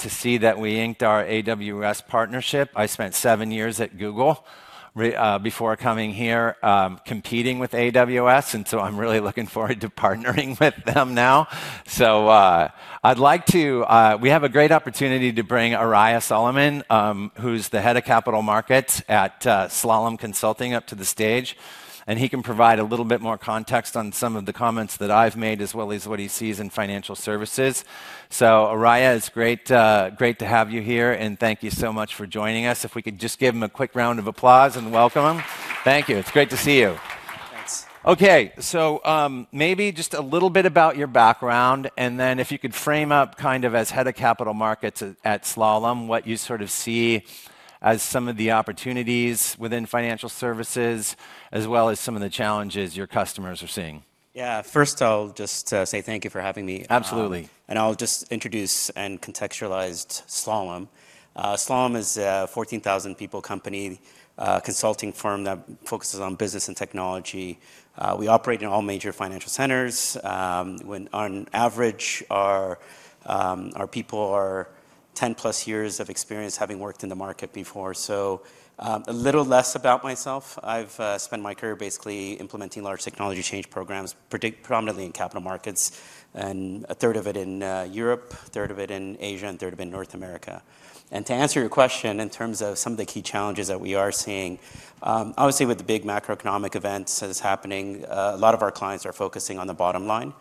see that we inked our AWS partnership. I spent seven years at Google before coming here, competing with AWS, and I'm really looking forward to partnering with them now. We have a great opportunity to bring Araya Solomon, who's the head of capital markets at Slalom Consulting up to the stage, and he can provide a little bit more context on some of the comments that I've made as well as what he sees in financial services. Araya, it's great to have you here, and thank you so much for joining us. If we could just give him a quick round of applause and welcome. Thank you. It's great to see you. Thanks. Maybe just a little bit about your background, and then if you could frame up kind of as head of capital markets at Slalom, what you sort of see as some of the opportunities within financial services, as well as some of the challenges your customers are seeing. Yeah. First, I'll just say thank you for having me. Absolutely. I'll just introduce and contextualize Slalom. Slalom is a 14,000 people company, consulting firm that focuses on business and technology. We operate in all major financial centers. On average our people are 10+ years of experience having worked in the market before. A little less about myself. I've spent my career basically implementing large technology change programs, predominantly in capital markets, and a third of it in Europe, a third of it in Asia, and a third of it in North America. To answer your question in terms of some of the key challenges that we are seeing, obviously, with the big macroeconomic events that is happening, a lot of our clients are focusing on the bottom line.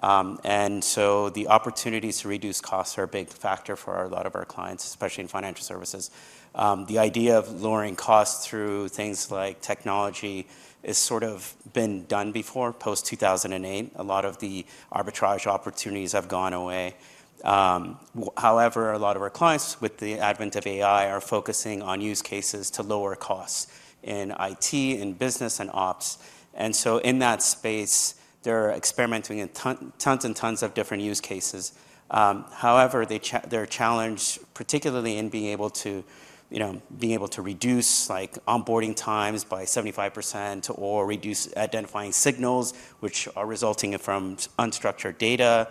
The opportunities to reduce costs are a big factor for a lot of our clients, especially in financial services. The idea of lowering costs through things like technology has sort of been done before post-2008. A lot of the arbitrage opportunities have gone away. However, a lot of our clients, with the advent of AI, are focusing on use cases to lower costs in IT, in business, and ops. In that space, they're experimenting in tons of different use cases. However, they're challenged, particularly in being able to, you know, being able to reduce, like, onboarding times by 75% or reduce identifying signals which are resulting from unstructured data,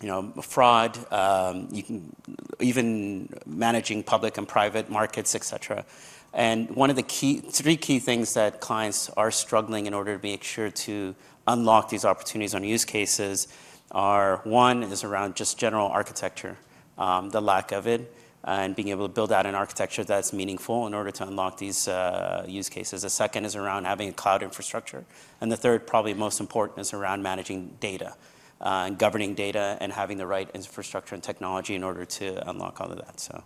you know, fraud. Even managing public and private markets, et cetera. One of the key, three key things that clients are struggling in order to make sure to unlock these opportunities on use cases are, one is around just general architecture, the lack of it, and being able to build out an architecture that's meaningful in order to unlock these, use cases. The second is around having cloud infrastructure, and the third, probably most important, is around managing data, and governing data and having the right infrastructure and technology in order to unlock all of that.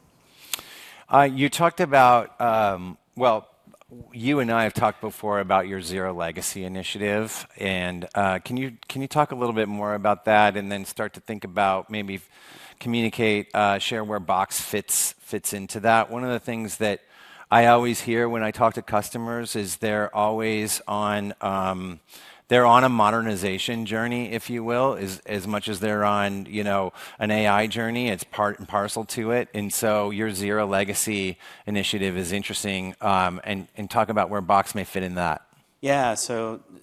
You talked about. Well, you and I have talked before about your Zero Legacy initiative, and can you talk a little bit more about that and then start to think about maybe communicate, share where Box fits into that? One of the things that I always hear when I talk to customers is they're always on a modernization journey, if you will, as much as they're on, you know, an AI journey. It's part and parcel to it. Your Zero Legacy initiative is interesting and talk about where Box may fit in that. Yeah.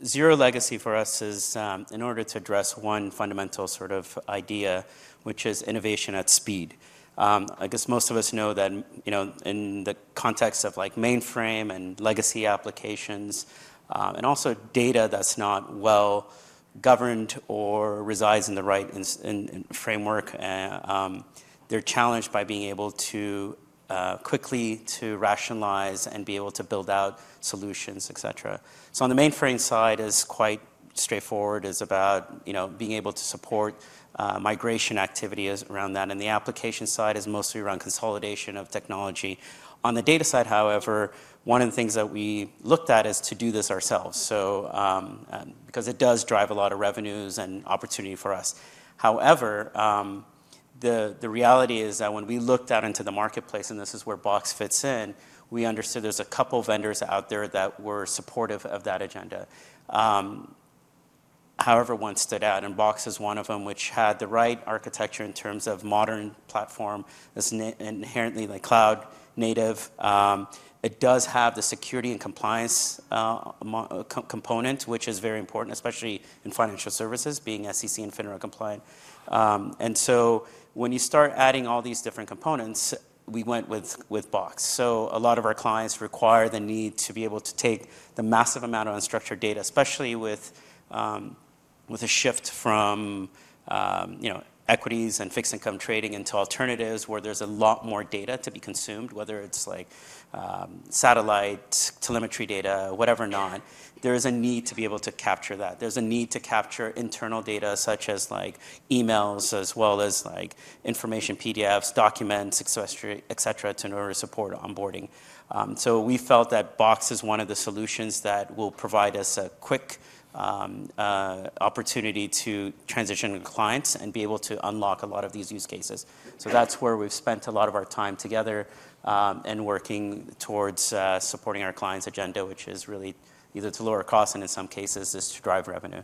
Zero Legacy for us is in order to address one fundamental sort of idea, which is innovation at speed. I guess most of us know that, you know, in the context of like mainframe and legacy applications, and also data that's not well-governed or resides in the right framework, they're challenged by being able to quickly to rationalize and be able to build out solutions, et cetera. On the mainframe side is quite straightforward. It's about, you know, being able to support migration activities around that. The application side is mostly around consolidation of technology. On the data side, however, one of the things that we looked at is to do this ourselves, because it does drive a lot of revenues and opportunity for us. However, the reality is that when we looked out into the marketplace, and this is where Box fits in, we understood there's a couple vendors out there that were supportive of that agenda. However, one stood out, and Box is one of them, which had the right architecture in terms of modern platform that's inherently like cloud native. It does have the security and compliance more core component, which is very important, especially in financial services, being SEC and FINRA compliant. When you start adding all these different components, we went with Box. A lot of our clients require the need to be able to take the massive amount of unstructured data, especially with a shift from you know, equities and fixed income trading into alternatives where there's a lot more data to be consumed, whether it's like satellite telemetry data, whatever not, there is a need to be able to capture that. There's a need to capture internal data such as like emails as well as like information PDFs, documents, et cetera, to in order support onboarding. We felt that Box is one of the solutions that will provide us a quick opportunity to transition clients and be able to unlock a lot of these use cases. That's where we've spent a lot of our time together, and working towards supporting our clients' agenda, which is really either to lower costs and in some cases to drive revenue.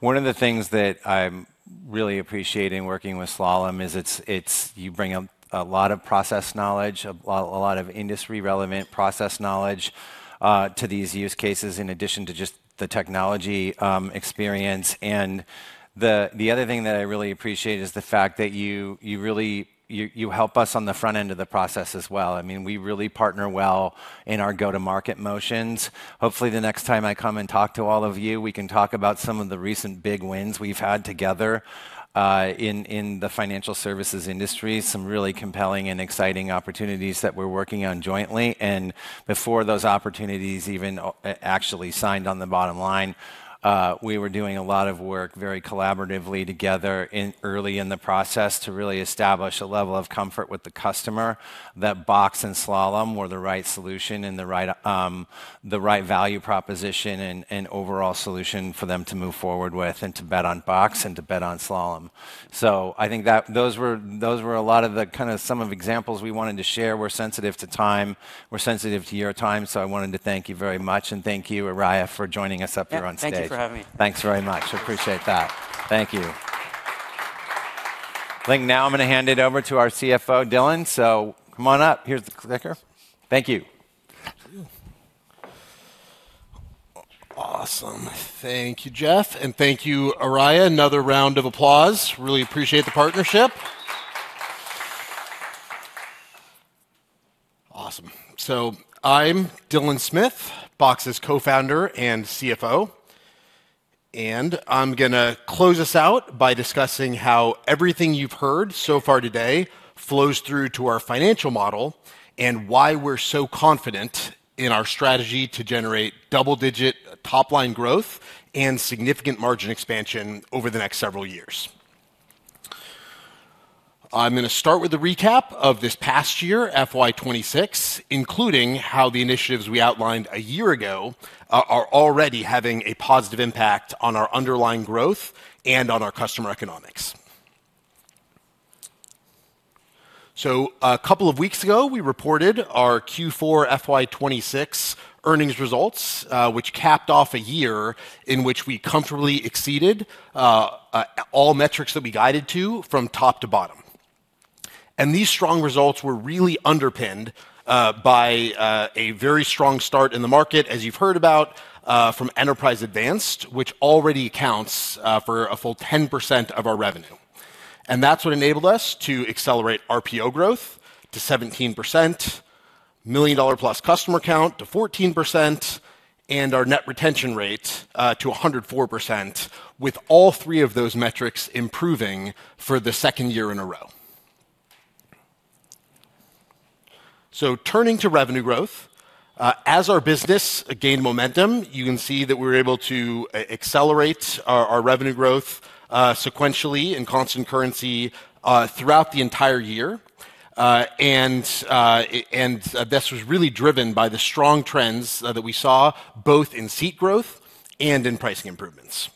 One of the things that I'm really appreciating working with Slalom is it's you bring a lot of process knowledge, a lot of industry relevant process knowledge to these use cases in addition to just the technology experience. The other thing that I really appreciate is the fact that you really help us on the front end of the process as well. I mean, we really partner well in our go-to-market motions. Hopefully, the next time I come and talk to all of you, we can talk about some of the recent big wins we've had together in the financial services industry, some really compelling and exciting opportunities that we're working on jointly. Before those opportunities even actually signed on the bottom line, we were doing a lot of work very collaboratively together early in the process to really establish a level of comfort with the customer that Box and Slalom were the right solution and the right value proposition and overall solution for them to move forward with and to bet on Box and to bet on Slalom. I think that those were a lot of the kinda some of examples we wanted to share. We're sensitive to time. We're sensitive to your time, so I wanted to thank you very much. Thank you, Araya, for joining us up here on stage. Yep, thank you for having me. Thanks very much. Appreciate that. Thank you. I think now I'm gonna hand it over to our CFO, Dylan. Come on up. Here's the clicker. Thank you. Awesome. Thank you, Jeff. Thank you, Araya. Another round of applause. Really appreciate the partnership. Awesome. I'm Dylan Smith, Box's Co-Founder and CFO. I'm gonna close us out by discussing how everything you've heard so far today flows through to our financial model and why we're so confident in our strategy to generate double-digit top-line growth and significant margin expansion over the next several years. I'm gonna start with a recap of this past year, FY 2026, including how the initiatives we outlined a year ago are already having a positive impact on our underlying growth and on our customer economics. A couple of weeks ago, we reported our Q4 FY 2026 earnings results, which capped off a year in which we comfortably exceeded all metrics that we guided to from top to bottom. These strong results were really underpinned by a very strong start in the market, as you've heard about, from Enterprise Advanced, which already accounts for a full 10% of our revenue. That's what enabled us to accelerate RPO growth to 17%, million-dollar-plus customer count to 14%, and our net retention rate to 104%, with all three of those metrics improving for the second year in a row. Turning to revenue growth, as our business gained momentum, you can see that we were able to accelerate our revenue growth sequentially in constant currency throughout the entire year. This was really driven by the strong trends that we saw both in seat growth and in pricing improvements.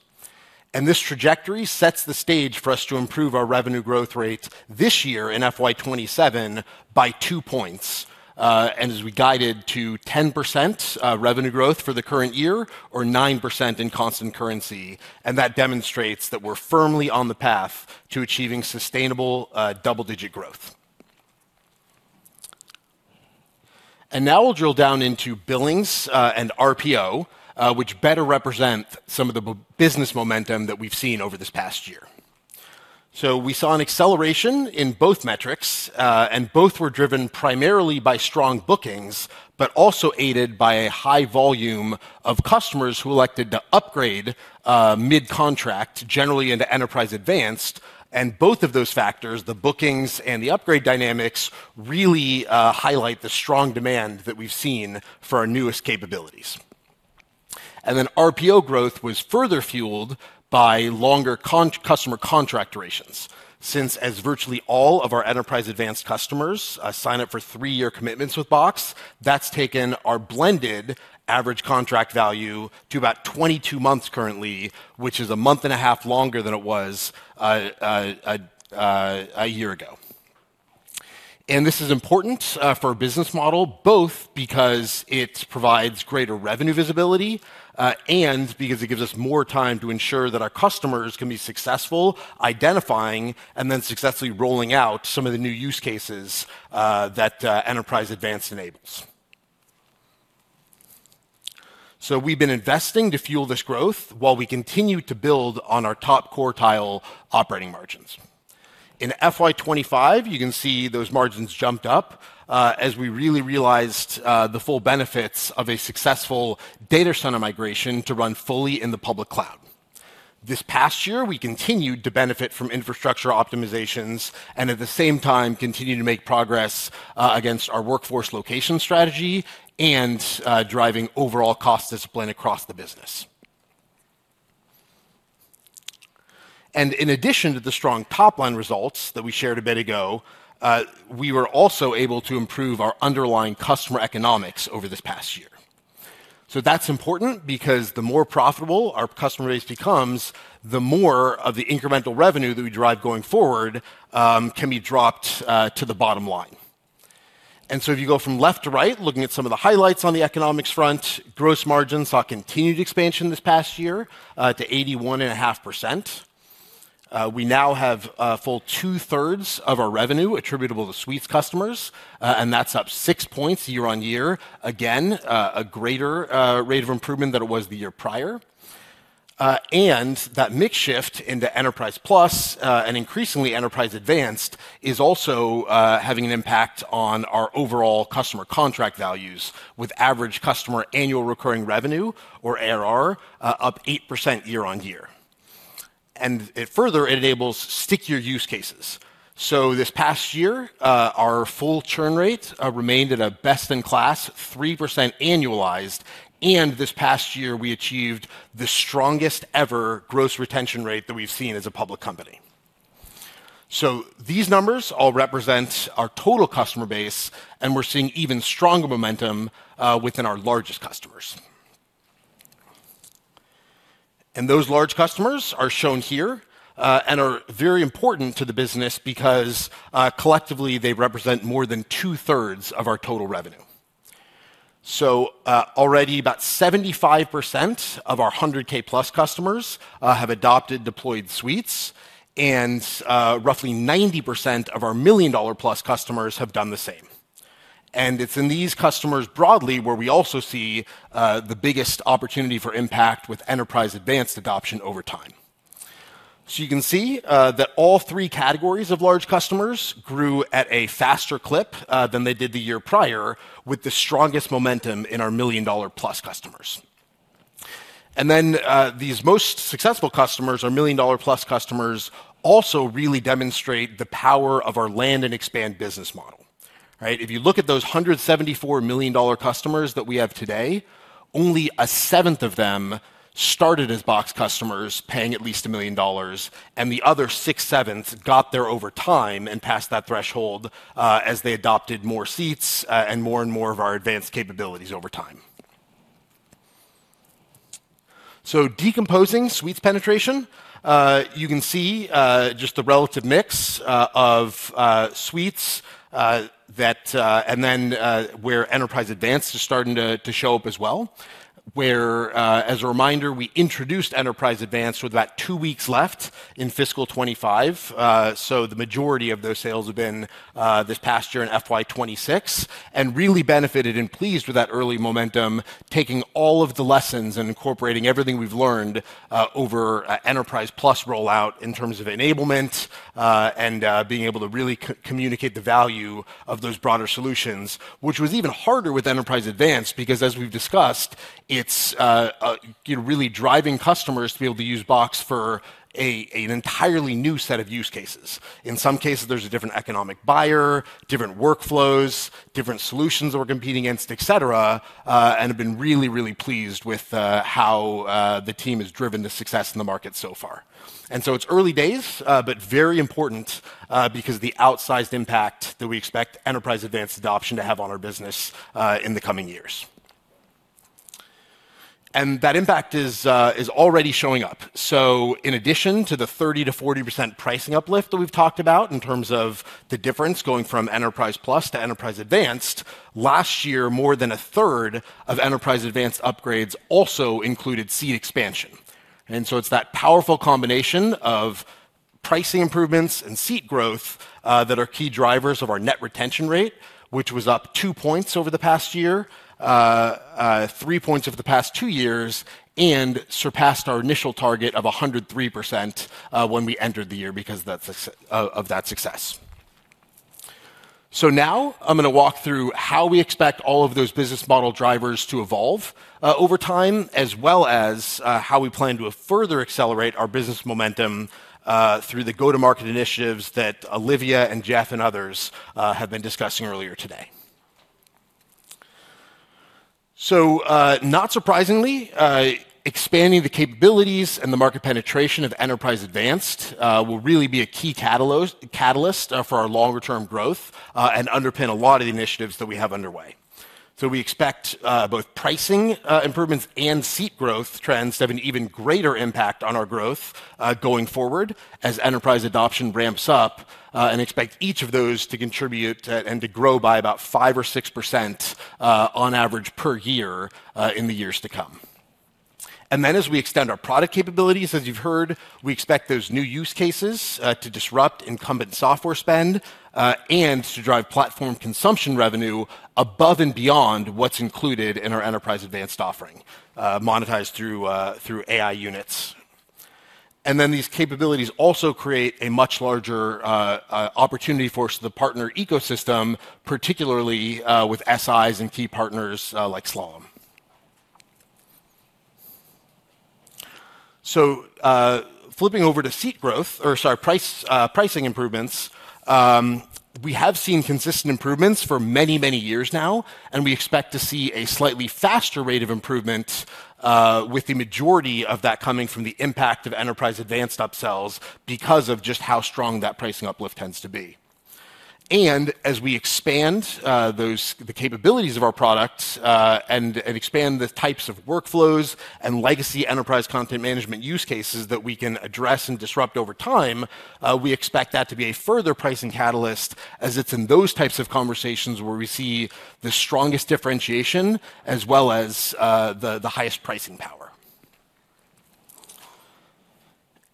This trajectory sets the stage for us to improve our revenue growth rate this year in FY 2027 by 2 points, and as we guided to 10% revenue growth for the current year or 9% in constant currency. That demonstrates that we're firmly on the path to achieving sustainable double-digit growth. Now we'll drill down into billings and RPO, which better represent some of the business momentum that we've seen over this past year. We saw an acceleration in both metrics, and both were driven primarily by strong bookings, but also aided by a high volume of customers who elected to upgrade mid-contract, generally into Enterprise Advanced. Both of those factors, the bookings and the upgrade dynamics, really highlight the strong demand that we've seen for our newest capabilities. RPO growth was further fueled by longer customer contract durations. Since as virtually all of our Enterprise Advanced customers sign up for three-year commitments with Box, that's taken our blended average contract value to about 22 months currently, which is a month and a half longer than it was a year ago. This is important for our business model, both because it provides greater revenue visibility and because it gives us more time to ensure that our customers can be successful identifying and then successfully rolling out some of the new use cases that Enterprise Advanced enables. We've been investing to fuel this growth while we continue to build on our top quartile operating margins. In FY 2025, you can see those margins jumped up, as we really realized, the full benefits of a successful data center migration to run fully in the public cloud. This past year, we continued to benefit from infrastructure optimizations and at the same time continued to make progress, against our workforce location strategy and, driving overall cost discipline across the business. In addition to the strong top-line results that we shared a bit ago, we were also able to improve our underlying customer economics over this past year. That's important because the more profitable our customer base becomes, the more of the incremental revenue that we derive going forward can be dropped to the bottom line. If you go from left to right, looking at some of the highlights on the economics front, gross margin saw continued expansion this past year to 81.5%. We now have a full 2/3 of our revenue attributable to Suites customers, and that's up 6 points year-over-year. Again, a greater rate of improvement than it was the year prior. That mix shift into Enterprise Plus, and increasingly Enterprise Advanced is also having an impact on our overall customer contract values with average customer annual recurring revenue or ARR up 8% year-over-year. It further enables stickier use cases. This past year, our full churn rate remained at a best-in-class 3% annualized, and this past year, we achieved the strongest ever gross retention rate that we've seen as a public company. These numbers all represent our total customer base, and we're seeing even stronger momentum within our largest customers. Those large customers are shown here and are very important to the business because, collectively, they represent more than 2/3 of our total revenue. Already about 75% of our a hundred-thousand-plus customers have adopted deployed Suites, and roughly 90% of our million-dollar-plus customers have done the same. It's in these customers broadly where we also see the biggest opportunity for impact with Enterprise Advanced adoption over time. You can see that all three categories of large customers grew at a faster clip than they did the year prior with the strongest momentum in our million-dollar-plus customers. These most successful customers or million-dollar-plus customers also really demonstrate the power of our land and expand business model, right? If you look at those 174 million-dollar customers that we have today, only a seventh of them started as Box customers paying at least $1 million, and the other six-sevenths got there over time and passed that threshold as they adopted more seats and more and more of our advanced capabilities over time. Decomposing Suites penetration, you can see just the relative mix of Suites that then where Enterprise Advanced is starting to show up as well, where, as a reminder, we introduced Enterprise Advanced with about two weeks left in fiscal 2025. The majority of those sales have been this past year in FY 2026, and really benefited and pleased with that early momentum, taking all of the lessons and incorporating everything we've learned over Enterprise Plus rollout in terms of enablement and being able to really co-communicate the value of those broader solutions, which was even harder with Enterprise Advanced, because as we've discussed, it's you know, really driving customers to be able to use Box for an entirely new set of use cases. In some cases, there's a different economic buyer, different workflows, different solutions that we're competing against, et cetera, and have been really, really pleased with how the team has driven the success in the market so far. It's early days, but very important, because of the outsized impact that we expect Enterprise Advanced adoption to have on our business in the coming years. That impact is already showing up. In addition to the 30%-40% pricing uplift that we've talked about in terms of the difference going from Enterprise Plus to Enterprise Advanced, last year, more than a third of Enterprise Advanced upgrades also included seat expansion. It's that powerful combination of pricing improvements and seat growth that are key drivers of our net retention rate, which was up 2 points over the past year, 3 points over the past two years, and surpassed our initial target of 103% when we entered the year because of that success. Now I'm gonna walk through how we expect all of those business model drivers to evolve over time, as well as how we plan to further accelerate our business momentum through the go-to-market initiatives that Olivia and Jeff and others have been discussing earlier today. Not surprisingly, expanding the capabilities and the market penetration of Enterprise Advanced will really be a key catalyst for our longer-term growth and underpin a lot of the initiatives that we have underway. We expect both pricing improvements and seat growth trends to have an even greater impact on our growth going forward as enterprise adoption ramps up and expect each of those to contribute and to grow by about 5% or 6% on average per year in the years to come. Then as we extend our product capabilities, as you've heard, we expect those new use cases to disrupt incumbent software spend and to drive platform consumption revenue above and beyond what's included in our Enterprise Advanced offering, monetized through AI units. These capabilities also create a much larger opportunity for the partner ecosystem, particularly with SIs and key partners like Slalom. Flipping over to seat growth or sorry, pricing improvements, we have seen consistent improvements for many, many years now, and we expect to see a slightly faster rate of improvement, with the majority of that coming from the impact of Enterprise Advanced upsells because of just how strong that pricing uplift tends to be. As we expand the capabilities of our products and expand the types of workflows and legacy enterprise content management use cases that we can address and disrupt over time, we expect that to be a further pricing catalyst as it's in those types of conversations where we see the strongest differentiation as well as the highest pricing power.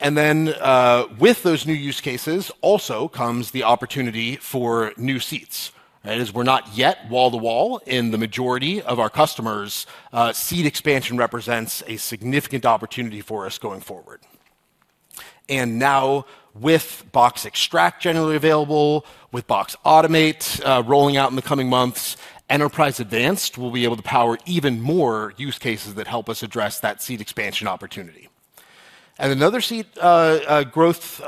With those new use cases also comes the opportunity for new seats. As we're not yet wall-to-wall in the majority of our customers, seat expansion represents a significant opportunity for us going forward. Now with Box Extract generally available, with Box Automate rolling out in the coming months, Enterprise Advanced will be able to power even more use cases that help us address that seat expansion opportunity. Another seat growth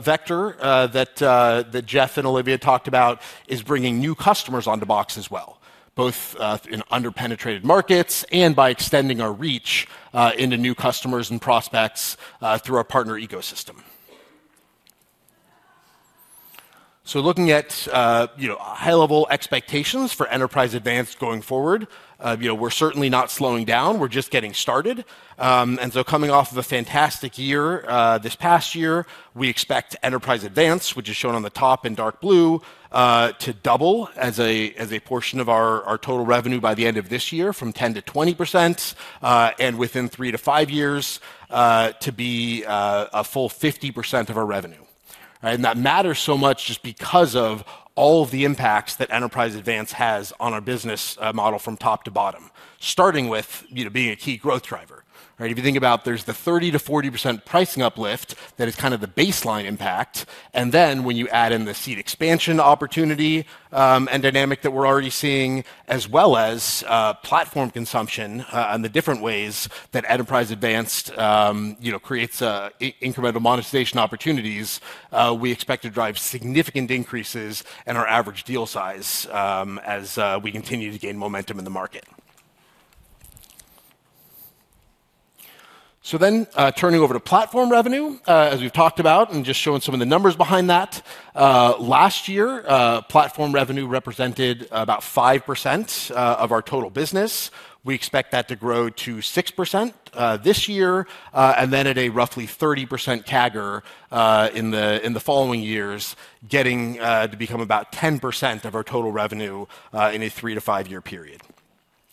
vector that Jeff and Olivia talked about is bringing new customers onto Box as well, both in under-penetrated markets and by extending our reach into new customers and prospects through our partner ecosystem. Looking at, you know, high-level expectations for Enterprise Advanced going forward, you know, we're certainly not slowing down, we're just getting started. Coming off of a fantastic year this past year, we expect Enterprise Advanced, which is shown on the top in dark blue, to double as a portion of our total revenue by the end of this year from 10%-20%, and within three to five years, to be a full 50% of our revenue. That matters so much just because of all the impacts that Enterprise Advanced has on our business model from top to bottom, starting with you know, being a key growth driver. Right? If you think about, there's the 30%-40% pricing uplift that is kind of the baseline impact, and then when you add in the seat expansion opportunity, and dynamic that we're already seeing, as well as platform consumption, and the different ways that Enterprise Advanced you know creates incremental monetization opportunities, we expect to drive significant increases in our average deal size, as we continue to gain momentum in the market. Turning over to platform revenue, as we've talked about, and just showing some of the numbers behind that, last year platform revenue represented about 5% of our total business. We expect that to grow to 6%, this year, and then at a roughly 30% CAGR in the following years, getting to become about 10% of our total revenue, in a three-to-five-year period.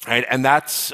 Right? That's,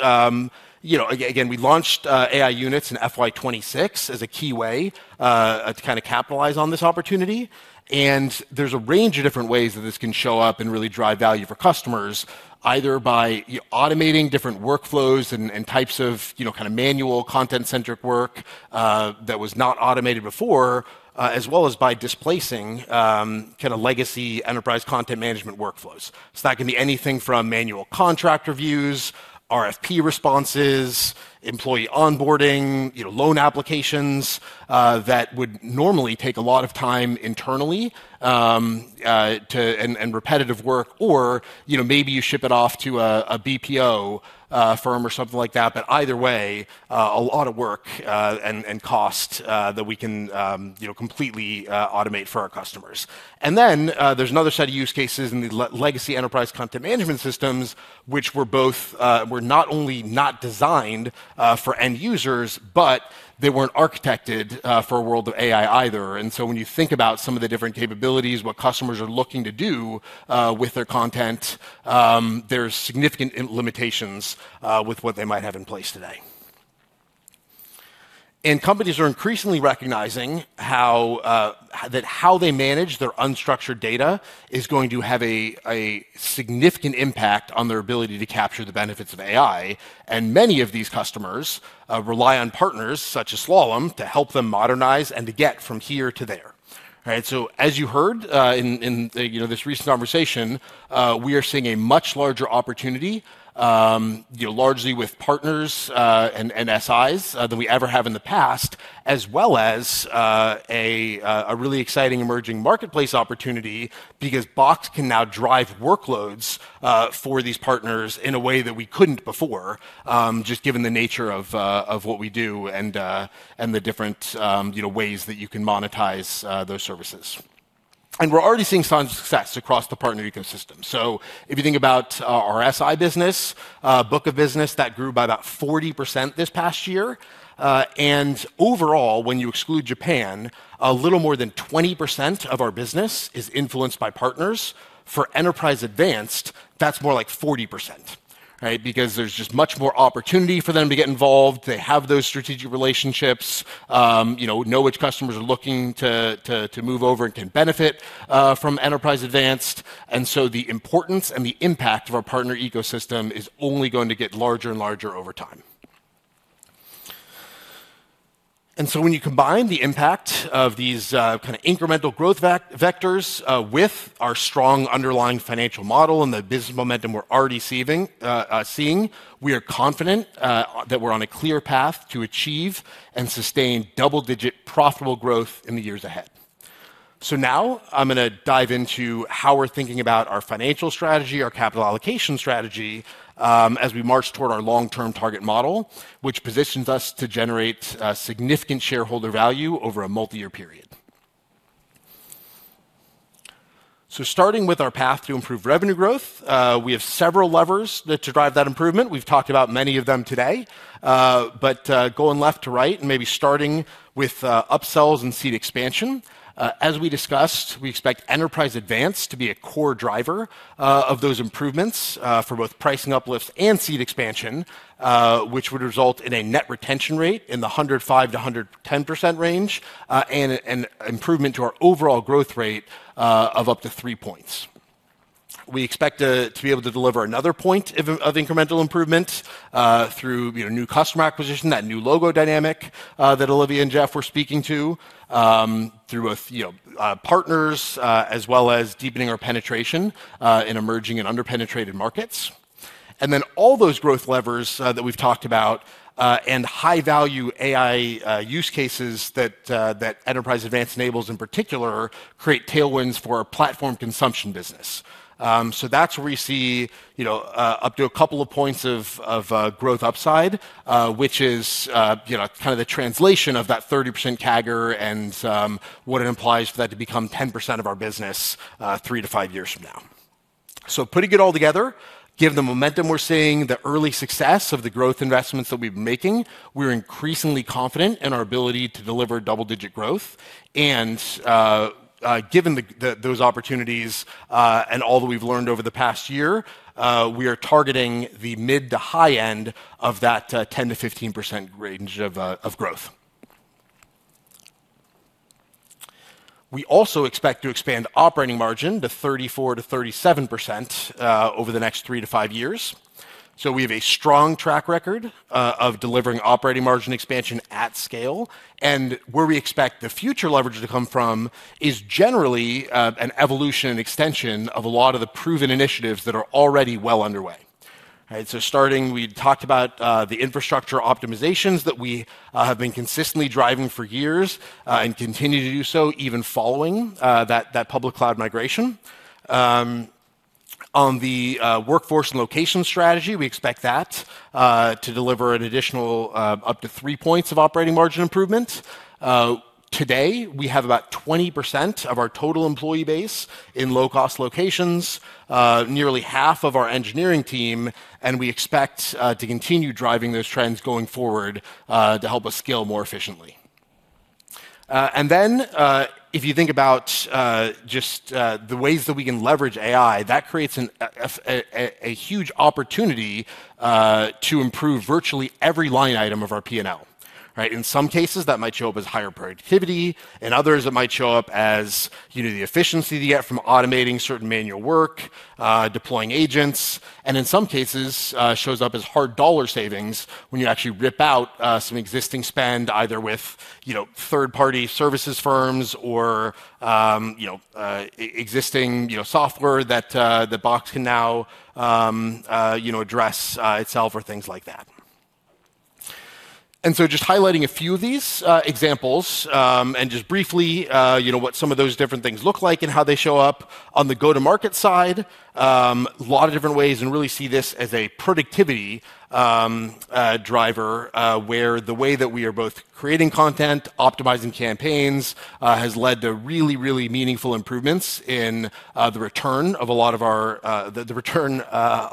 you know, again, we launched AI Units in FY 2026 as a keyway to kinda capitalize on this opportunity. There's a range of different ways that this can show up and really drive value for customers, either by automating different workflows and types of, you know, kind of manual content-centric work that was not automated before, as well as by displacing kinda legacy enterprise content management workflows. That can be anything from manual contract reviews, RFP responses, employee onboarding, you know, loan applications that would normally take a lot of time internally, repetitive work or, you know, maybe you ship it off to a BPO firm or something like that, but either way, a lot of work and cost that we can, you know, completely automate for our customers. Then, there's another set of use cases in the legacy enterprise content management systems, which were not only not designed for end users, but they weren't architected for a world of AI either. When you think about some of the different capabilities, what customers are looking to do with their content, there's significant limitations with what they might have in place today. Companies are increasingly recognizing how they manage their unstructured data is going to have a significant impact on their ability to capture the benefits of AI. Many of these customers rely on partners such as Slalom to help them modernize and to get from here to there. Right? As you heard, in, you know, this recent conversation, we are seeing a much larger opportunity, you know, largely with partners and SIs than we ever have in the past, as well as a really exciting emerging marketplace opportunity because Box can now drive workloads for these partners in a way that we couldn't before, just given the nature of what we do and the different, you know, ways that you can monetize those services. We're already seeing signs of success across the partner ecosystem. If you think about our SI business book of business, that grew by about 40% this past year. Overall, when you exclude Japan, a little more than 20% of our business is influenced by partners. For Enterprise Advanced, that's more like 40%, right? Because there's just much more opportunity for them to get involved. They have those strategic relationships, you know which customers are looking to to move over and can benefit from Enterprise Advanced. The importance and the impact of our partner ecosystem is only going to get larger and larger over time. When you combine the impact of these kind of incremental growth vectors with our strong underlying financial model and the business momentum we're already seeing, we are confident that we're on a clear path to achieve and sustain double-digit profitable growth in the years ahead. Now I'm gonna dive into how we're thinking about our financial strategy, our capital allocation strategy, as we march toward our long-term target model, which positions us to generate significant shareholder value over a multi-year period. Starting with our path to improve revenue growth, we have several levers to drive that improvement. We've talked about many of them today. Going left to right, and maybe starting with upsells and seat expansion. As we discussed, we expect Enterprise Advanced to be a core driver of those improvements for both pricing uplifts and seat expansion, which would result in a net retention rate in the 105%-110% range, and an improvement to our overall growth rate of up to 3 points. We expect to be able to deliver another point of incremental improvements through you know new customer acquisition that new logo dynamic that Olivia and Jeff were speaking to through both you know partners as well as deepening our penetration in emerging and under-penetrated markets. All those growth levers that we've talked about and high-value AI use cases that Enterprise Advanced enables in particular create tailwinds for our platform consumption business. That's where we see you know up to a couple of points of growth upside which is you know kind of the translation of that 30% CAGR and what it implies for that to become 10% of our business three to five years from now. Putting it all together, given the momentum we're seeing, the early success of the growth investments that we've been making, we're increasingly confident in our ability to deliver double-digit growth. Given those opportunities and all that we've learned over the past year, we are targeting the mid to high end of that 10%-15% range of growth. We also expect to expand operating margin to 34%-37% over the next three to five years. We have a strong track record of delivering operating margin expansion at scale, and where we expect the future leverage to come from is generally an evolution and extension of a lot of the proven initiatives that are already well underway. Starting, we talked about the infrastructure optimizations that we have been consistently driving for years and continue to do so even following that public cloud migration. On the workforce and location strategy, we expect that to deliver an additional up to three points of operating margin improvement. Today, we have about 20% of our total employee base in low-cost locations, nearly half of our engineering team, and we expect to continue driving those trends going forward to help us scale more efficiently. If you think about just the ways that we can leverage AI, that creates a huge opportunity to improve virtually every line item of our P&L. Right? In some cases, that might show up as higher productivity, in others, it might show up as, you know, the efficiency that you get from automating certain manual work, deploying agents, and in some cases, shows up as hard dollar savings when you actually rip out, some existing spend, either with, you know, third-party services firms or, you know, existing, you know, software that that Box can now, you know, address itself or things like that. Just highlighting a few of these examples, and just briefly, you know, what some of those different things look like and how they show up. On the go-to-market side, lot of different ways and really see this as a productivity driver, where the way that we are both creating content, optimizing campaigns, has led to really meaningful improvements in the return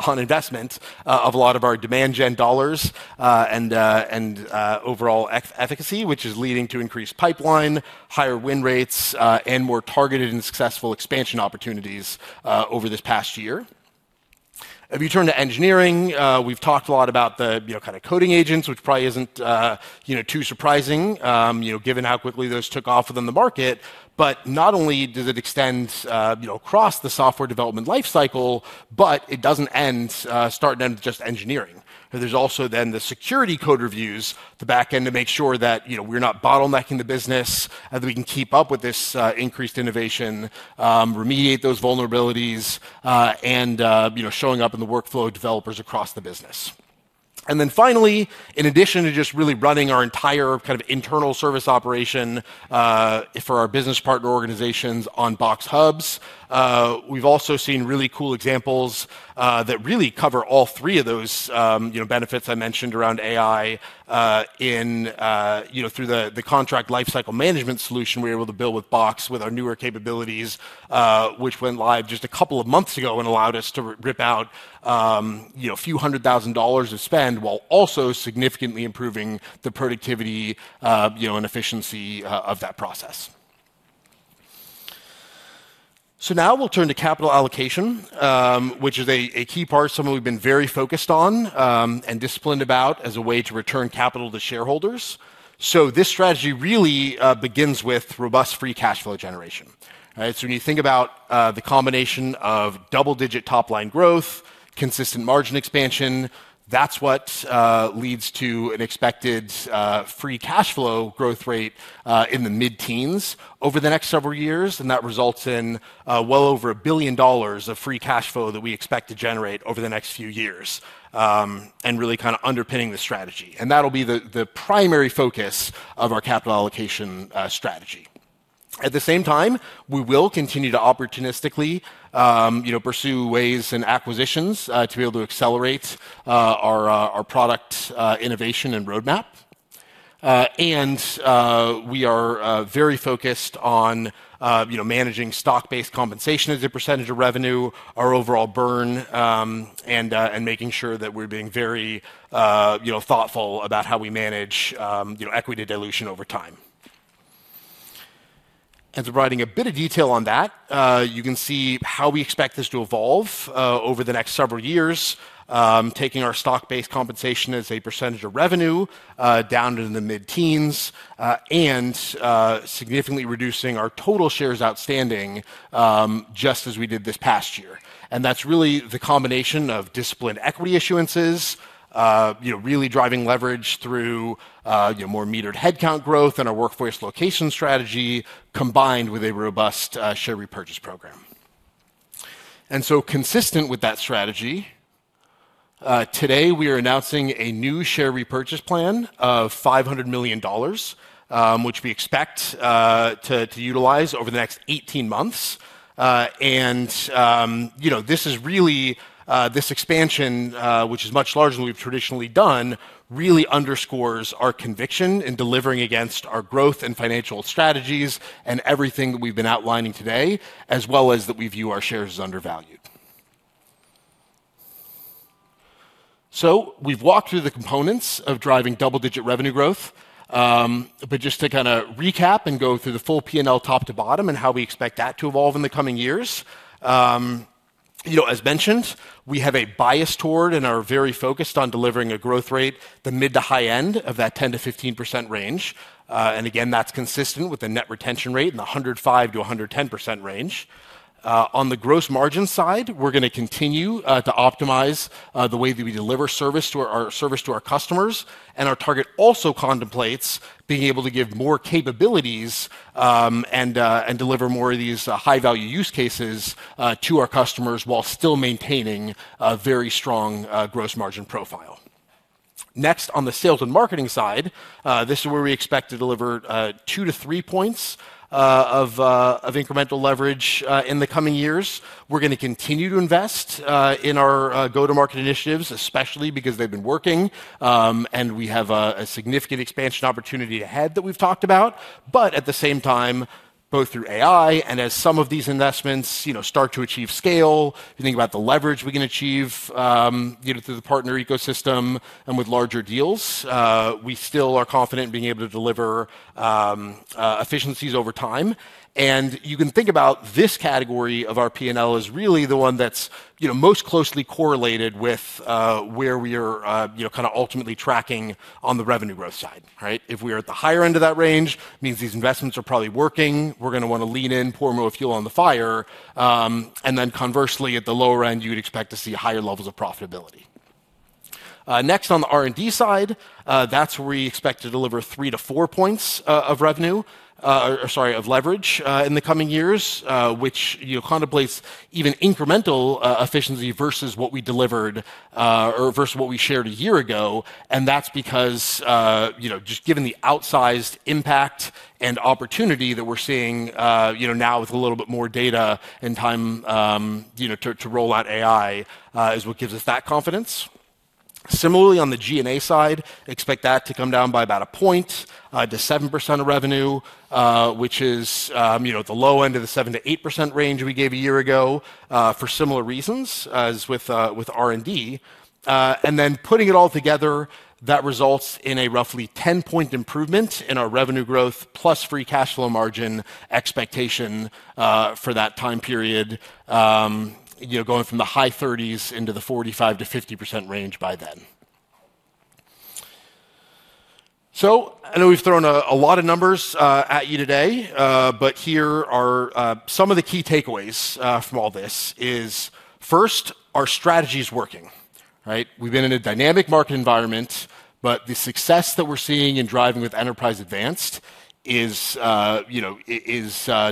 on investment of a lot of our demand gen dollars, and overall efficacy, which is leading to increased pipeline, higher win rates, and more targeted and successful expansion opportunities over this past year. If you turn to engineering, we've talked a lot about the, you know, kind of coding agents, which probably isn't, you know, too surprising, you know, given how quickly those took off within the market. Not only does it extend, you know, across the software development life cycle, but it doesn't start and end with just engineering. There's also the security code reviews at the back end to make sure that, you know, we're not bottlenecking the business, that we can keep up with this increased innovation, remediate those vulnerabilities, and, you know, showing up in the workflow of developers across the business. Finally, in addition to just really running our entire kind of internal service operation for our business partner organizations on Box Hubs, we've also seen really cool examples that really cover all three of those, you know, benefits I mentioned around AI, you know, through the contract lifecycle management solution we were able to build with Box with our newer capabilities, which went live just a couple of months ago and allowed us to rip out, you know, a few hundred thousand dollars of spend while also significantly improving the productivity, you know, and efficiency of that process. Now we'll turn to capital allocation, which is a key part, something we've been very focused on and disciplined about as a way to return capital to shareholders. This strategy really begins with robust free cash flow generation. Right? When you think about the combination of double-digit top-line growth, consistent margin expansion, that's what leads to an expected free cash flow growth rate in the mid-teens over the next several years. That results in well over $1 billion of free cash flow that we expect to generate over the next few years, and really kind of underpinning the strategy. That'll be the primary focus of our capital allocation strategy. At the same time, we will continue to opportunistically, you know, pursue ways and acquisitions to be able to accelerate our product innovation and roadmap. We are very focused on you know managing stock-based compensation as a percentage of revenue, our overall burn, and making sure that we're being very you know thoughtful about how we manage you know equity dilution over time. Providing a bit of detail on that, you can see how we expect this to evolve over the next several years, taking our stock-based compensation as a percentage of revenue down to the mid-teens, and significantly reducing our total shares outstanding, just as we did this past year. That's really the combination of disciplined equity issuances, you know, really driving leverage through, you know, more metered headcount growth and our workforce location strategy, combined with a robust share repurchase program. Consistent with that strategy, today we are announcing a new share repurchase plan of $500 million, which we expect to utilize over the next 18 months. You know, this is really this expansion, which is much larger than we've traditionally done, really underscores our conviction in delivering against our growth and financial strategies and everything that we've been outlining today, as well as that we view our shares as undervalued. We've walked through the components of driving double-digit revenue growth. Just to kinda recap and go through the full P&L top to bottom and how we expect that to evolve in the coming years. You know, as mentioned, we have a bias toward and are very focused on delivering a growth rate at the mid- to high end of that 10%-15% range. Again, that's consistent with the net retention rate in the 105%-110% range. On the gross margin side, we're gonna continue to optimize the way that we deliver service to our customers. Our target also contemplates being able to give more capabilities and deliver more of these high-value use cases to our customers while still maintaining a very strong gross margin profile. Next, on the sales and marketing side, this is where we expect to deliver 2-3 points of incremental leverage in the coming years. We're gonna continue to invest in our go-to-market initiatives, especially because they've been working. We have a significant expansion opportunity ahead that we've talked about. But at the same time, both through AI and as some of these investments, you know, start to achieve scale, if you think about the leverage we can achieve, you know, through the partner ecosystem and with larger deals, we still are confident in being able to deliver efficiencies over time. You can think about this category of our P&L as really the one that's, you know, most closely correlated with where we are, you know, kinda ultimately tracking on the revenue growth side, right? If we are at the higher end of that range, means these investments are probably working. We're gonna wanna lean in, pour more fuel on the fire. Conversely, at the lower end, you would expect to see higher levels of profitability. Next on the R&D side, that's where we expect to deliver 3-4 points of leverage in the coming years, which, you know, contemplates even incremental efficiency versus what we delivered or versus what we shared a year ago. That's because, you know, just given the outsized impact and opportunity that we're seeing, you know, now with a little bit more data and time, you know, to roll out AI, is what gives us that confidence. Similarly, on the G&A side, expect that to come down by about a point to 7% of revenue, which is, you know, at the low end of the 7%-8% range we gave a year ago, for similar reasons as with R&D. Then putting it all together, that results in a roughly 10-point improvement in our revenue growth plus free cash flow margin expectation, for that time period, you know, going from the high 30s into the 45%-50% range by then. I know we've thrown a lot of numbers at you today, but here are some of the key takeaways from all this. First, our strategy is working, right? We've been in a dynamic market environment, but the success that we're seeing in driving with Enterprise Advanced is, you know,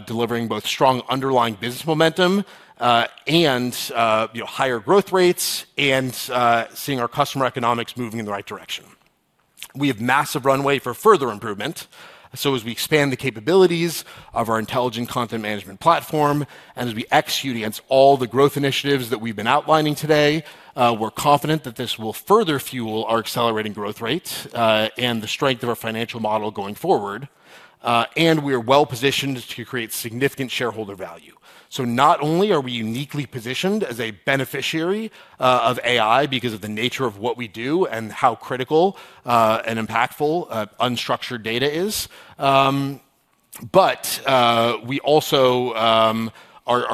delivering both strong underlying business momentum, and you know, higher growth rates and seeing our customer economics moving in the right direction. We have massive runway for further improvement. As we expand the capabilities of our Intelligent Content Management platform and as we execute against all the growth initiatives that we've been outlining today, we're confident that this will further fuel our accelerating growth rates, and the strength of our financial model going forward. We are well-positioned to create significant shareholder value. Not only are we uniquely positioned as a beneficiary of AI because of the nature of what we do and how critical and impactful unstructured data is, but we also are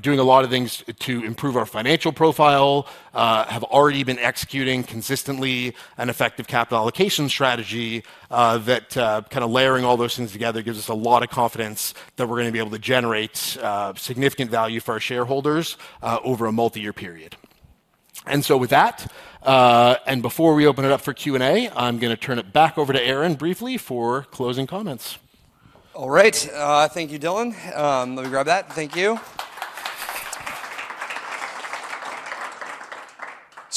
doing a lot of things to improve our financial profile, have already been executing consistently an effective capital allocation strategy that kinda layering all those things together gives us a lot of confidence that we're gonna be able to generate significant value for our shareholders over a multi-year period. With that, and before we open it up for Q&A, I'm gonna turn it back over to Aaron briefly for closing comments. All right. Thank you, Dylan. Let me grab that. Thank you.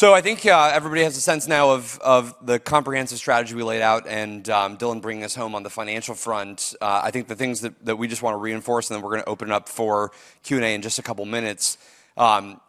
I think everybody has a sense now of the comprehensive strategy we laid out, and Dylan bringing us home on the financial front. I think the things that we just wanna reinforce, and then we're gonna open it up for Q&A in just a couple minutes.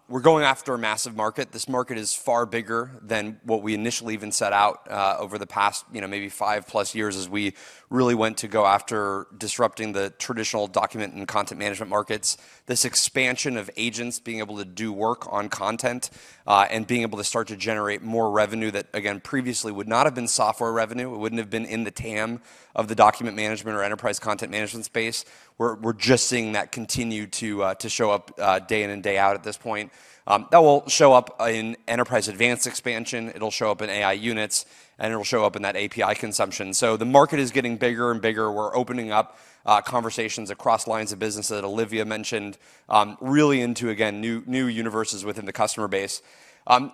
We're going after a massive market. This market is far bigger than what we initially even set out over the past, you know, maybe five-plus years as we really went to go after disrupting the traditional document and content management markets. This expansion of agents being able to do work on content, and being able to start to generate more revenue that, again, previously would not have been software revenue, it wouldn't have been in the TAM of the document management or enterprise content management space. We're just seeing that continue to show up day in and day out at this point. That will show up in Enterprise Advanced expansion, it'll show up in AI units, and it'll show up in that API consumption. The market is getting bigger and bigger. We're opening up conversations across lines of business that Olivia mentioned, really into, again, new universes within the customer base.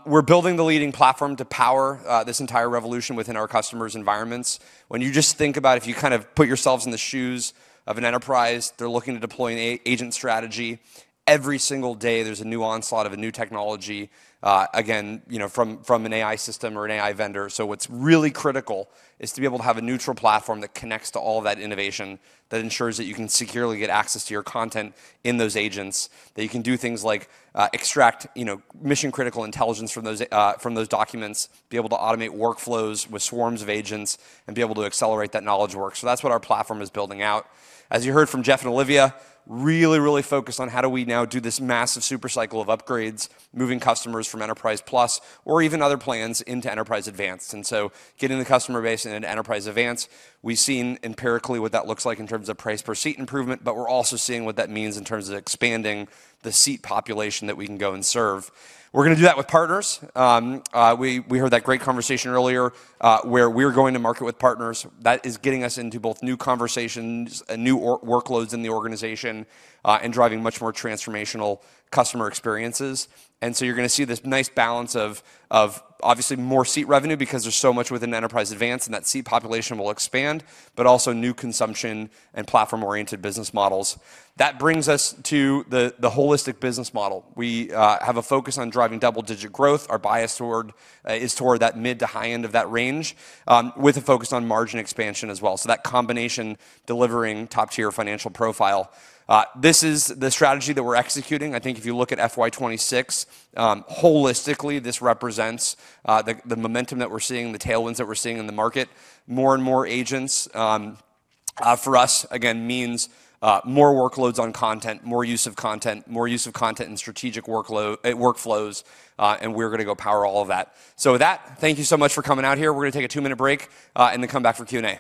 We're building the leading platform to power this entire revolution within our customers' environments. When you just think about if you kind of put yourselves in the shoes of an enterprise, they're looking to deploy an agent strategy. Every single day, there's a new onslaught of a new technology, again, you know, from an AI system or an AI vendor. What's really critical is to be able to have a neutral platform that connects to all that innovation, that ensures that you can securely get access to your content in those agents, that you can do things like, extract, you know, mission-critical intelligence from those documents, be able to automate workflows with swarms of agents, and be able to accelerate that knowledge work. That's what our platform is building out. As you heard from Jeff and Olivia, really, really focused on how do we now do this massive super cycle of upgrades, moving customers from Enterprise Plus or even other plans into Enterprise Advanced. Getting the customer base into Enterprise Advanced, we've seen empirically what that looks like in terms of price per seat improvement, but we're also seeing what that means in terms of expanding the seat population that we can go and serve. We're gonna do that with partners. We heard that great conversation earlier, where we're going to market with partners. That is getting us into both new conversations and new workloads in the organization, and driving much more transformational customer experiences. You're gonna see this nice balance of obviously more seat revenue because there's so much within Enterprise Advanced, and that seat population will expand, but also new consumption and platform-oriented business models. That brings us to the holistic business model. We have a focus on driving double-digit growth. Our bias toward is toward that mid to high end of that range, with a focus on margin expansion as well. That combination delivering top-tier financial profile. This is the strategy that we're executing. I think if you look at FY 2026, holistically, this represents the momentum that we're seeing, the tailwinds that we're seeing in the market. More and more agents for us, again, means more workloads on content, more use of content, more use of content and strategic workflows, and we're gonna go power all of that. With that, thank you so much for coming out here. We're gonna take a two-minute break and then come back for Q&A. Great.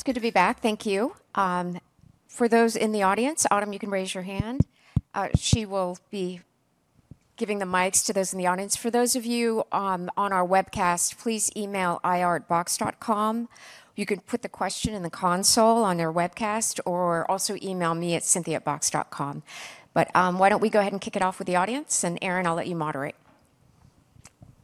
It's good to be back. Thank you. For those in the audience, Autumn, you can raise your hand. She will be giving the mics to those in the audience. For those of you on our webcast, please email ir@box.com. You can put the question in the console on your webcast or also email me at cynthia@box.com. Why don't we go ahead and kick it off with the audience, and Aaron, I'll let you moderate.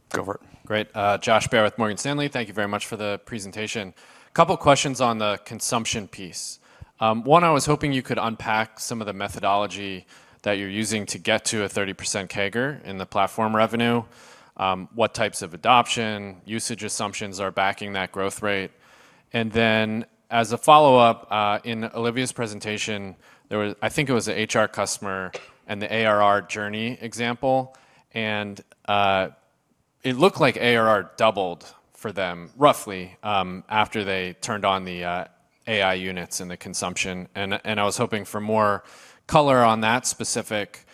Go for it. Great. Josh Baer with Morgan Stanley. Thank you very much for the presentation. Couple questions on the consumption piece. One, I was hoping you could unpack some of the methodology that you're using to get to a 30% CAGR in the platform revenue, what types of adoption, usage assumptions are backing that growth rate. And then as a follow-up, in Olivia's presentation, there was, I think it was the HR customer and the ARR journey example, and it looked like ARR doubled for them roughly, after they turned on the AI units and the consumption. And I was hoping for more color on that specific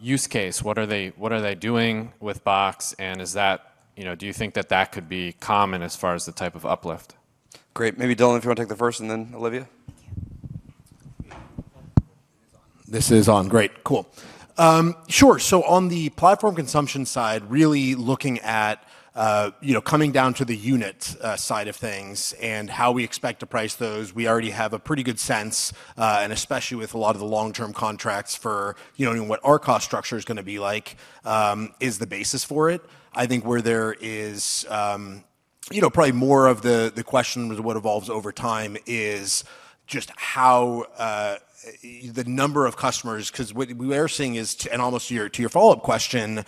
use case. What are they doing with Box, and is that, you know, do you think that that could be common as far as the type of uplift? Great. Maybe Dylan, if you want to take the first and then Olivia. Thank you. This is on. Great. Cool. Sure. On the platform consumption side, really looking at, you know, coming down to the unit side of things and how we expect to price those, we already have a pretty good sense, and especially with a lot of the long-term contracts for, you know, what our cost structure is gonna be like is the basis for it. I think where there is, you know, probably more of the question with what evolves over time is just how the number of customers, 'cause what we are seeing is, almost to your follow-up question,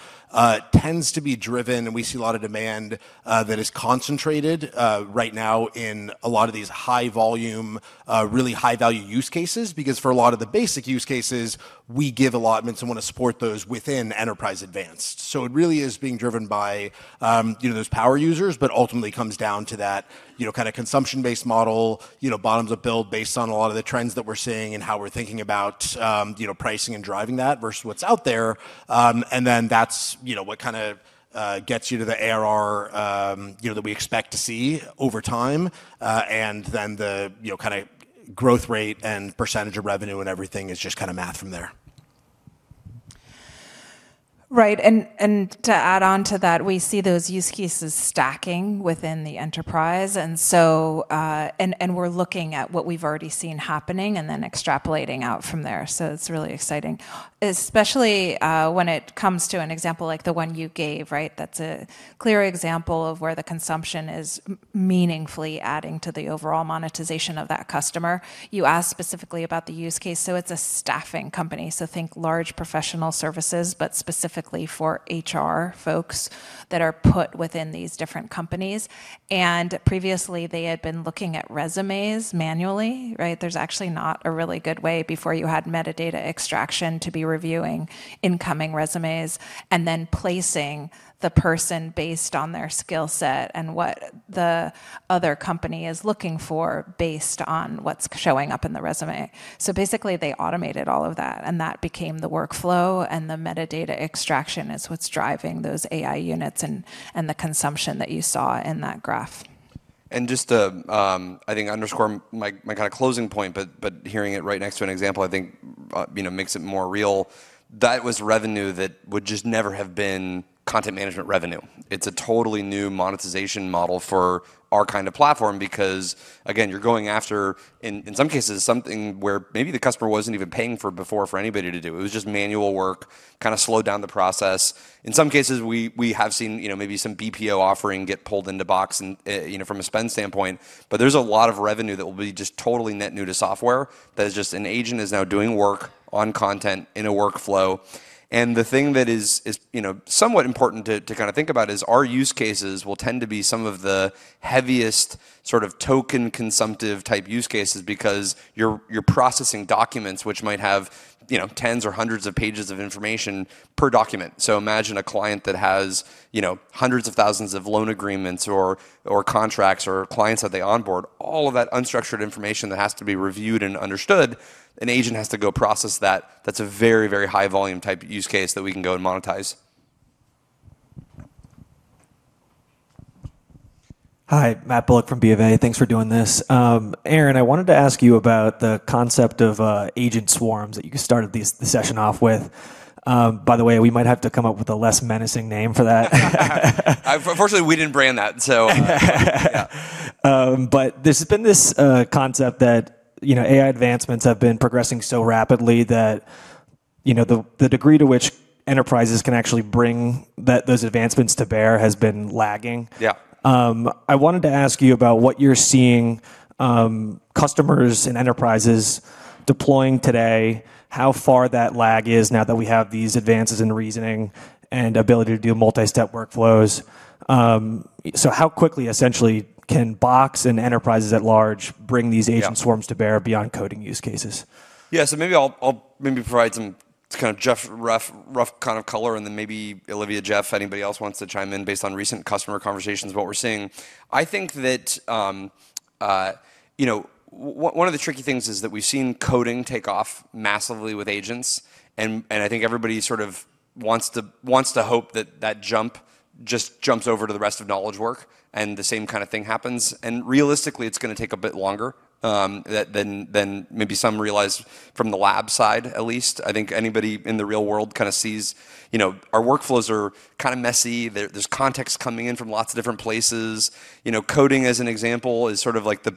tends to be driven, and we see a lot of demand that is concentrated right now in a lot of these high volume really high value use cases. Because for a lot of the basic use cases, we give allotments and wanna support those within Enterprise Advanced. It really is being driven by, you know, those power users, but ultimately comes down to that, you know, kinda consumption-based model, you know, bottoms-up build based on a lot of the trends that we're seeing and how we're thinking about, you know, pricing and driving that versus what's out there. That's, you know, what kinda gets you to the ARR, you know, that we expect to see over time. The, you know, kinda growth rate and percentage of revenue and everything is just kinda math from there. Right. To add on to that, we see those use cases stacking within the enterprise. We're looking at what we've already seen happening and then extrapolating out from there. It's really exciting, especially when it comes to an example like the one you gave, right? That's a clear example of where the consumption is meaningfully adding to the overall monetization of that customer. You asked specifically about the use case, so it's a staffing company. Think large professional services, but specifically for HR folks that are put within these different companies. Previously, they had been looking at resumes manually, right? There's actually not a really good way before you had metadata extraction to be reviewing incoming resumes and then placing the person based on their skill set and what the other company is looking for based on what's showing up in the resume. Basically, they automated all of that, and that became the workflow, and the metadata extraction is what's driving those AI units and the consumption that you saw in that graph. Just to underscore my kinda closing point, but hearing it right next to an example, I think you know makes it more real. That was revenue that would just never have been content management revenue. It's a totally new monetization model for our kind of platform because, again, you're going after, in some cases, something where maybe the customer wasn't even paying for before for anybody to do. It was just manual work, kinda slowed down the process. In some cases, we have seen you know maybe some BPO offering get pulled into Box and from a spend standpoint. But there's a lot of revenue that will be just totally net new to software that is just an agent is now doing work on content in a workflow. The thing that is you know somewhat important to kinda think about is our use cases will tend to be some of the heaviest sort of token consumptive type use cases because you're processing documents which might have, you know, tens or hundreds of pages of information per document. Imagine a client that has, you know, hundreds of thousands of loan agreements or contracts or clients that they onboard, all of that unstructured information that has to be reviewed and understood, an agent has to go process that. That's a very high volume type use case that we can go and monetize. Hi, Matt Bullock from Bank of America. Thanks for doing this. Aaron, I wanted to ask you about the concept of agent swarms that you started the session off with. By the way, we might have to come up with a less menacing name for that. Fortunately, we didn't brand that, so There's been this concept that, you know, AI advancements have been progressing so rapidly that, you know, the degree to which enterprises can actually bring those advancements to bear has been lagging. Yeah. I wanted to ask you about what you're seeing, customers and enterprises deploying today, how far that lag is now that we have these advances in reasoning and ability to do multi-step workflows. How quickly, essentially, can Box and enterprises at large bring these agent swarms to bear beyond coding use cases? Yeah. Maybe I'll provide some kind of rough kind of color, and then maybe Olivia, Jeff, anybody else wants to chime in based on recent customer conversations what we're seeing. I think that, you know, one of the tricky things is that we've seen coding take off massively with agents, and I think everybody sort of wants to hope that jump just jumps over to the rest of knowledge work, and the same kind of thing happens. Realistically, it's gonna take a bit longer than maybe some realize from the lab side, at least. I think anybody in the real world kinda sees, you know, our workflows are kinda messy. There's context coming in from lots of different places. You know, coding as an example is sort of like the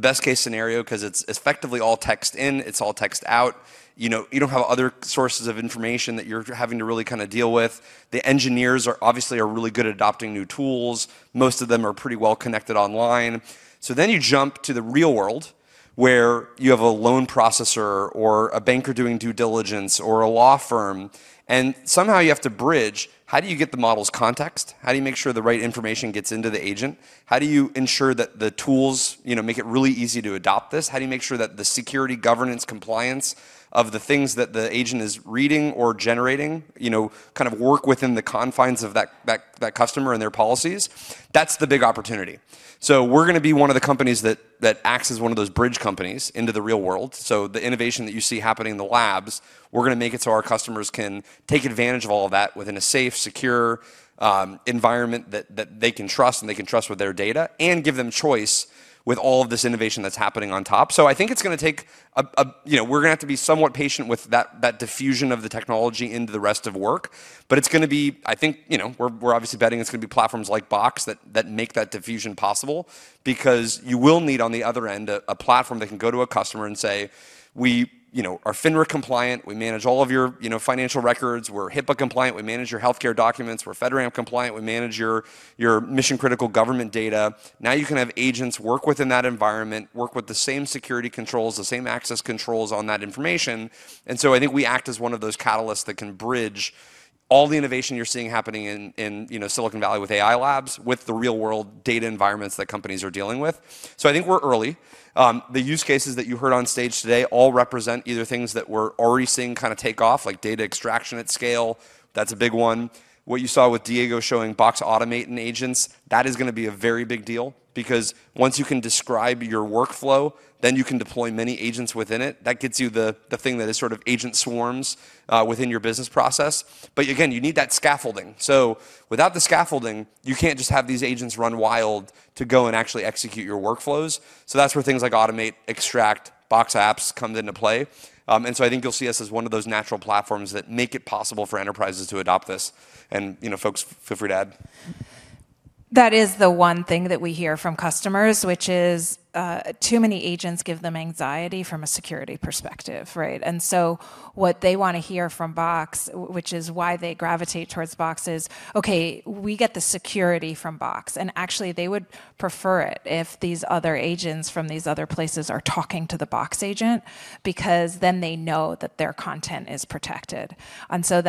best case scenario 'cause it's effectively all text in, it's all text out. You know, you don't have other sources of information that you're having to really kinda deal with. The engineers are obviously really good at adopting new tools. Most of them are pretty well connected online. You jump to the real world where you have a loan processor or a banker doing due diligence or a law firm, and somehow you have to bridge, how do you get the model's context? How do you make sure the right information gets into the agent? How do you ensure that the tools, you know, make it really easy to adopt this? How do you make sure that the security governance compliance of the things that the agent is reading or generating, you know, kind of work within the confines of that customer and their policies? That's the big opportunity. We're gonna be one of the companies that acts as one of those bridge companies into the real world. The innovation that you see happening in the labs, we're gonna make it so our customers can take advantage of all of that within a safe, secure environment that they can trust, and they can trust with their data, and give them choice with all of this innovation that's happening on top. I think it's gonna take a. You know, we're gonna have to be somewhat patient with that diffusion of the technology into the rest of work, but it's gonna be. I think, you know, we're obviously betting it's gonna be platforms like Box that make that diffusion possible because you will need on the other end a platform that can go to a customer and say, "We, you know, are FINRA compliant. We manage all of your, you know, financial records. We're HIPAA compliant. We manage your healthcare documents. We're FedRAMP compliant. We manage your mission-critical government data." Now you can have agents work within that environment, work with the same security controls, the same access controls on that information. I think we act as one of those catalysts that can bridge all the innovation, you're seeing happening in, you know, Silicon Valley with AI labs, with the real-world data environments that companies are dealing with. I think we're early. The use cases that you heard on stage today all represent either thing that we're already seeing kinda take off, like data extraction at scale. That's a big one. What you saw with Diego showing Box Automate and Box AI Agents, that is gonna be a very big deal because once you can describe your workflow, then you can deploy many agents within it. That gets you the thing that is sort of agent swarms within your business process. Again, you need that scaffolding. Without the scaffolding, you can't just have these agents run wild to go and actually execute your workflows. That's where things like Box Automate, Box Extract, Box Apps comes into play. I think you'll see us as one of those natural platforms that make it possible for enterprises to adopt this. You know, folks, feel free to add. That is the one thing that we hear from customers, which is, too many agents give them anxiety from a security perspective, right? What they wanna hear from Box, which is why they gravitate towards Box, is, "Okay, we get the security from Box." Actually, they would prefer it if these other agents from these other places are talking to the Box agent because then they know that their content is protected.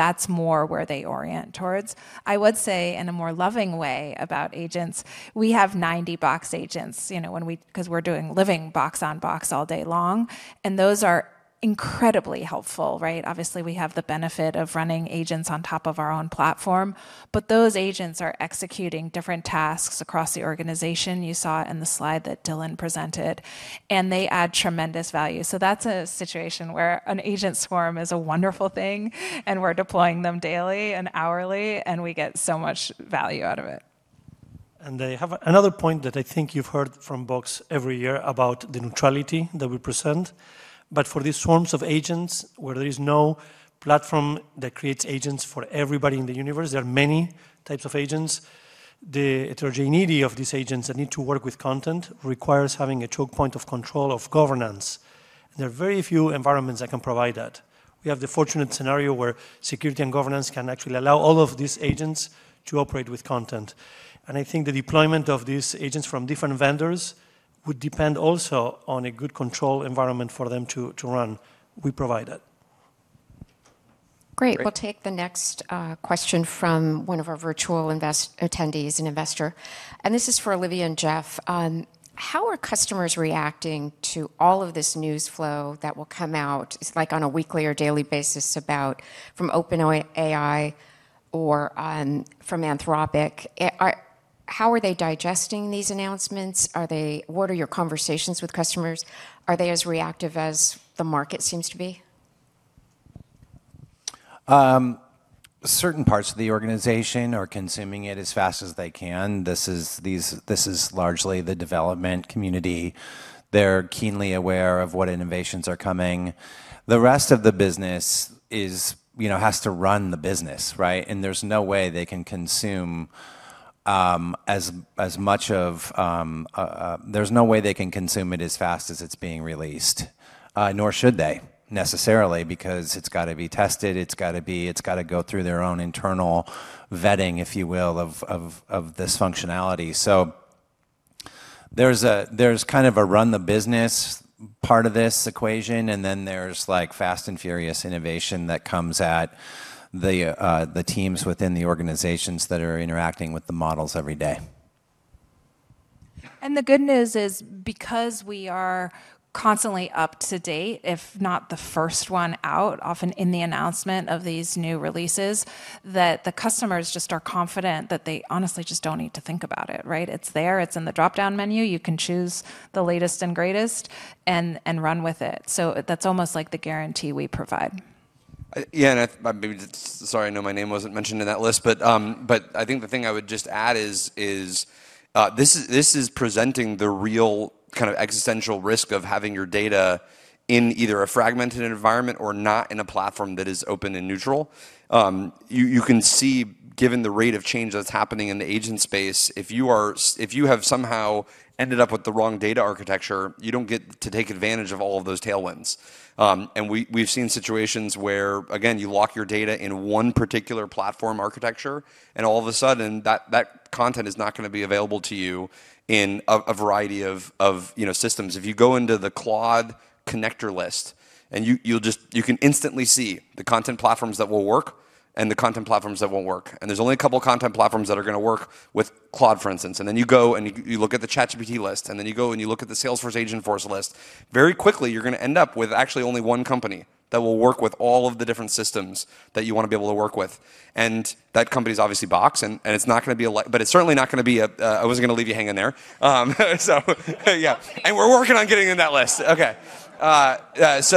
That's more where they orient towards. I would say in a more loving way about agents, we have 90 Box agents, you know, 'cause we're doing living Box on Box all day long, and those are incredibly helpful, right? Obviously, we have the benefit of running agents on top of our own platform, but those agents are executing different tasks across the organization. You saw it in the slide that Dylan presented, and they add tremendous value. That's a situation where an agent swarm is a wonderful thing, and we're deploying them daily and hourly, and we get so much value out of it. I have another point that I think you've heard from Box every year about the neutrality that we present. But for these swarms of agents where there is no platform that creates agents for everybody in the universe, there are many types of agents. The heterogeneity of these agents that need to work with content requires having a choke point of control of governance. There are very few environments that can provide that. We have the fortunate scenario where security and governance can actually allow all of these agents to operate with content. I think the deployment of these agents from different vendors would depend also on a good control environment for them to run. We provide that. Great. We'll take the next question from one of our virtual attendees, an investor. This is for Olivia and Jeff. How are customers reacting to all of this news flow that will come out, it's like on a weekly or daily basis, from OpenAI or from Anthropic? How are they digesting these announcements? What are your conversations with customers? Are they as reactive as the market seems to be? Certain parts of the organization are consuming it as fast as they can. This is largely the development community. They're keenly aware of what innovations are coming. The rest of the business is, you know, has to run the business, right? There's no way they can consume. There's no way they can consume it as fast as it's being released. Nor should they necessarily, because it's gotta be tested. It's gotta go through their own internal vetting, if you will, of this functionality. There's kind of a run the business part of this equation, and then there's like fast and furious innovation that comes at the teams within the organizations that are interacting with the models every day. The good news is because we are constantly up to date, if not the first one out, often in the announcement of these new releases, that the customers just are confident that they honestly just don't need to think about it, right? It's there, it's in the dropdown menu. You can choose the latest and greatest and run with it. That's almost like the guarantee we provide. Sorry, I know my name wasn't mentioned in that list, but I think the thing I would just add is this is presenting the real kind of existential risk of having your data in either a fragmented environment or not in a platform that is open and neutral. You can see, given the rate of change that's happening in the agent space, if you have somehow ended up with the wrong data architecture, you don't get to take advantage of all of those tailwinds. We've seen situations where, again, you lock your data in one particular platform architecture, and all of a sudden that content is not gonna be available to you in a variety of, you know, systems. If you go into the Claude connector list and you can instantly see the content platforms that will work and the content platforms that won't work. There're only a couple content platforms that are gonna work with Claude, for instance. Then you go and you look at the ChatGPT list, and then you go and you look at the Salesforce Agentforce list. Very quickly, you're gonna end up with actually only one company that will work with all of the different systems that you wanna be able to work with. That company's obviously Box, and it's not gonna be a but it's certainly not gonna be a. I wasn't gonna leave you hanging there. Yeah. We're working on getting in that list. Okay. But it's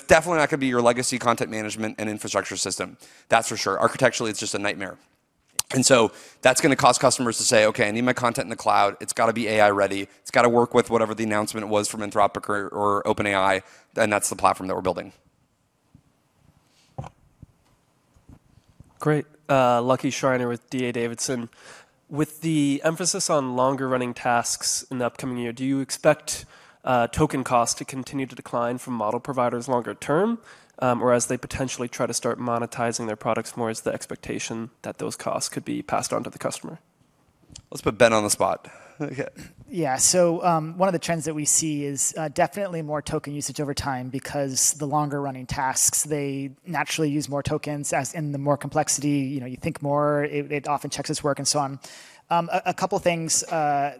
definitely not gonna be your legacy content management and infrastructure system. That's for sure. Architecturally, it's just a nightmare. That's gonna cause customers to say, "Okay, I need my content in the cloud. It's gotta be AI ready. It's gotta work with whatever the announcement was from Anthropic or OpenAI," then that's the platform that we're building. Great. Lucky Schreiner with D.A. Davidson. With the emphasis on longer running tasks in the upcoming year, do you expect token costs to continue to decline from model providers longer term? Or as they potentially try to start monetizing their products more, is the expectation that those costs could be passed on to the customer? Let's put Ben on the spot. Yeah. One of the trends that we see is definitely more token usage over time because the longer running tasks they naturally use more tokens as in the more complexity, you know you think more, it often checks its work and so on. A couple things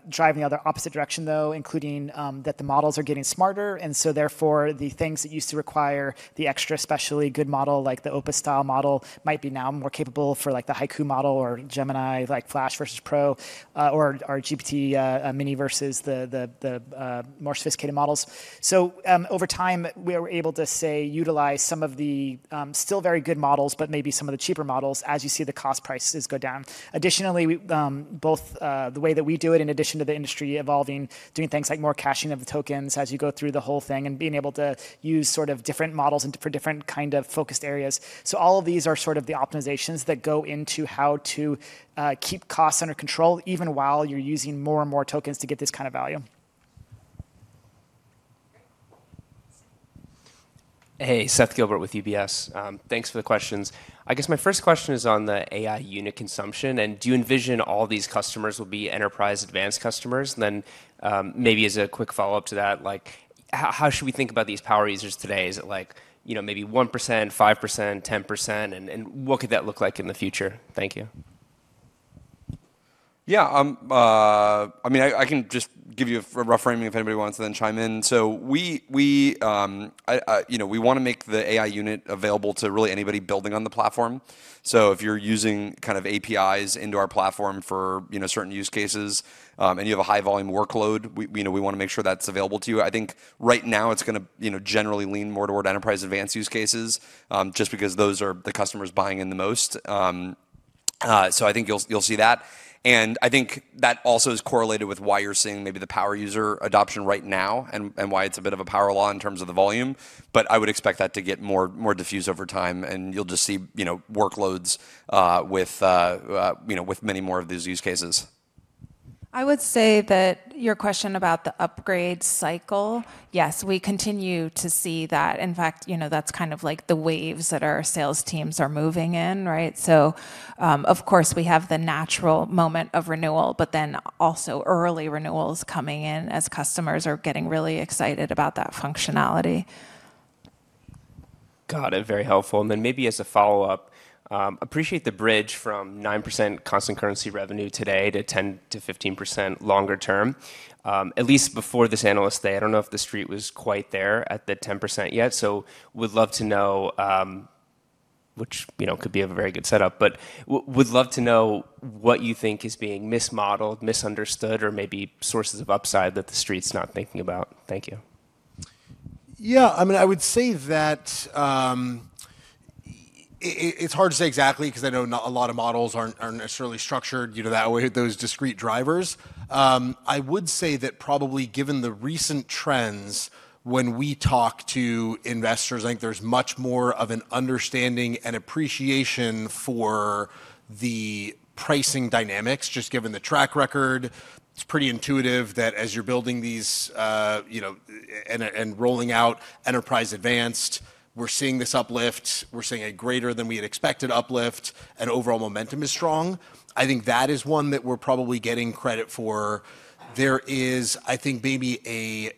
drive in the opposite direction though, including that the models are getting smarter, and so therefore the things that used to require the exceptionally good model, like the Opus style model, might be now more capable for like the Haiku model or Gemini, like Flash versus Pro, or our GPT Mini versus the more sophisticated models. Over time, we are able to, say, utilize some of the, still very good models, but maybe some of the cheaper models as you see the cost prices go down. Additionally, we, both, the way that we do it in addition to the industry evolving, doing things like more caching of the tokens as you go through the whole thing, and being able to use sort of different models and for different kind of focused areas. All of these are sort of the optimizations that go into how to, keep costs under control even while you're using more and more tokens to get this kind of value. Hey, Seth Gilbert with UBS. Thanks for the questions. I guess my first question is on the AI unit consumption, and do you envision all these customers will be Enterprise Advanced customers? Then, maybe as a quick follow-up to that, like how should we think about these power users today? Is it like, you know, maybe 1%, 5%, 10%? What could that look like in the future? Thank you. Yeah. I mean, I can just give you a rough framing if anybody wants to then chime in. We, you know, we wanna make the AI unit available to really anybody building on the platform. If you're using kind of APIs into our platform for, you know, certain use cases, and you have a high volume workload, you know, we wanna make sure that's available to you. I think right now it's gonna, you know, generally lean more toward Enterprise Advanced use cases, just because those are the customers buying in the most. I think you'll see that. I think that also is correlated with why you're seeing maybe the power user adoption right now and why it's a bit of a power law in terms of the volume. I would expect that to get more diffused over time, and you'll just see, you know, workloads with many more of these use cases. I would say that your question about the upgrade cycle, yes, we continue to see that. In fact, you know, that's kind of like the waves that our sales teams are moving in, right? Of course, we have the natural moment of renewal, but then also early renewals coming in as customers are getting really excited about that functionality. Got it. Very helpful. Maybe as a follow-up, appreciate the bridge from 9% constant currency revenue today to 10%-15% longer term. At least before this Analyst Day, I don't know if the street was quite there at the 10% yet. Would love to know which, you know, could be a very good setup. Would love to know what you think is being mismodeled, misunderstood, or maybe sources of upside that the street's not thinking about. Thank you. Yeah. I mean, I would say that, It's hard to say exactly 'cause I know not a lot of models aren't necessarily structured, you know, that way with those discrete drivers. I would say that probably given the recent trends, when we talk to investors, I think there's much more of an understanding and appreciation for the pricing dynamics, just given the track record. It's pretty intuitive that as you're building these, you know, and rolling out Enterprise Advanced, we're seeing this uplift. We're seeing a greater than we had expected uplift, and overall momentum is strong. I think that is one that we're probably getting credit for. There is, I think, maybe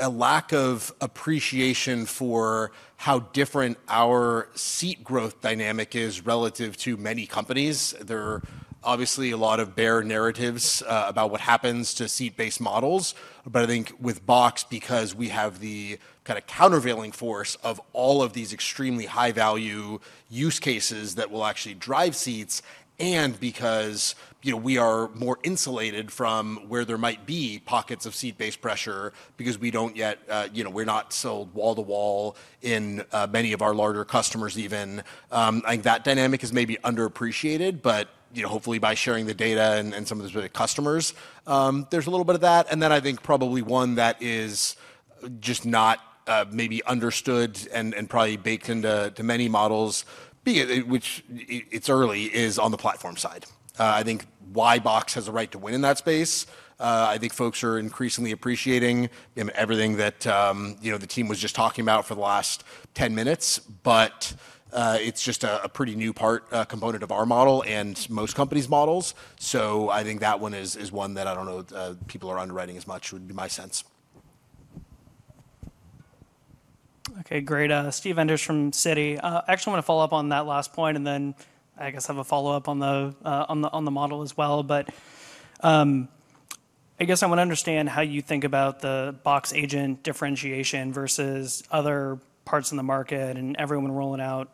a lack of appreciation for how different our seat growth dynamic is relative to many companies. There are obviously a lot of bear narratives about what happens to seat-based models. I think with Box, because we have the kinda countervailing force of all of these extremely high-value use cases that will actually drive seats, and because, you know, we are more insulated from where there might be pockets of seat-based pressure because we don't yet, you know, we're not sold wall to wall in, many of our larger customers even, I think that dynamic is maybe underappreciated. You know, hopefully by sharing the data and some of the customers, there's a little bit of that. Then I think probably one that is just not maybe understood and probably baked into many models, be it, which it's early, is on the platform side. I think why Box has a right to win in that space, I think folks are increasingly appreciating, you know, everything that, you know, the team was just talking about for the last 10 minutes. It's just a pretty new part, component of our model and most companies' models. I think that one is one that I don't know that people are underwriting as much would be my sense. Okay, great. Steve Enders from Citi. I actually wanna follow-up on that last point, and then I guess have a follow-up on the model as well. I guess I wanna understand how you think about the Box agent differentiation versus other parts in the market, and everyone rolling out,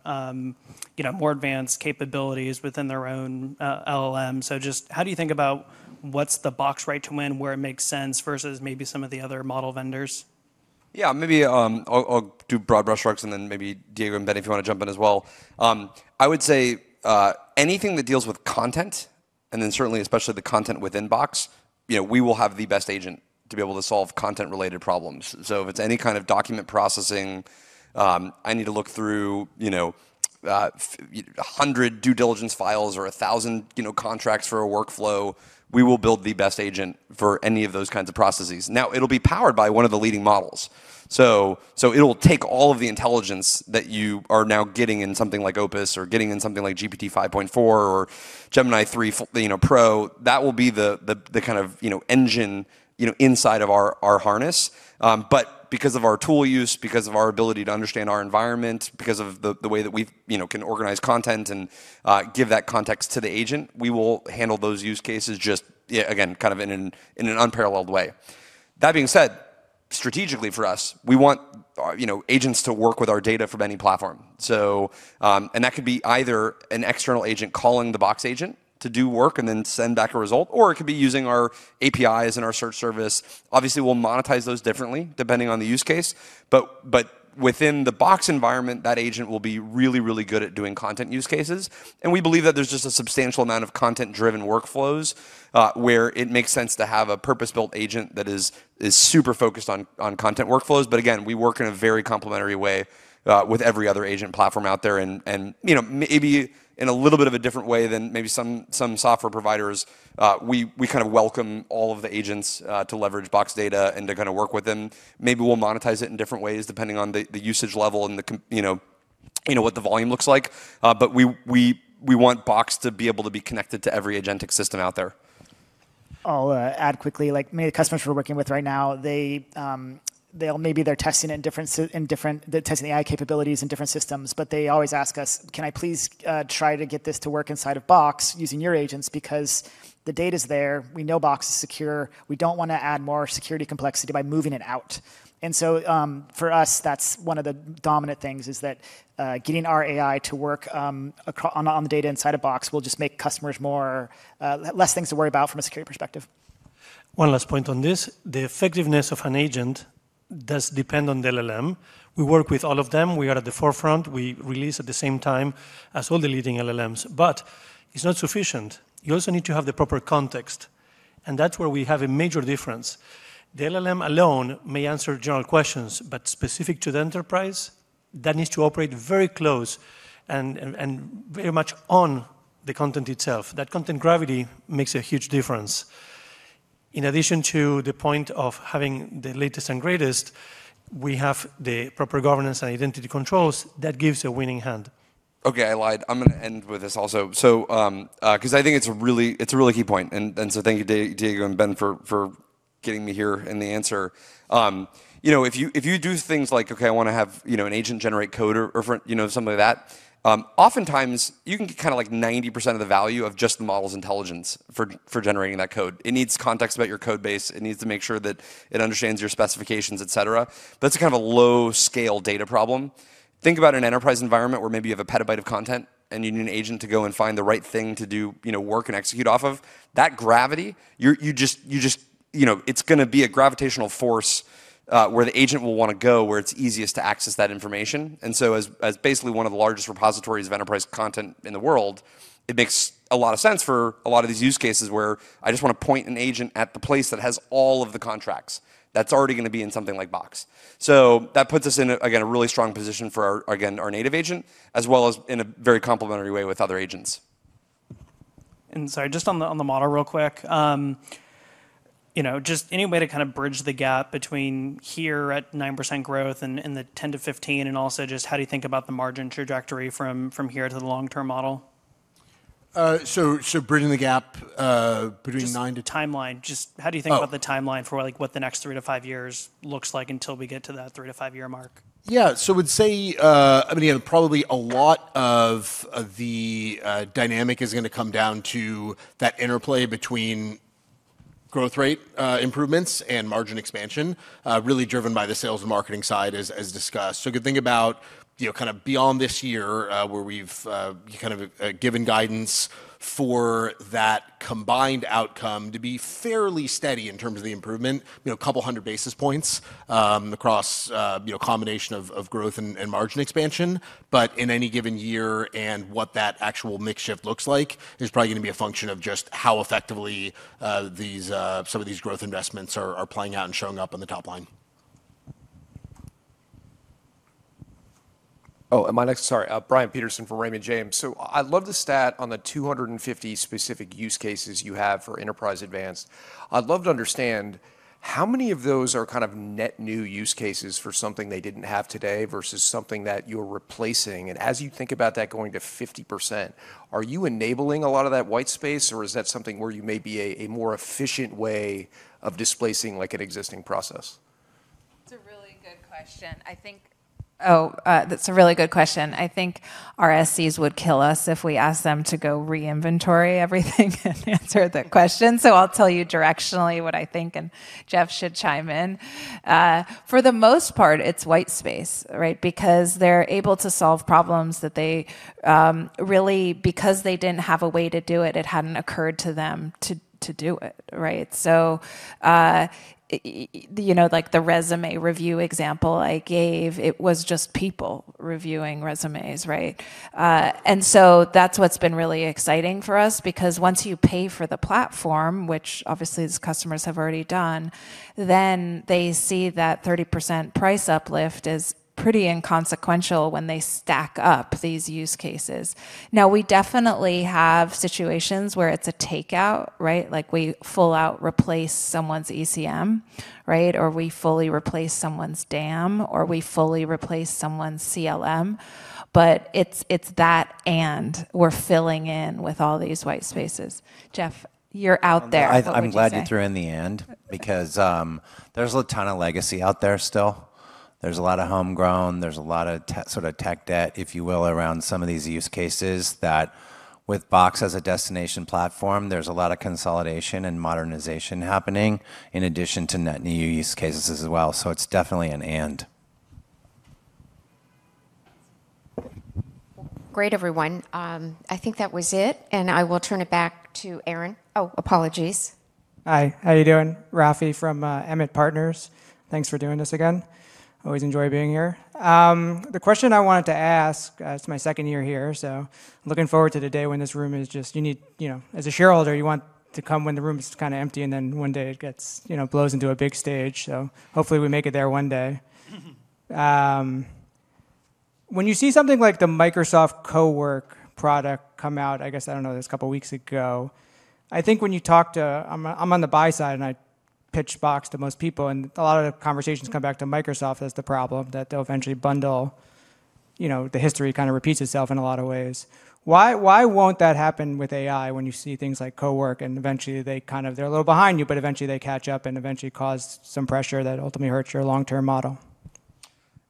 you know, more advanced capabilities within their own LLM. Just how do you think about what's the Box right to win, where it makes sense, versus maybe some of the other model vendors? Yeah. Maybe I'll do broad brushstrokes, and then maybe Diego and Ben, if you wanna jump in as well. I would say anything that deals with content, and then certainly especially the content within Box, you know, we will have the best agent to be able to solve content-related problems. If it's any kind of document processing, I need to look through, you know, 100 due diligence files or 1,000 contracts for a workflow, we will build the best agent for any of those kinds of processes. Now, it'll be powered by one of the leading models. It'll take all of the intelligence that you are now getting in something like Opus or getting in something like GPT-5.4 or Gemini 3, you know, Pro. That will be the kind of, you know, engine, you know, inside of our harness. But because of our tool use, because of our ability to understand our environment, because of the way that we've, you know, can organize content and give that context to the agent, we will handle those use cases just, yeah, again, kind of in an unparalleled way. That being said, strategically for us, we want, you know, agents to work with our data from any platform. And that could be either an external agent calling the Box agent to do work and then send back a result, or it could be using our APIs and our search service. Obviously, we'll monetize those differently depending on the use case. Within the Box environment, that agent will be really good at doing content use cases. We believe that there's just a substantial amount of content-driven workflows where it makes sense to have a purpose-built agent that is super focused on content workflows. Again, we work in a very complementary way with every other agent platform out there and you know, maybe in a little bit of a different way than maybe some software providers. We kind of welcome all of the agents to leverage Box data and to kinda work with them. Maybe we'll monetize it in different ways, depending on the usage level and you know what the volume looks like. We want Box to be able to be connected to every agentic system out there. I'll add quickly, like many of the customers we're working with right now, they'll maybe they're testing the AI capabilities in different systems, but they always ask us, "Can I please try to get this to work inside of Box using your agents? Because the data's there. We know Box is secure. We don't wanna add more security complexity by moving it out." For us, that's one of the dominant things is that getting our AI to work on the data inside of Box will just make customers less things to worry about from a security perspective. One last point on this. The effectiveness of an agent does depend on the LLM. We work with all of them. We are at the forefront. We release at the same time as all the leading LLMs, but it's not sufficient. You also need to have the proper context, and that's where we have a major difference. The LLM alone may answer general questions, but specific to the enterprise, that needs to operate very close and very much on the content itself. That content gravity makes a huge difference. In addition to the point of having the latest and greatest, we have the proper governance and identity controls that gives a winning hand. Okay, I lied. I'm gonna end with this also. 'Cause I think it's a really key point. Thank you Diego and Ben for getting me here to answer. You know, if you do things like, okay, I wanna have, you know, an agent generate code or for, you know, something like that, oftentimes you can get kinda like 90% of the value of just the model's intelligence for generating that code. It needs context about your code base. It needs to make sure that it understands your specifications, et cetera. That's kind of a low-scale data problem. Think about an enterprise environment where maybe you have a petabyte of content, and you need an agent to go and find the right thing to do, you know, work and execute off of. You know, it's gonna be a gravitational force where the agent will wanna go, where it's easiest to access that information. Basically one of the largest repositories of enterprise content in the world, it makes a lot of sense for a lot of these use cases where I just wanna point an agent at the place that has all of the contracts. That's already gonna be in something like Box. That puts us in a really strong position for our native agent, as well as in a very complementary way with other agents. Sorry, just on the model real quick. You know, just any way to kind of bridge the gap between here at 9% growth and the 10%-15%, and also just how do you think about the margin trajectory from here to the long-term model? Bridging the gap between nine to- Just the timeline. Just how do you think? Oh. about the timeline for, like, what the next three to five years looks like until we get to that three-to-five-year mark? Yeah. I would say, I mean, you know, probably a lot of the dynamic is gonna come down to that interplay between growth rate improvements and margin expansion, really driven by the sales and marketing side, as discussed. You could think about, you know, kind of beyond this year, where we've kind of given guidance for that combined outcome to be fairly steady in terms of the improvement. You know, 200 basis points across, you know, a combination of growth and margin expansion. In any given year and what that actual mix shift looks like is probably gonna be a function of just how effectively these some of these growth investments are playing out and showing up on the top line. Oh, am I next? Sorry. Brian Peterson from Raymond James. I love the stat on the 250 specific use cases you have for Enterprise Advanced. I'd love to understand, how many of those are kind of net new use cases for something they didn't have today versus something that you're replacing? And as you think about that going to 50%, are you enabling a lot of that white space, or is that something where you may be a more efficient way of displacing, like, an existing process? That's a really good question. I think our SCs would kill us if we ask them to go re-inventory everything and answer that question. I'll tell you directionally what I think, and Jeff should chime in. For the most part, it's white space, right? Because they're able to solve problems that they really didn't have a way to do it hadn't occurred to them to do it, right? You know, like the resume review example I gave, it was just people reviewing resumes, right? That's what's been really exciting for us because once you pay for the platform, which obviously these customers have already done, then they see that 30% price uplift is pretty inconsequential when they stack up these use cases. Now, we definitely have situations where it's a takeout, right? Like, we fully replace someone's ECM, right? Or we fully replace someone's DAM, or we fully replace someone's CLM. But it's that and we're filling in with all these white spaces. Jeff, you're out there. What would you say? I'm glad you threw in the and because there's a ton of legacy out there still. There's a lot of homegrown, there's a lot of tech debt, if you will, around some of these use cases that with Box as a destination platform, there's a lot of consolidation and modernization happening in addition to net new use cases as well. It's definitely an and. Great, everyone. I think that was it, and I will turn it back to Aaron. Oh, apologies. Hi. How you doing? Rafi from Emmett Partners. Thanks for doing this again. Always enjoy being here. The question I wanted to ask, it's my second year here, so looking forward to the day when this room is just you know as a shareholder you want to come when the room is kinda empty, and then one day it gets you know blows into a big stage. Hopefully we make it there one day. When you see something like the Microsoft Copilot product come out, I guess I don't know it was a couple weeks ago. I think, I'm on the buy side, and I pitch Box to most people, and a lot of the conversations come back to Microsoft as the problem, that they'll eventually bundle. You know, the history kinda repeats itself in a lot of ways. Why won't that happen with AI when you see things like Claude Cowork and eventually they're a little behind you, but eventually they catch up and eventually cause some pressure that ultimately hurts your long-term model?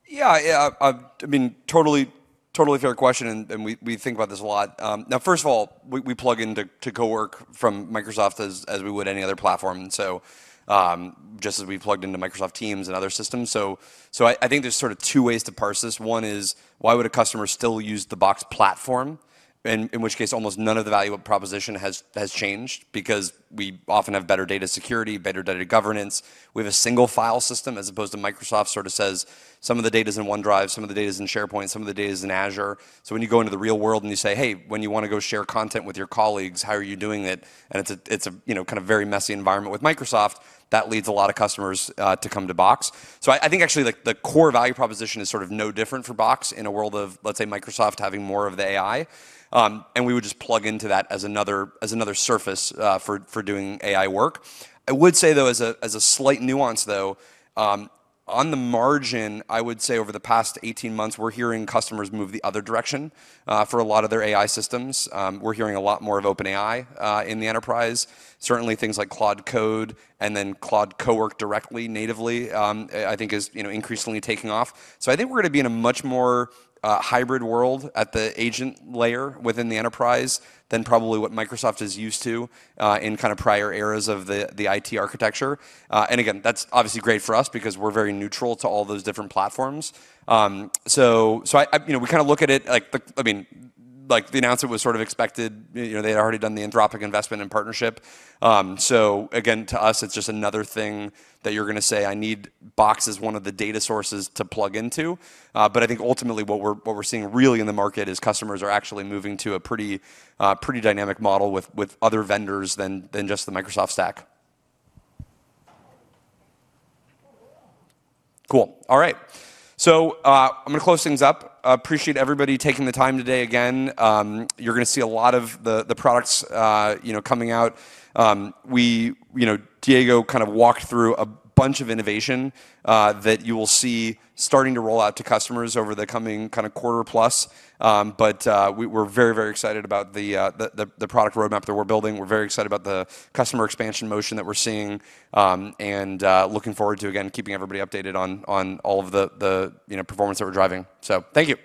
Yeah. I've I mean, totally fair question, and we think about this a lot. Now first of all, we plug into Copilot from Microsoft as we would any other platform, just as we plugged into Microsoft Teams and other systems. I think there's sort of two ways to parse this. One is, why would a customer still use the Box Platform? In which case, almost none of the value proposition has changed because we often have better data security, better data governance. We have a single file system as opposed to Microsoft sort of says, "Some of the data's in OneDrive, some of the data's in SharePoint, some of the data's in Azure." When you go into the real world and you say, "Hey, when you wanna go share content with your colleagues, how are you doing it?" It's a, you know kind of very messy environment with Microsoft that leads a lot of customers to come to Box. I think actually like the core value proposition is sort of no different for Box in a world of let's say Microsoft having more of the AI and we would just plug into that as another surface for doing AI work. I would say, though, as a slight nuance, though, on the margin, I would say over the past 18 months, we're hearing customers move the other direction for a lot of their AI systems. We're hearing a lot more of OpenAI in the enterprise. Certainly, things like Claude Code and then Claude Cowork directly natively, I think is, you know, increasingly taking off. I think we're gonna be in a much more hybrid world at the agent layer within the enterprise than probably what Microsoft is used to in kind of prior eras of the IT architecture. Again, that's obviously great for us because we're very neutral to all those different platforms. I, you know, we kinda look at it like the I mean, like, the announcement was sort of expected. You know, they had already done the Anthropic investment and partnership. Again, to us, it's just another thing that you're gonna say, "I need Box as one of the data sources to plug into." I think ultimately what we're seeing really in the market is customers are actually moving to a pretty dynamic model with other vendors than just the Microsoft stack. Cool. All right. I'm gonna close things up. Appreciate everybody taking the time today again. You're gonna see a lot of the products, you know, coming out. We, you know, Diego kind of walked through a bunch of innovation that you will see starting to roll out to customers over the coming kinda quarter plus. We're very excited about the product roadmap that we're building. We're very excited about the customer expansion motion that we're seeing, and looking forward to, again, keeping everybody updated on all of the, you know, performance that we're driving. Thank you.